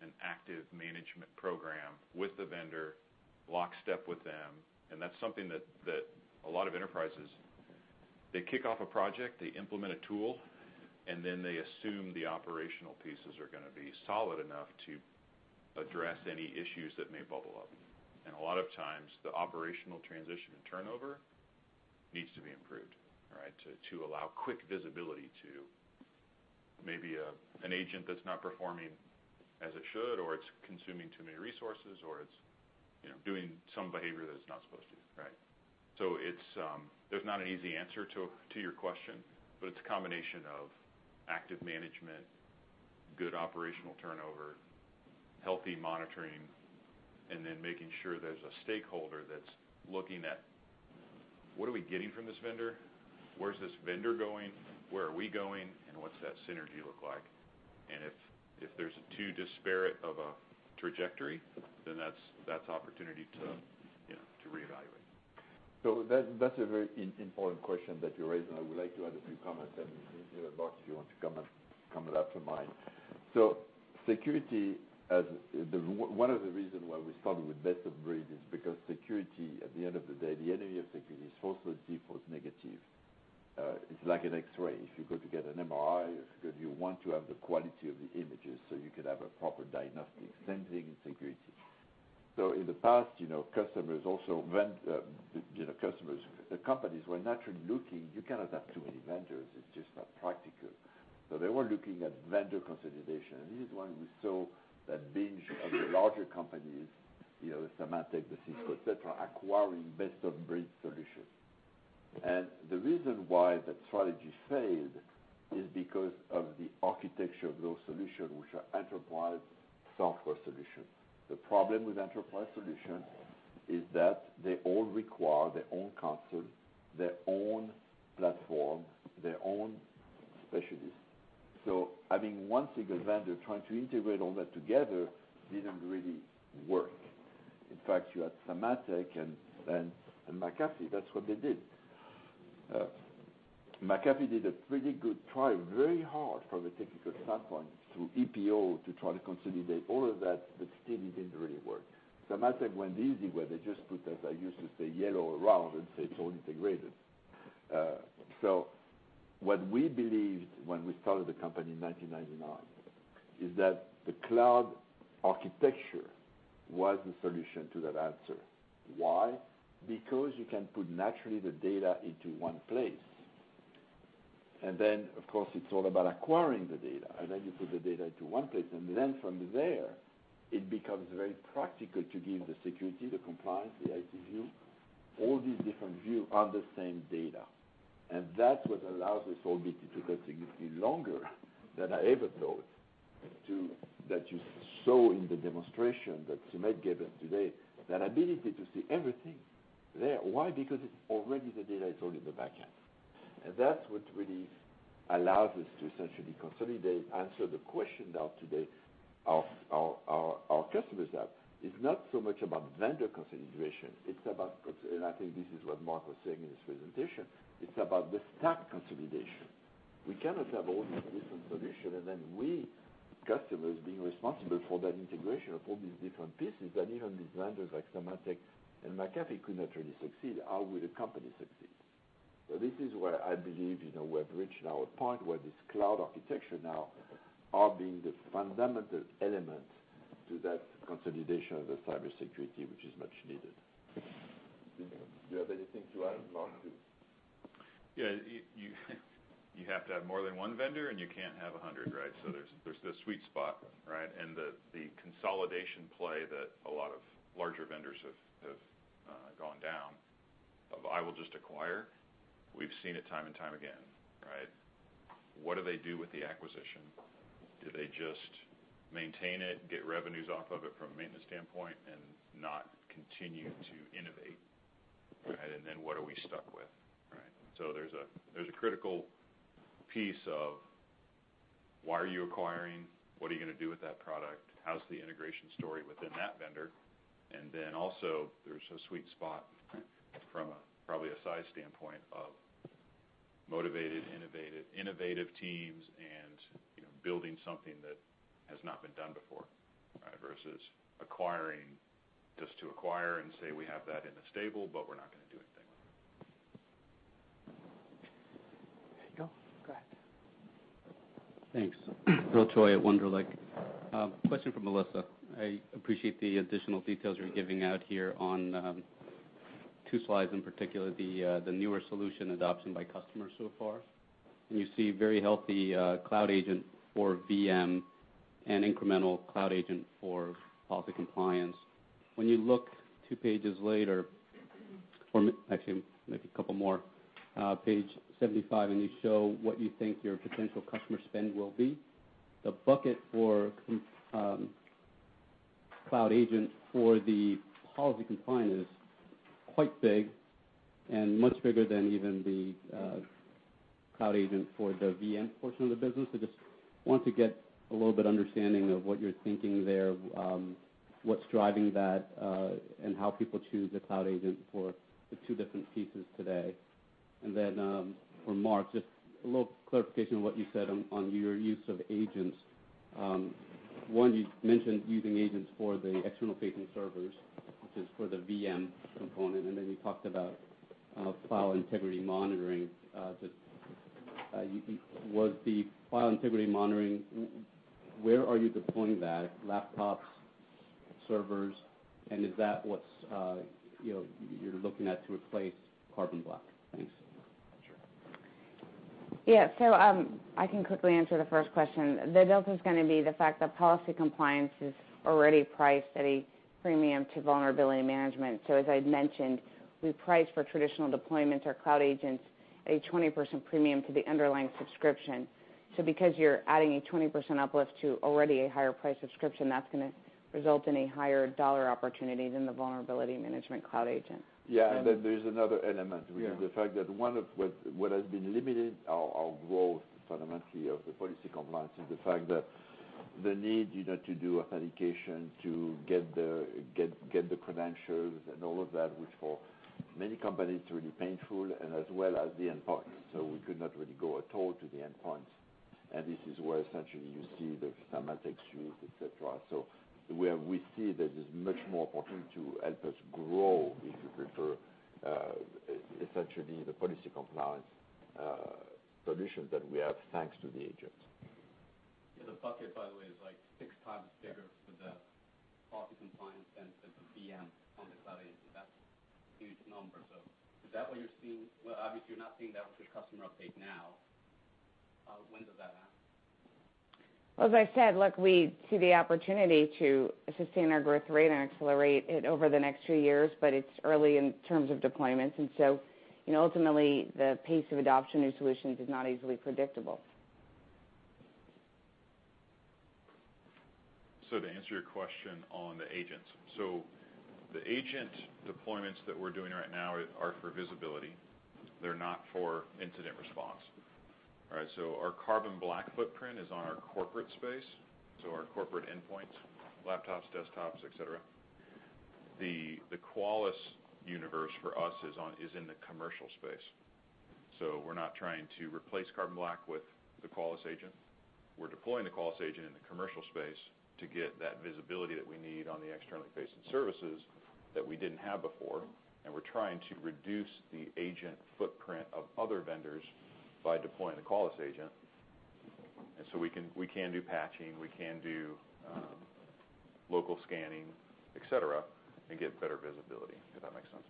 an active management program with the vendor, lockstep with them, and that's something that a lot of enterprises, they kick off a project, they implement a tool, and then they assume the operational pieces are going to be solid enough to address any issues that may bubble up. A lot of times, the operational transition and turnover needs to be improved to allow quick visibility to maybe an agent that's not performing as it should, or it's consuming too many resources, or it's doing some behavior that it's not supposed to. There's not an easy answer to your question, it's a combination of active management, good operational turnover, healthy monitoring, then making sure there's a stakeholder that's looking at what are we getting from this vendor? Where's this vendor going? Where are we going, and what's that synergy look like? If there's too disparate of a trajectory, that's opportunity to reevaluate. That's a very important question that you raised, and I would like to add a few comments, and Mark, if you want to come in after mine. Security, one of the reasons why we started with best of breed is because security, at the end of the day, the enemy of security is falsehoods default negative. It's like an X-ray. If you go to get an MRI, you want to have the quality of the images so you could have a proper diagnostic. Same thing in security. In the past, the companies were naturally looking, you cannot have too many vendors. It's just not practical. They were looking at vendor consolidation, and this is why we saw that binge of the larger companies, Symantec, the Cisco, et cetera, acquiring best of breed solutions. The reason why that strategy failed is because of the architecture of those solutions, which are enterprise software solutions. The problem with enterprise solutions is that they all require their own console, their own platform, their own specialist. Having one single vendor trying to integrate all that together didn't really work. In fact, you had Symantec and McAfee. That's what they did. McAfee did a pretty good try, very hard from a technical standpoint, through ePO, to try to consolidate all of that, but still it didn't really work. Symantec went the easy way. They just put that, as I used to say, yellow around and say it's all integrated. What we believed when we started the company in 1999, is that the cloud architecture was the solution to that answer. Why? You can put naturally the data into one place, then, of course, it's all about acquiring the data. Then you put the data into one place, and then from there, it becomes very practical to give the security, the compliance, the IT view, all these different view of the same data. That's what allows us all this, it took us significantly longer than I ever thought, that you saw in the demonstration that Sumedh gave us today, that ability to see everything there. Why? Already the data is all in the backend. That's what really allows us to essentially consolidate, answer the question now today our customers have. It's not so much about vendor consolidation. It's about, and I think this is what Mark was saying in his presentation, it's about the stack consolidation. We cannot have all these different solutions, then we, customers, being responsible for that integration of all these different pieces, even these vendors like Symantec and McAfee could not really succeed. How will a company succeed? This is where I believe we have reached now a point where this cloud architecture now are being the fundamental element to that consolidation of the cybersecurity, which is much needed. Do you have anything to add, Mark? Yeah. You have to have more than one vendor, and you can't have 100. There's the sweet spot. The consolidation play that a lot of larger vendors have gone down of, I will just acquire, we've seen it time and time again. What do they do with the acquisition? Do they just maintain it, get revenues off of it from a maintenance standpoint, and not continue to innovate? Right, what are we stuck with? There's a critical piece of why are you acquiring? What are you going to do with that product? How's the integration story within that vendor? Also, there's a sweet spot from probably a size standpoint of motivated, innovative teams and building something that has not been done before versus acquiring just to acquire and say, "We have that in the stable, but we're not going to do anything with it. There you go. Go ahead. Thanks. Bill Choi at Wunderlich. Question for Melissa. I appreciate the additional details you're giving out here on two slides, in particular, the newer solution adoption by customers so far. You see very healthy Cloud Agent for VM and incremental Cloud Agent for policy compliance. When you look two pages later, or actually maybe a couple more, page 75, you show what you think your potential customer spend will be, the bucket for Cloud Agent for the policy compliance is quite big and much bigger than even the Cloud Agent for the VM portion of the business. I just want to get a little bit understanding of what you're thinking there, what's driving that, and how people choose a Cloud Agent for the two different pieces today. For Mark, just a little clarification on what you said on your use of agents. You mentioned using agents for the external-facing servers, which is for the VM component, then you talked about file integrity monitoring. Was the file integrity monitoring, where are you deploying that, laptops, servers? Is that what you're looking at to replace Carbon Black? Thanks. Sure. Yeah. I can quickly answer the first question. The delta is going to be the fact that policy compliance is already priced at a premium to vulnerability management. As I'd mentioned, we price for traditional deployments or Cloud Agents a 20% premium to the underlying subscription. Because you're adding a 20% uplift to already a higher price subscription, that's going to result in a higher dollar opportunity than the vulnerability management Cloud Agent. Yeah. There's another element- Yeah which is the fact that one of what has been limiting our growth, fundamentally, of the policy compliance is the fact that the need to do authentication, to get the credentials and all of that, which for many companies is really painful as well as the endpoint. We could not really go at all to the endpoint. This is where essentially you see the Symantecs use, et cetera. Where we see that there's much more opportunity to help us grow, if you prefer, essentially the policy compliance solution that we have, thanks to the agents. Yeah. The bucket, by the way, is like six times bigger for the policy compliance than for VM on the cloud. That's huge numbers. Is that what you're seeing? Well, obviously, you're not seeing that with your customer update now. When does that happen? Well, as I said, look, we see the opportunity to sustain our growth rate and accelerate it over the next few years, but it's early in terms of deployments. Ultimately, the pace of adoption of new solutions is not easily predictable. To answer your question on the agents. The agent deployments that we're doing right now are for visibility. They're not for incident response. All right? Our Carbon Black footprint is on our corporate space, so our corporate endpoints, laptops, desktops, et cetera. The Qualys universe for us is in the commercial space. We're not trying to replace Carbon Black with the Qualys agent. We're deploying the Qualys agent in the commercial space to get that visibility that we need on the externally facing services that we didn't have before, and we're trying to reduce the agent footprint of other vendors by deploying the Qualys agent. We can do patching, we can do local scanning, et cetera, and get better visibility, if that makes sense.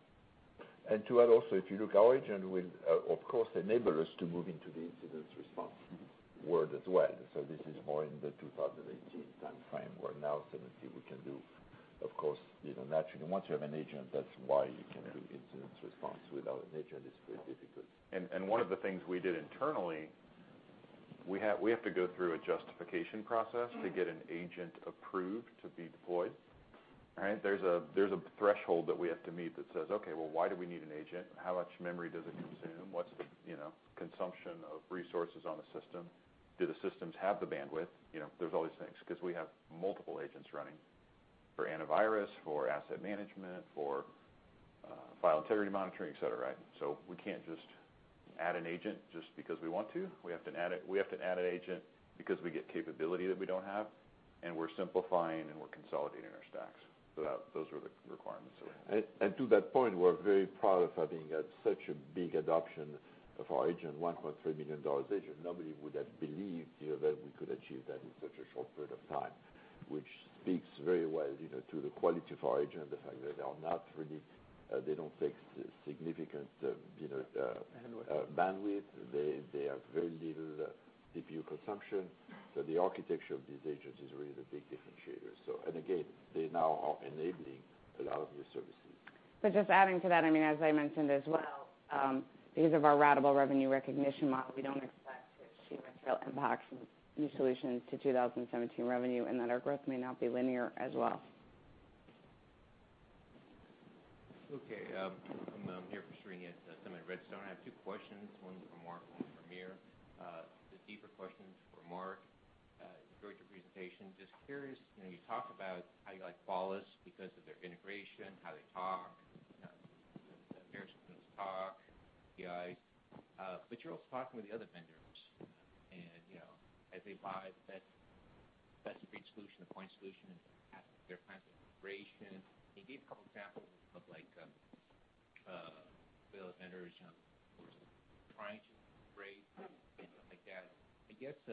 To add also, if you look, our agent will, of course, enable us to move into the incident response world as well. This is more in the 2018 timeframe, where now suddenly we can do, of course, naturally, once you have an agent, that's why you can do incident response. Without an agent, it's very difficult. One of the things we did internally, we have to go through a justification process to get an agent approved to be deployed. There's a threshold that we have to meet that says, "Okay, well, why do we need an agent? How much memory does it consume? What's the consumption of resources on the system? Do the systems have the bandwidth?" There's all these things because we have multiple agents running for antivirus, for asset management, for file integrity monitoring, et cetera. We can't just add an agent just because we want to. We have to add an agent because we get capability that we don't have, and we're simplifying and we're consolidating our stacks. Those were the requirements that we had. To that point, we're very proud of having had such a big adoption of our agent, $1.3 million agent. Nobody would have believed that we could achieve that in such a short period of time, which speaks very well to the quality of our agent. Bandwidth bandwidth. They have very little CPU consumption. The architecture of these agents is really the big differentiator. Again, they now are enabling a lot of new services. Just adding to that, as I mentioned as well, these are our ratable revenue recognition model. see material impacts and new solutions to 2017 revenue, and that our growth may not be linear as well. Okay. I'm here for Sri. It's Summit Redstone. I have two questions. One's for Mark, one for Amer. The deeper question is for Mark. Enjoyed your presentation. Just curious, you talk about how you like Qualys because of their integration, how they talk, the various groups talk, APIs. You're also talking with the other vendors, and as they buy that specific solution, a point solution into their kinds of integration. Can you give a couple examples of vendors who are trying to integrate things like that? I guess, can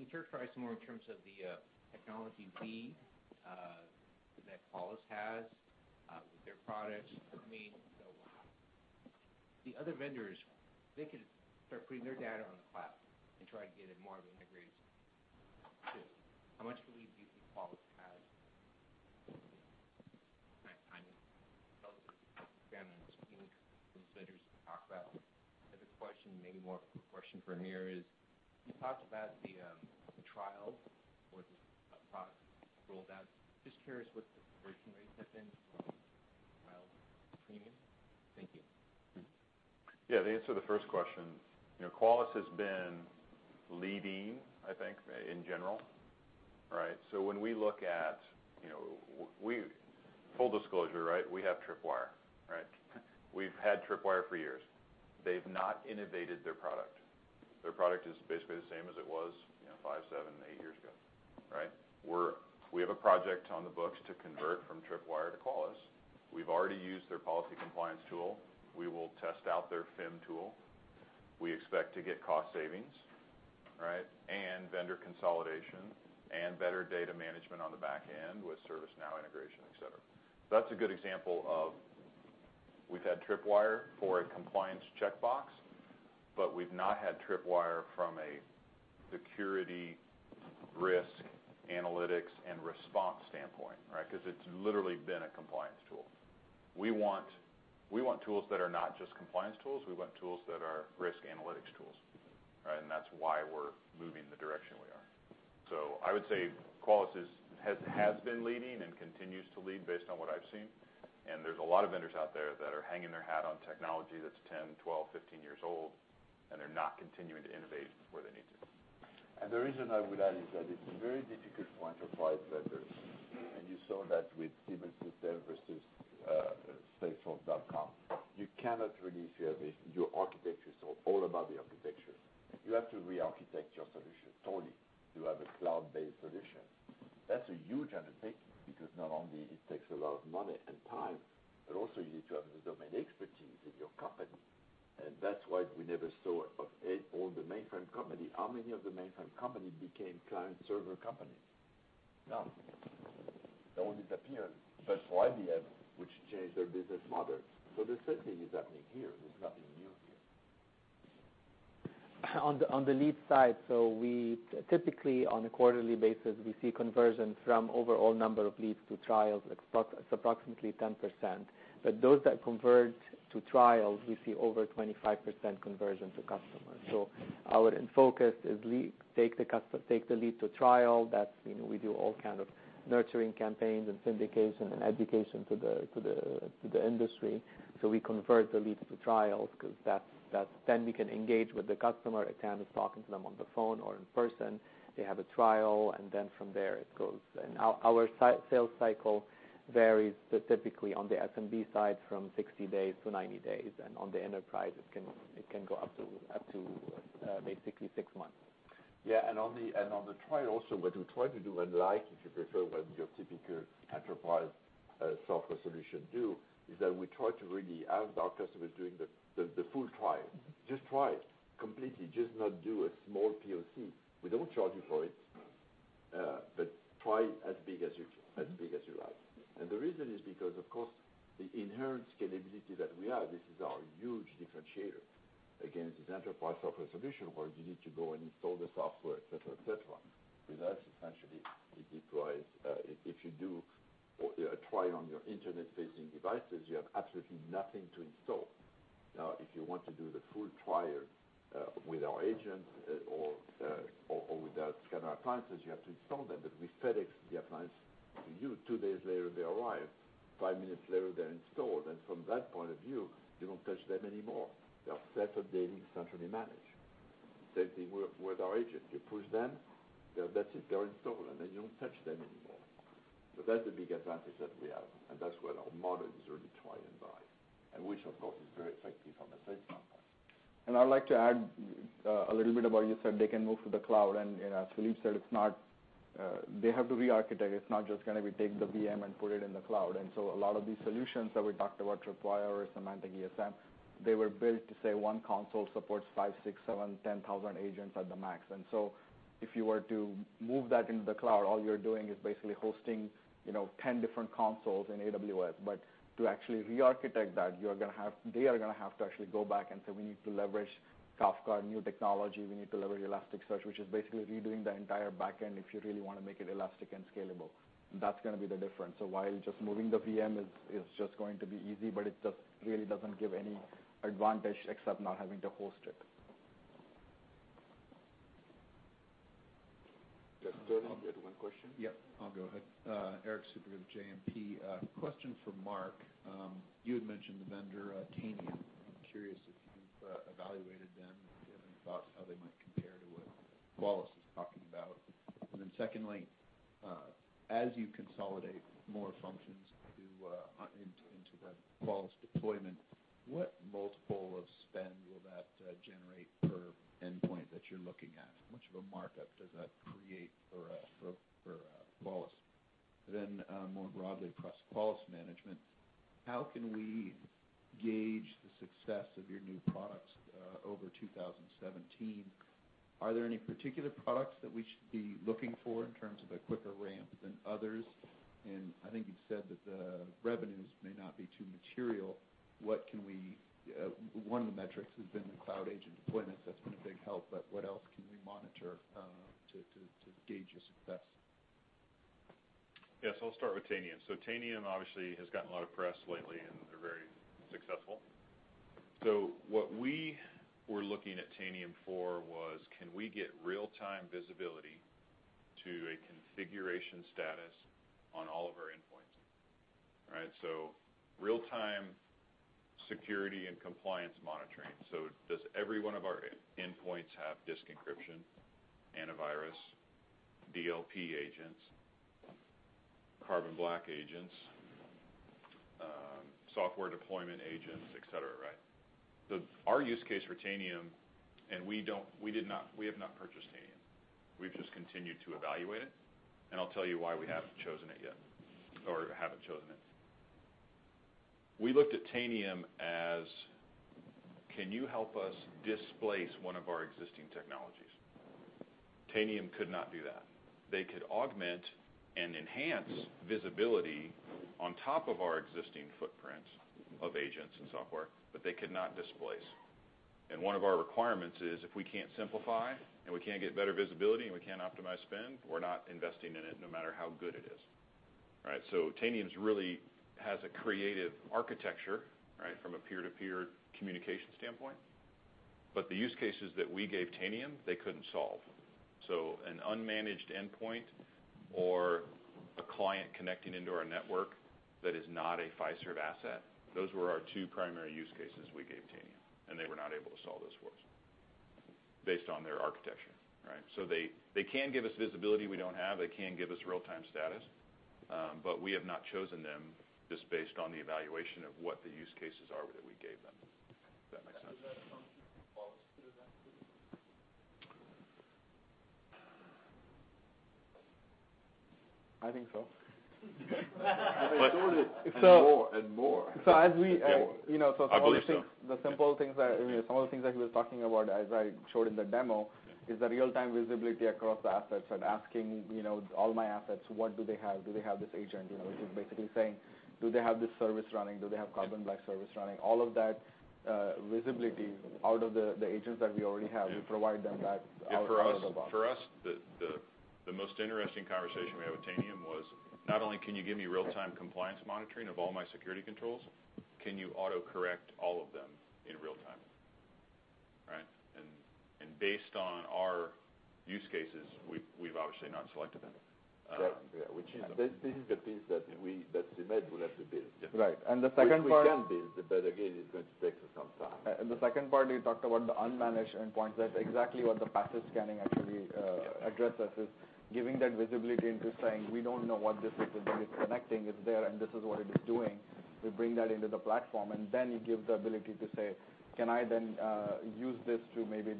you characterize more in terms of the technology lead that Qualys has with their products? For me, the other vendors, they could start putting their data on the cloud and try to get it more of an integration, too. How much of a lead do you think Qualys has in terms of timing relative to competitors you talk about? The other question, maybe more of a question for Amer, is you talked about the trials for the product rollouts. Just curious what the conversion rates have been from trials to premium. Thank you. Yeah. The answer to the first question, Qualys has been leading, I think, in general. Right? Full disclosure, we have Tripwire. We've had Tripwire for years. They've not innovated their product. Their product is basically the same as it was five, seven, eight years ago. Right? We have a project on the books to convert from Tripwire to Qualys. We've already used their policy compliance tool. We will test out their FIM tool. We expect to get cost savings, and vendor consolidation, and better data management on the back end with ServiceNow integration, et cetera. That's a good example of we've had Tripwire for a compliance checkbox, but we've not had Tripwire from a security, risk, analytics, and response standpoint. It's literally been a compliance tool. We want tools that are not just compliance tools. We want tools that are risk analytics tools. That's why we're moving the direction we are. I would say Qualys has been leading and continues to lead based on what I've seen, and there's a lot of vendors out there that are hanging their hat on technology that's 10, 12, 15 years old, and they're not continuing to innovate where they need to. The reason I would add is that it's a very difficult point to apply vendors, and you saw that with Siebel with their versus Salesforce. You cannot really feel your architectures or all about the architectures. You have to re-architect your solution totally to have a cloud-based solution. That's a huge undertaking because not only it takes a lot of money and time, but also you need to have the domain expertise in your company. That's why we never saw of all the mainframe company, how many of the mainframe company became client server company? None. They all disappeared. IBM, which changed their business model. The same thing is happening here. There's nothing new here. On the lead side, we typically, on a quarterly basis, we see conversion from overall number of leads to trials. It's approximately 10%, but those that convert to trials, we see over 25% conversion to customers. Our focus is take the lead to trial. We do all kind of nurturing campaigns and syndication and education to the industry. We convert the leads to trials because then we can engage with the customer. A TAM is talking to them on the phone or in person. They have a trial, and then from there it goes. Our sales cycle varies specifically on the SMB side from 60 days to 90 days, and on the enterprise it can go up to basically 6 months. On the trial also, what we try to do and like, if you prefer, what your typical enterprise software solution do, is that we try to really have our customers doing the full trial. Just try it completely. Just not do a small POC. We don't charge you for it, but try as big as you like. The reason is because, of course, the inherent scalability that we have, this is our huge differentiator against this enterprise software solution, where you need to go and install the software, et cetera. With us, essentially, it deploys. If you do a trial on your internet-facing devices, you have absolutely nothing to install. Now, if you want to do the full trial with our agents or with our scanner appliances, you have to install them, but we FedEx the appliance to you. Two days later, they arrive. Five minutes later, they're installed, and from that point of view, you don't touch them anymore. They are self-updating, centrally managed. Same thing with our agent. You push them, that's it. They're installed, and then you don't touch them anymore. That's a big advantage that we have, and that's where our model is really try and buy, and which of course, is very effective on the sales process. I'd like to add a little bit about, you said they can move to the cloud, and as Philippe said, they have to re-architect it. It's not just going to be take the VM and put it in the cloud. A lot of these solutions that we talked about, Tripwire or Symantec ESM, they were built to say one console supports five, six, seven, 10,000 agents at the max. If you were to move that into the cloud, all you're doing is basically hosting 10 different consoles in AWS. To actually re-architect that, they are going to have to actually go back and say, "We need to leverage CloudGuard, new technology. We need to leverage Elasticsearch," which is basically redoing the entire back end if you really want to make it elastic and scalable. That's going to be the difference. While just moving the VM is just going to be easy, it just really doesn't give any advantage except not having to host it. Just one question? Yeah, I'll go ahead. Erik Suppiger of JMP. A question for Mark. You had mentioned the vendor, Tanium. I'm curious if you've evaluated them, if you have any thoughts how they might compare to what Qualys is talking about. Secondly, as you consolidate more functions into that Qualys deployment, what multiple of spend will that generate per endpoint that you're looking at? How much of a markup does that create for Qualys? More broadly across Qualys management, how can we gauge the success of your new products over 2017? Are there any particular products that we should be looking for in terms of a quicker ramp than others? I think you said that the revenues may not be too material. One of the metrics has been the Cloud Agent deployments, that's been a big help, what else can we monitor to gauge your success? Yeah. I'll start with Tanium. Tanium obviously has gotten a lot of press lately, and they're very successful. What we were looking at Tanium for was, can we get real-time visibility to a configuration status on all of our endpoints? Real-time security and compliance monitoring. Does every one of our endpoints have disk encryption, antivirus, DLP agents, Carbon Black agents, software deployment agents, et cetera? Our use case for Tanium. We have not purchased Tanium. We've just continued to evaluate it. I'll tell you why we haven't chosen it yet, or haven't chosen it. We looked at Tanium as, can you help us displace one of our existing technologies? Tanium could not do that. They could augment and enhance visibility on top of our existing footprint of agents and software, they could not displace. One of our requirements is, if we can't simplify. We can't get better visibility. We can't optimize spend, we're not investing in it no matter how good it is. Tanium really has a creative architecture from a peer-to-peer communication standpoint. The use cases that we gave Tanium, they couldn't solve. An unmanaged endpoint or a client connecting into our network that is not a Fiserv asset, those were our two primary use cases we gave Tanium. They were not able to solve those for us based on their architecture. They can give us visibility we don't have. They can give us real-time status. We have not chosen them just based on the evaluation of what the use cases are that we gave them. If that makes sense. Is that something Qualys could do then? I think so. More, and more. So as we- I believe so. Some of the things that he was talking about, as I showed in the demo, is the real-time visibility across the assets and asking all my assets, what do they have? Do they have this agent? Which is basically saying, do they have this service running? Do they have Carbon Black service running? All of that visibility out of the agents that we already have, we provide them that out-of-the-box. For us, the most interesting conversation we had with Tanium was not only can you give me real-time compliance monitoring of all my security controls, can you autocorrect all of them in real time? Based on our use cases, we've obviously not selected them. Which is the piece that Sumedh will have to build. Right. The second part- We can build, but again, it's going to take us some time. The second part, he talked about the unmanaged endpoint. That's exactly what the passive scanning actually addresses, is giving that visibility into saying, "We don't know what this is, but it's connecting, it's there, and this is what it is doing." We bring that into the platform, and then you give the ability to say, "Can I then use this to maybe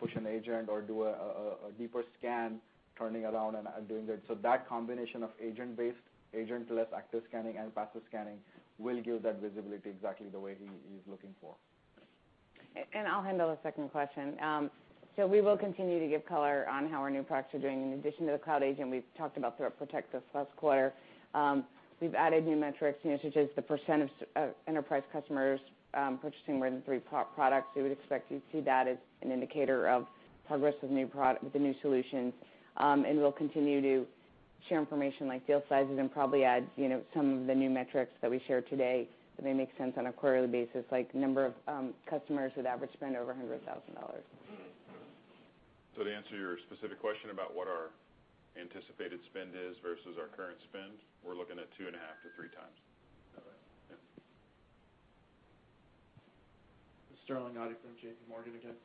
push an agent or do a deeper scan," turning around and doing that. That combination of agent-based, agentless active scanning, and passive scanning will give that visibility exactly the way he's looking for. I'll handle the second question. We will continue to give color on how our new products are doing. In addition to the Cloud Agent we've talked about throughout Protect this last quarter. We've added new metrics, such as the % of enterprise customers purchasing more than three products. We would expect you to see that as an indicator of progress with the new solutions. We'll continue to share information like deal sizes and probably add some of the new metrics that we shared today, if they make sense on a quarterly basis, like number of customers with average spend over $100,000. To answer your specific question about what our anticipated spend is versus our current spend, we're looking at two and a half to three times. Okay. Yeah. Sterling Auty from JPMorgan again.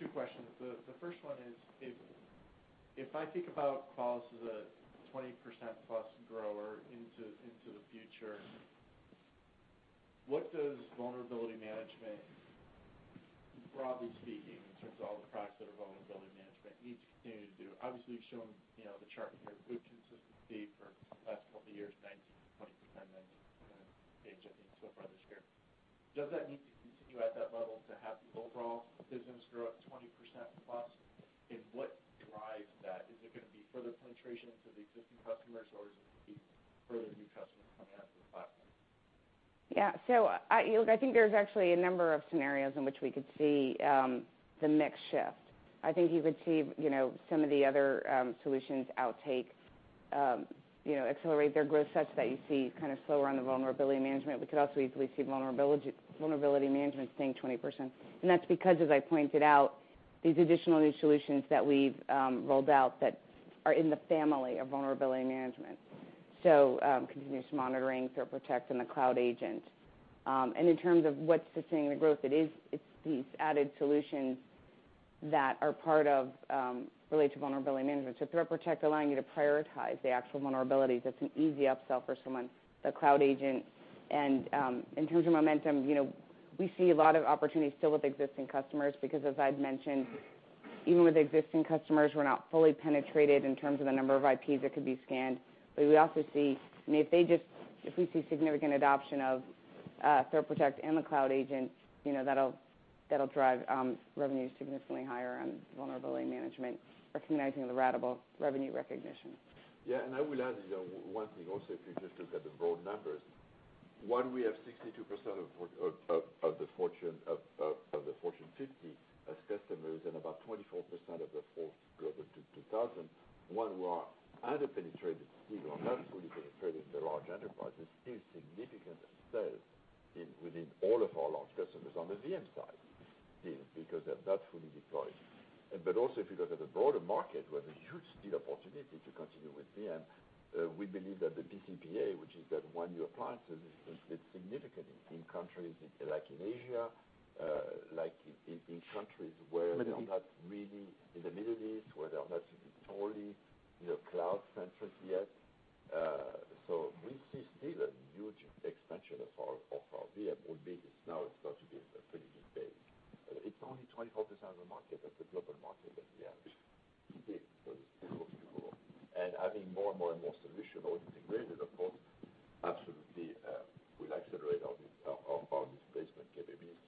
Two questions. The first one is, if I think about Qualys as a 20%+ grower into the future, what does vulnerability management, broadly speaking, in terms of all the products that are vulnerability management, need to continue to do? Obviously, you've shown the chart here, good consistency for the last couple of years, [19%-20%]. *audio distortion* Does that need to continue at that level to have the overall business grow at 20%+, and what drives that? Is it going to be further penetration into the existing customers, or is it going to be further new customers coming onto the platform? Yeah. I think there's actually a number of scenarios in which we could see the mix shift. I think you could see some of the other solutions outpace Accelerate their growth such that you see slower on the vulnerability management. We could also easily see vulnerability management staying 20%. That's because, as I pointed out, these additional new solutions that we've rolled out that are in the family of vulnerability management, Continuous Monitoring, ThreatPROTECT, and the Cloud Agent. In terms of what's sustaining the growth, it's these added solutions that are part of related to vulnerability management. ThreatPROTECT allowing you to prioritize the actual vulnerabilities, that's an easy upsell for someone, the Cloud Agent. In terms of momentum, we see a lot of opportunities still with existing customers because as I'd mentioned, even with existing customers, we're not fully penetrated in terms of the number of IPs that could be scanned. We also see, if we see significant adoption of ThreatPROTECT and the Cloud Agent, that'll drive revenues significantly higher on vulnerability management, recognizing the ratable revenue recognition. Yeah. I will add, one thing also, if you just look at the broad numbers, one, we have 62% of the Fortune 50 as customers and about 24% of the full Forbes Global 2000. One, we are under-penetrated still, or not fully penetrated in the large enterprises, still significant sales within all of our large customers on the VM side still, because they're not fully deployed. Also, if you look at the broader market, we have a huge still opportunity to continue with VM. We believe that the PCPA, which is that one new appliance, is significant in countries like in Asia, like in countries where they are not really. Middle East In the Middle East, where they are not totally cloud-centric yet. We see still a huge expansion of our VM, albeit it's now starting to be at a pretty good base. It's only 24% of the market, that's a global market at the end, still. There's still room to grow. Adding more and more solution or integrated, of course, absolutely will accelerate our displacement capabilities.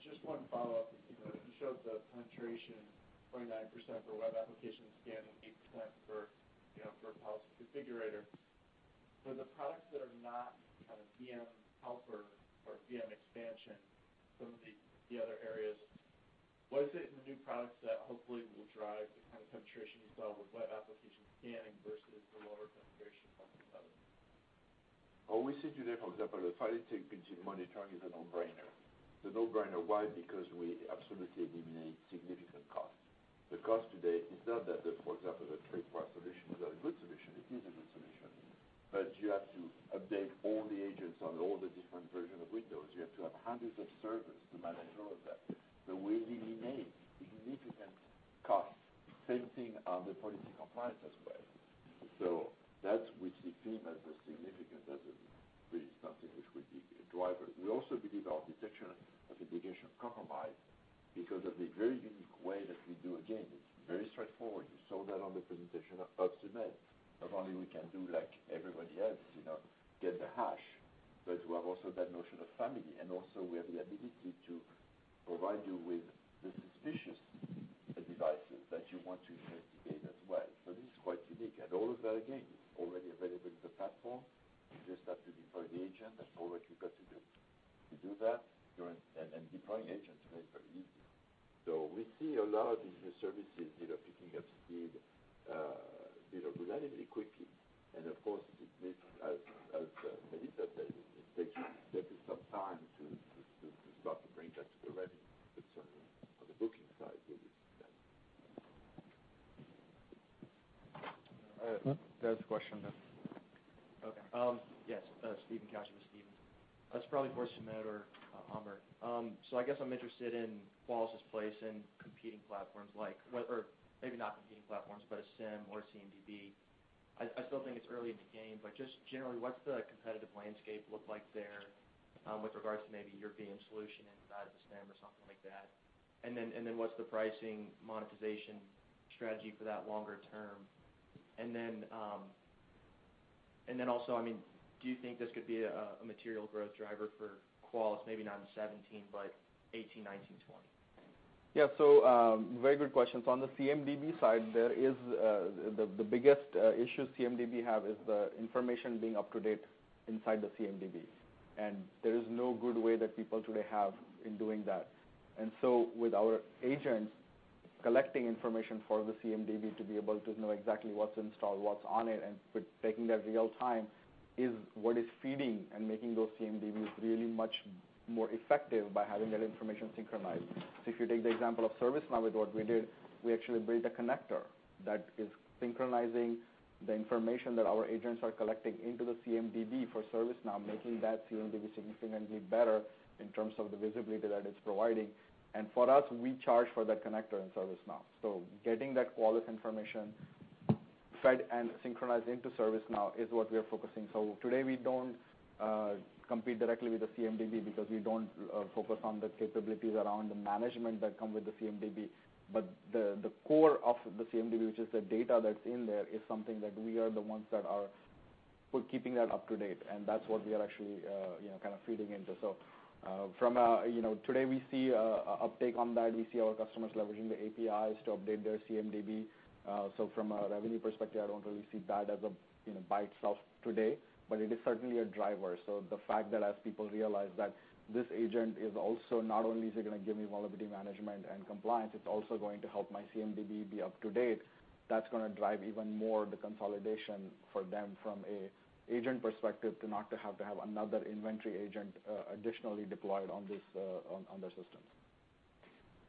Just one follow-up. You showed the penetration, 29% for web application scanning, 8% for policy configurator. For the products that are not kind of VM helper or VM expansion, some of the other areas, what is it in the new products that hopefully will drive the kind of penetration you saw with web application scanning versus the lower penetration on some others? What we see today, for example, the file integrity monitoring is a no-brainer. It's a no-brainer, why? Because we absolutely eliminate significant cost. The cost today, it's not that the, for example, the third-party solution is not a good solution. It is a good solution, but you have to update all the agents on all the different version of Windows. You have to have hundreds of servers to manage all of that. We eliminate significant cost. Same thing on the policy compliance as well. That we see FIM as a significant, as really something which will be a driver. We also believe our detection of indication of compromise because of the very unique way that we do, again, it's very straightforward. You saw that on the presentation of Sumedh. Not only we can do like everybody else, get the hash, but we have also that notion of family, and also we have the ability to provide you with the suspicious devices that you want to investigate as well. This is quite unique and all of that, again, is already available in the platform. You just have to deploy the agent. That's all that you got to do. You do that, and deploying agents today is very easy. We see a lot of these new services, picking up speed relatively quickly. Of course, as Melissa said, it takes some time to start to bring that to the revenue. Certainly, on the booking side, we will see that. I have a question. Okay. Yes. Steven Kasch with Stephens. It's probably for Sumedh or Amer Deeba. I guess I'm interested in Qualys' place in competing platforms like, or maybe not competing platforms, but a SIEM or CMDB. I still think it's early in the game, but just generally, what's the competitive landscape look like there, with regards to maybe your VM solution inside the SIEM or something like that? What's the pricing monetization strategy for that longer term? Also, do you think this could be a material growth driver for Qualys? Maybe not in 2017, but 2018, 2019, 2020. Yeah. Very good questions. On the CMDB side, the biggest issue CMDB have is the information being up to date inside the CMDB, and there is no good way that people today have in doing that. With our agents collecting information for the CMDB to be able to know exactly what's installed, what's on it, and taking that real time is what is feeding and making those CMDBs really much more effective by having that information synchronized. If you take the example of ServiceNow with what we did, we actually built a connector that is synchronizing the information that our agents are collecting into the CMDB for ServiceNow, making that CMDB significantly better in terms of the visibility that it's providing. For us, we charge for that connector in ServiceNow. Getting that Qualys information fed and synchronized into ServiceNow is what we are focusing. Today we don't compete directly with the CMDB because we don't focus on the capabilities around the management that come with the CMDB. The core of the CMDB, which is the data that's in there, is something that we are the ones that are keeping that up to date, and that's what we are actually feeding into. Today we see uptake on that. We see our customers leveraging the APIs to update their CMDB. From a revenue perspective, I don't really see that by itself today, but it is certainly a driver. The fact that as people realize that this agent is also not only is it going to give me vulnerability management and compliance, it's also going to help my CMDB be up to date. That's going to drive even more the consolidation for them from a agent perspective to not to have to have another inventory agent additionally deployed on their systems.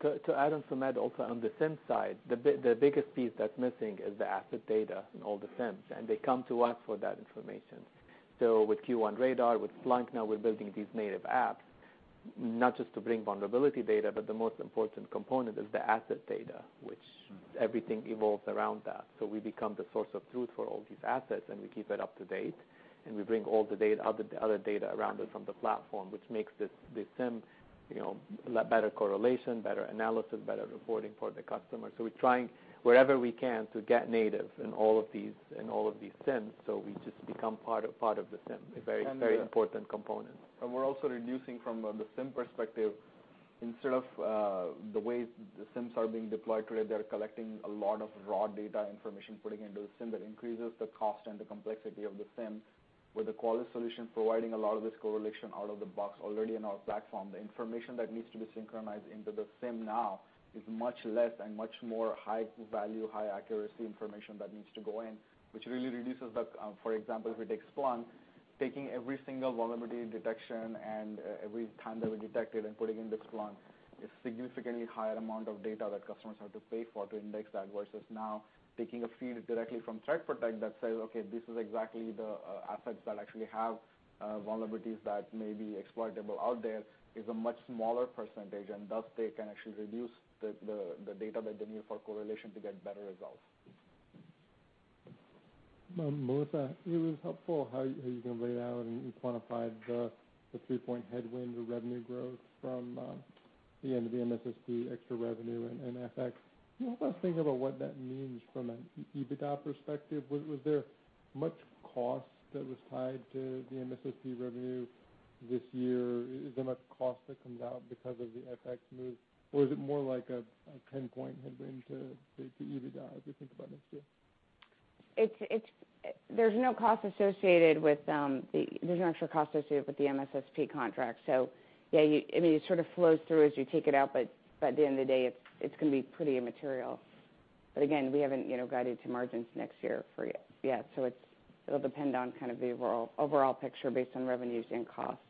To add on, Sumedh, also on the SIEM side, the biggest piece that's missing is the asset data in all the SIEMs, and they come to us for that information. With QRadar, with Splunk now, we're building these native apps, not just to bring vulnerability data, but the most important component is the asset data, which everything evolves around that. We become the source of truth for all these assets, and we keep it up to date, and we bring all the other data around it from the platform, which makes the SIEM better correlation, better analysis, better reporting for the customer. We're trying wherever we can to get native in all of these SIEMs, so we just become part of the SIEM, a very important component. We're also reducing from the SIEM perspective, instead of the way the SIEMs are being deployed today, they're collecting a lot of raw data information, putting into the SIEM that increases the cost and the complexity of the SIEM. With the Qualys solution, providing a lot of this correlation out of the box already in our platform, the information that needs to be synchronized into the SIEM now is much less and much more high value, high accuracy information that needs to go in, which really reduces that. For example, if we take Splunk, taking every single vulnerability detection and every time that we detect it and putting in the Splunk is significantly higher amount of data that customers have to pay for to index that versus now taking a feed directly from ThreatPROTECT that says, "Okay, this is exactly the assets that actually have vulnerabilities that may be exploitable out there," is a much smaller percentage, and thus they can actually reduce the data that they need for correlation to get better results. Melissa, it was helpful how you can lay it out, you quantified the three-point headwind to revenue growth from the end of the MSSP extra revenue and FX. Can you help us think about what that means from an EBITDA perspective? Was there much cost that was tied to the MSSP revenue this year? Is there much cost that comes out because of the FX move? Is it more like a 10-point headwind to EBITDA, as we think about next year? There's no extra cost associated with the MSSP contract. Yeah, it sort of flows through as you take it out, at the end of the day, it's going to be pretty immaterial. Again, we haven't guided to margins next year for you yet, it'll depend on kind of the overall picture based on revenues and costs.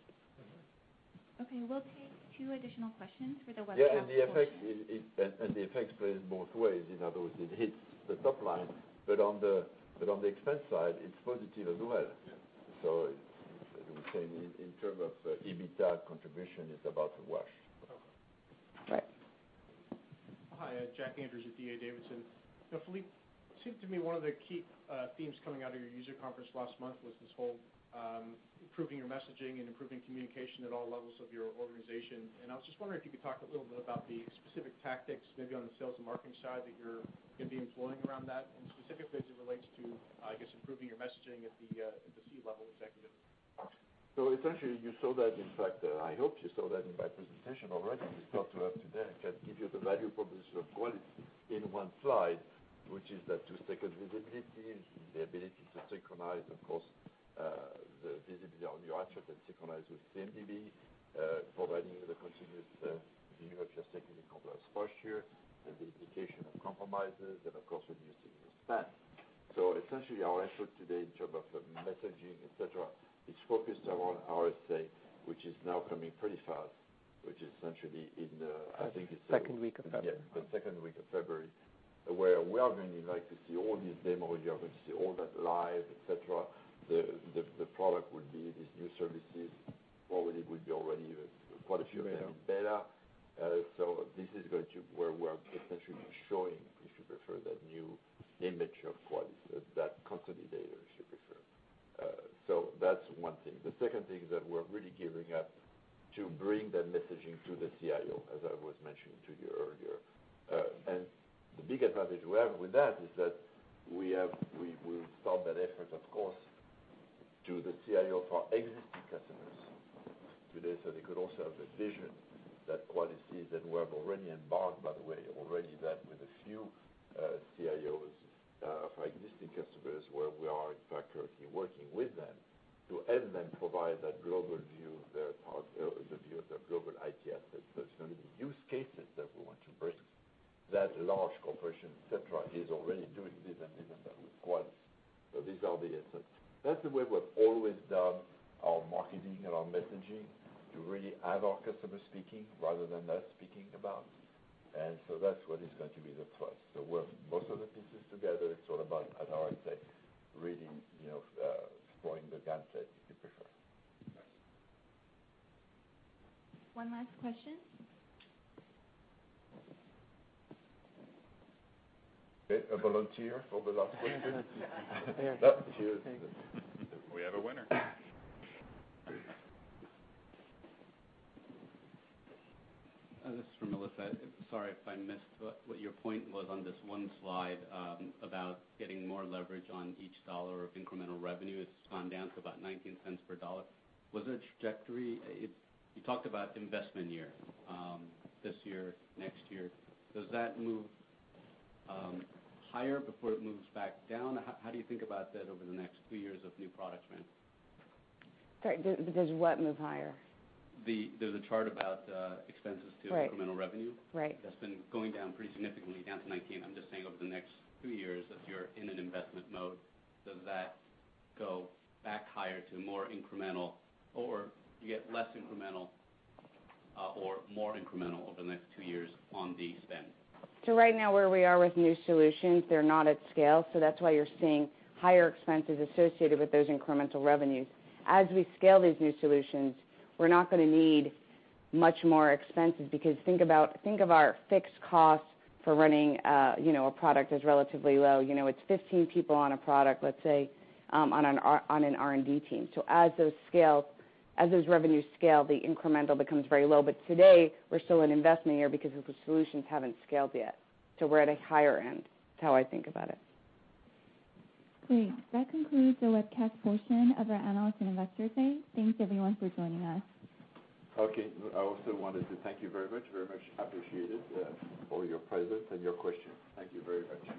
Okay, we'll take two additional questions for the webcast portion. Yeah, the effect plays both ways. In other words, it hits the top line, on the expense side, it's positive as well. Yeah. In terms of EBITDA contribution, it's about to wash. Okay. Right. Hi, Jack Andrews with D.A. Davidson. Philippe, seemed to me one of the key themes coming out of your user conference last month was this whole improving your messaging and improving communication at all levels of your organization. I was just wondering if you could talk a little bit about the specific tactics, maybe on the sales and marketing side, that you're going to be employing around that, and specifically as it relates to, I guess, improving your messaging at the C-level executive function. Essentially, you saw that, in fact, I hope you saw that in my presentation already. We talked about today, I can give you the value proposition of Qualys in one slide, which is that two-second visibility, the ability to synchronize, of course, the visibility on your asset and synchronize with CMDB, providing you the continuous view of your technical and compliance posture, and the indication of compromises, and of course, reducing your spend. Essentially, our effort today in terms of messaging, et cetera, is focused around RSA, which is now coming pretty fast, which is essentially in the, I think it's- Second week of February. Yeah, the second week of February, where we are going to see all these demos. You are going to see all that live, et cetera. The product will be these new services. Probably will be already quite a few of them in beta. This is where we're essentially showing, if you prefer, that new image of Qualys, that consolidator, if you prefer. That's one thing. The second thing is that we're really gearing up to bring that messaging to the CIO, as I was mentioning to you earlier. The big advantage we have with that is that we will start that effort, of course, to the CIO for existing customers today, so they could also have the vision that Qualys sees and we have already embarked, by the way, already that with a few CIOs for existing customers, where we are in fact currently working with them to help them provide that global view of their global IT assets. Those are going to be use cases that we want to bring. That large corporation, et cetera, is already doing this and using that with Qualys. These are the assets. That's the way we've always done our marketing and our messaging, to really have our customer speaking rather than us speaking about. That's what is going to be the thrust. We'll put most of the pieces together. It's all about, as I said, really throwing the gauntlet, if you prefer. One last question. Okay. A volunteer for the last question? Oh, here. We have a winner. This is for Melissa. Sorry if I missed what your point was on this one slide about getting more leverage on each dollar of incremental revenue. It's gone down to about $0.19 per dollar. Was there a trajectory? You talked about investment year, this year, next year. Does that move higher before it moves back down? How do you think about that over the next two years of new product ramp? Sorry, does what move higher? There's a chart about expenses to incremental revenue. Right. That's been going down pretty significantly, down to 19. I'm just saying over the next two years, as you're in an investment mode, does that go back higher to more incremental, or do you get less incremental or more incremental over the next two years on the spend? Right now, where we are with new solutions, they're not at scale, that's why you're seeing higher expenses associated with those incremental revenues. As we scale these new solutions, we're not going to need much more expenses, because think of our fixed costs for running a product is relatively low. It's 15 people on a product, let's say, on an R&D team. As those revenue scale, the incremental becomes very low. Today, we're still in investment year because the solutions haven't scaled yet. We're at a higher end, is how I think about it. Great. That concludes the webcast portion of our Analyst and Investor Day. Thanks everyone for joining us. Okay. I also wanted to thank you very much. Very much appreciated for your presence and your questions. Thank you very much.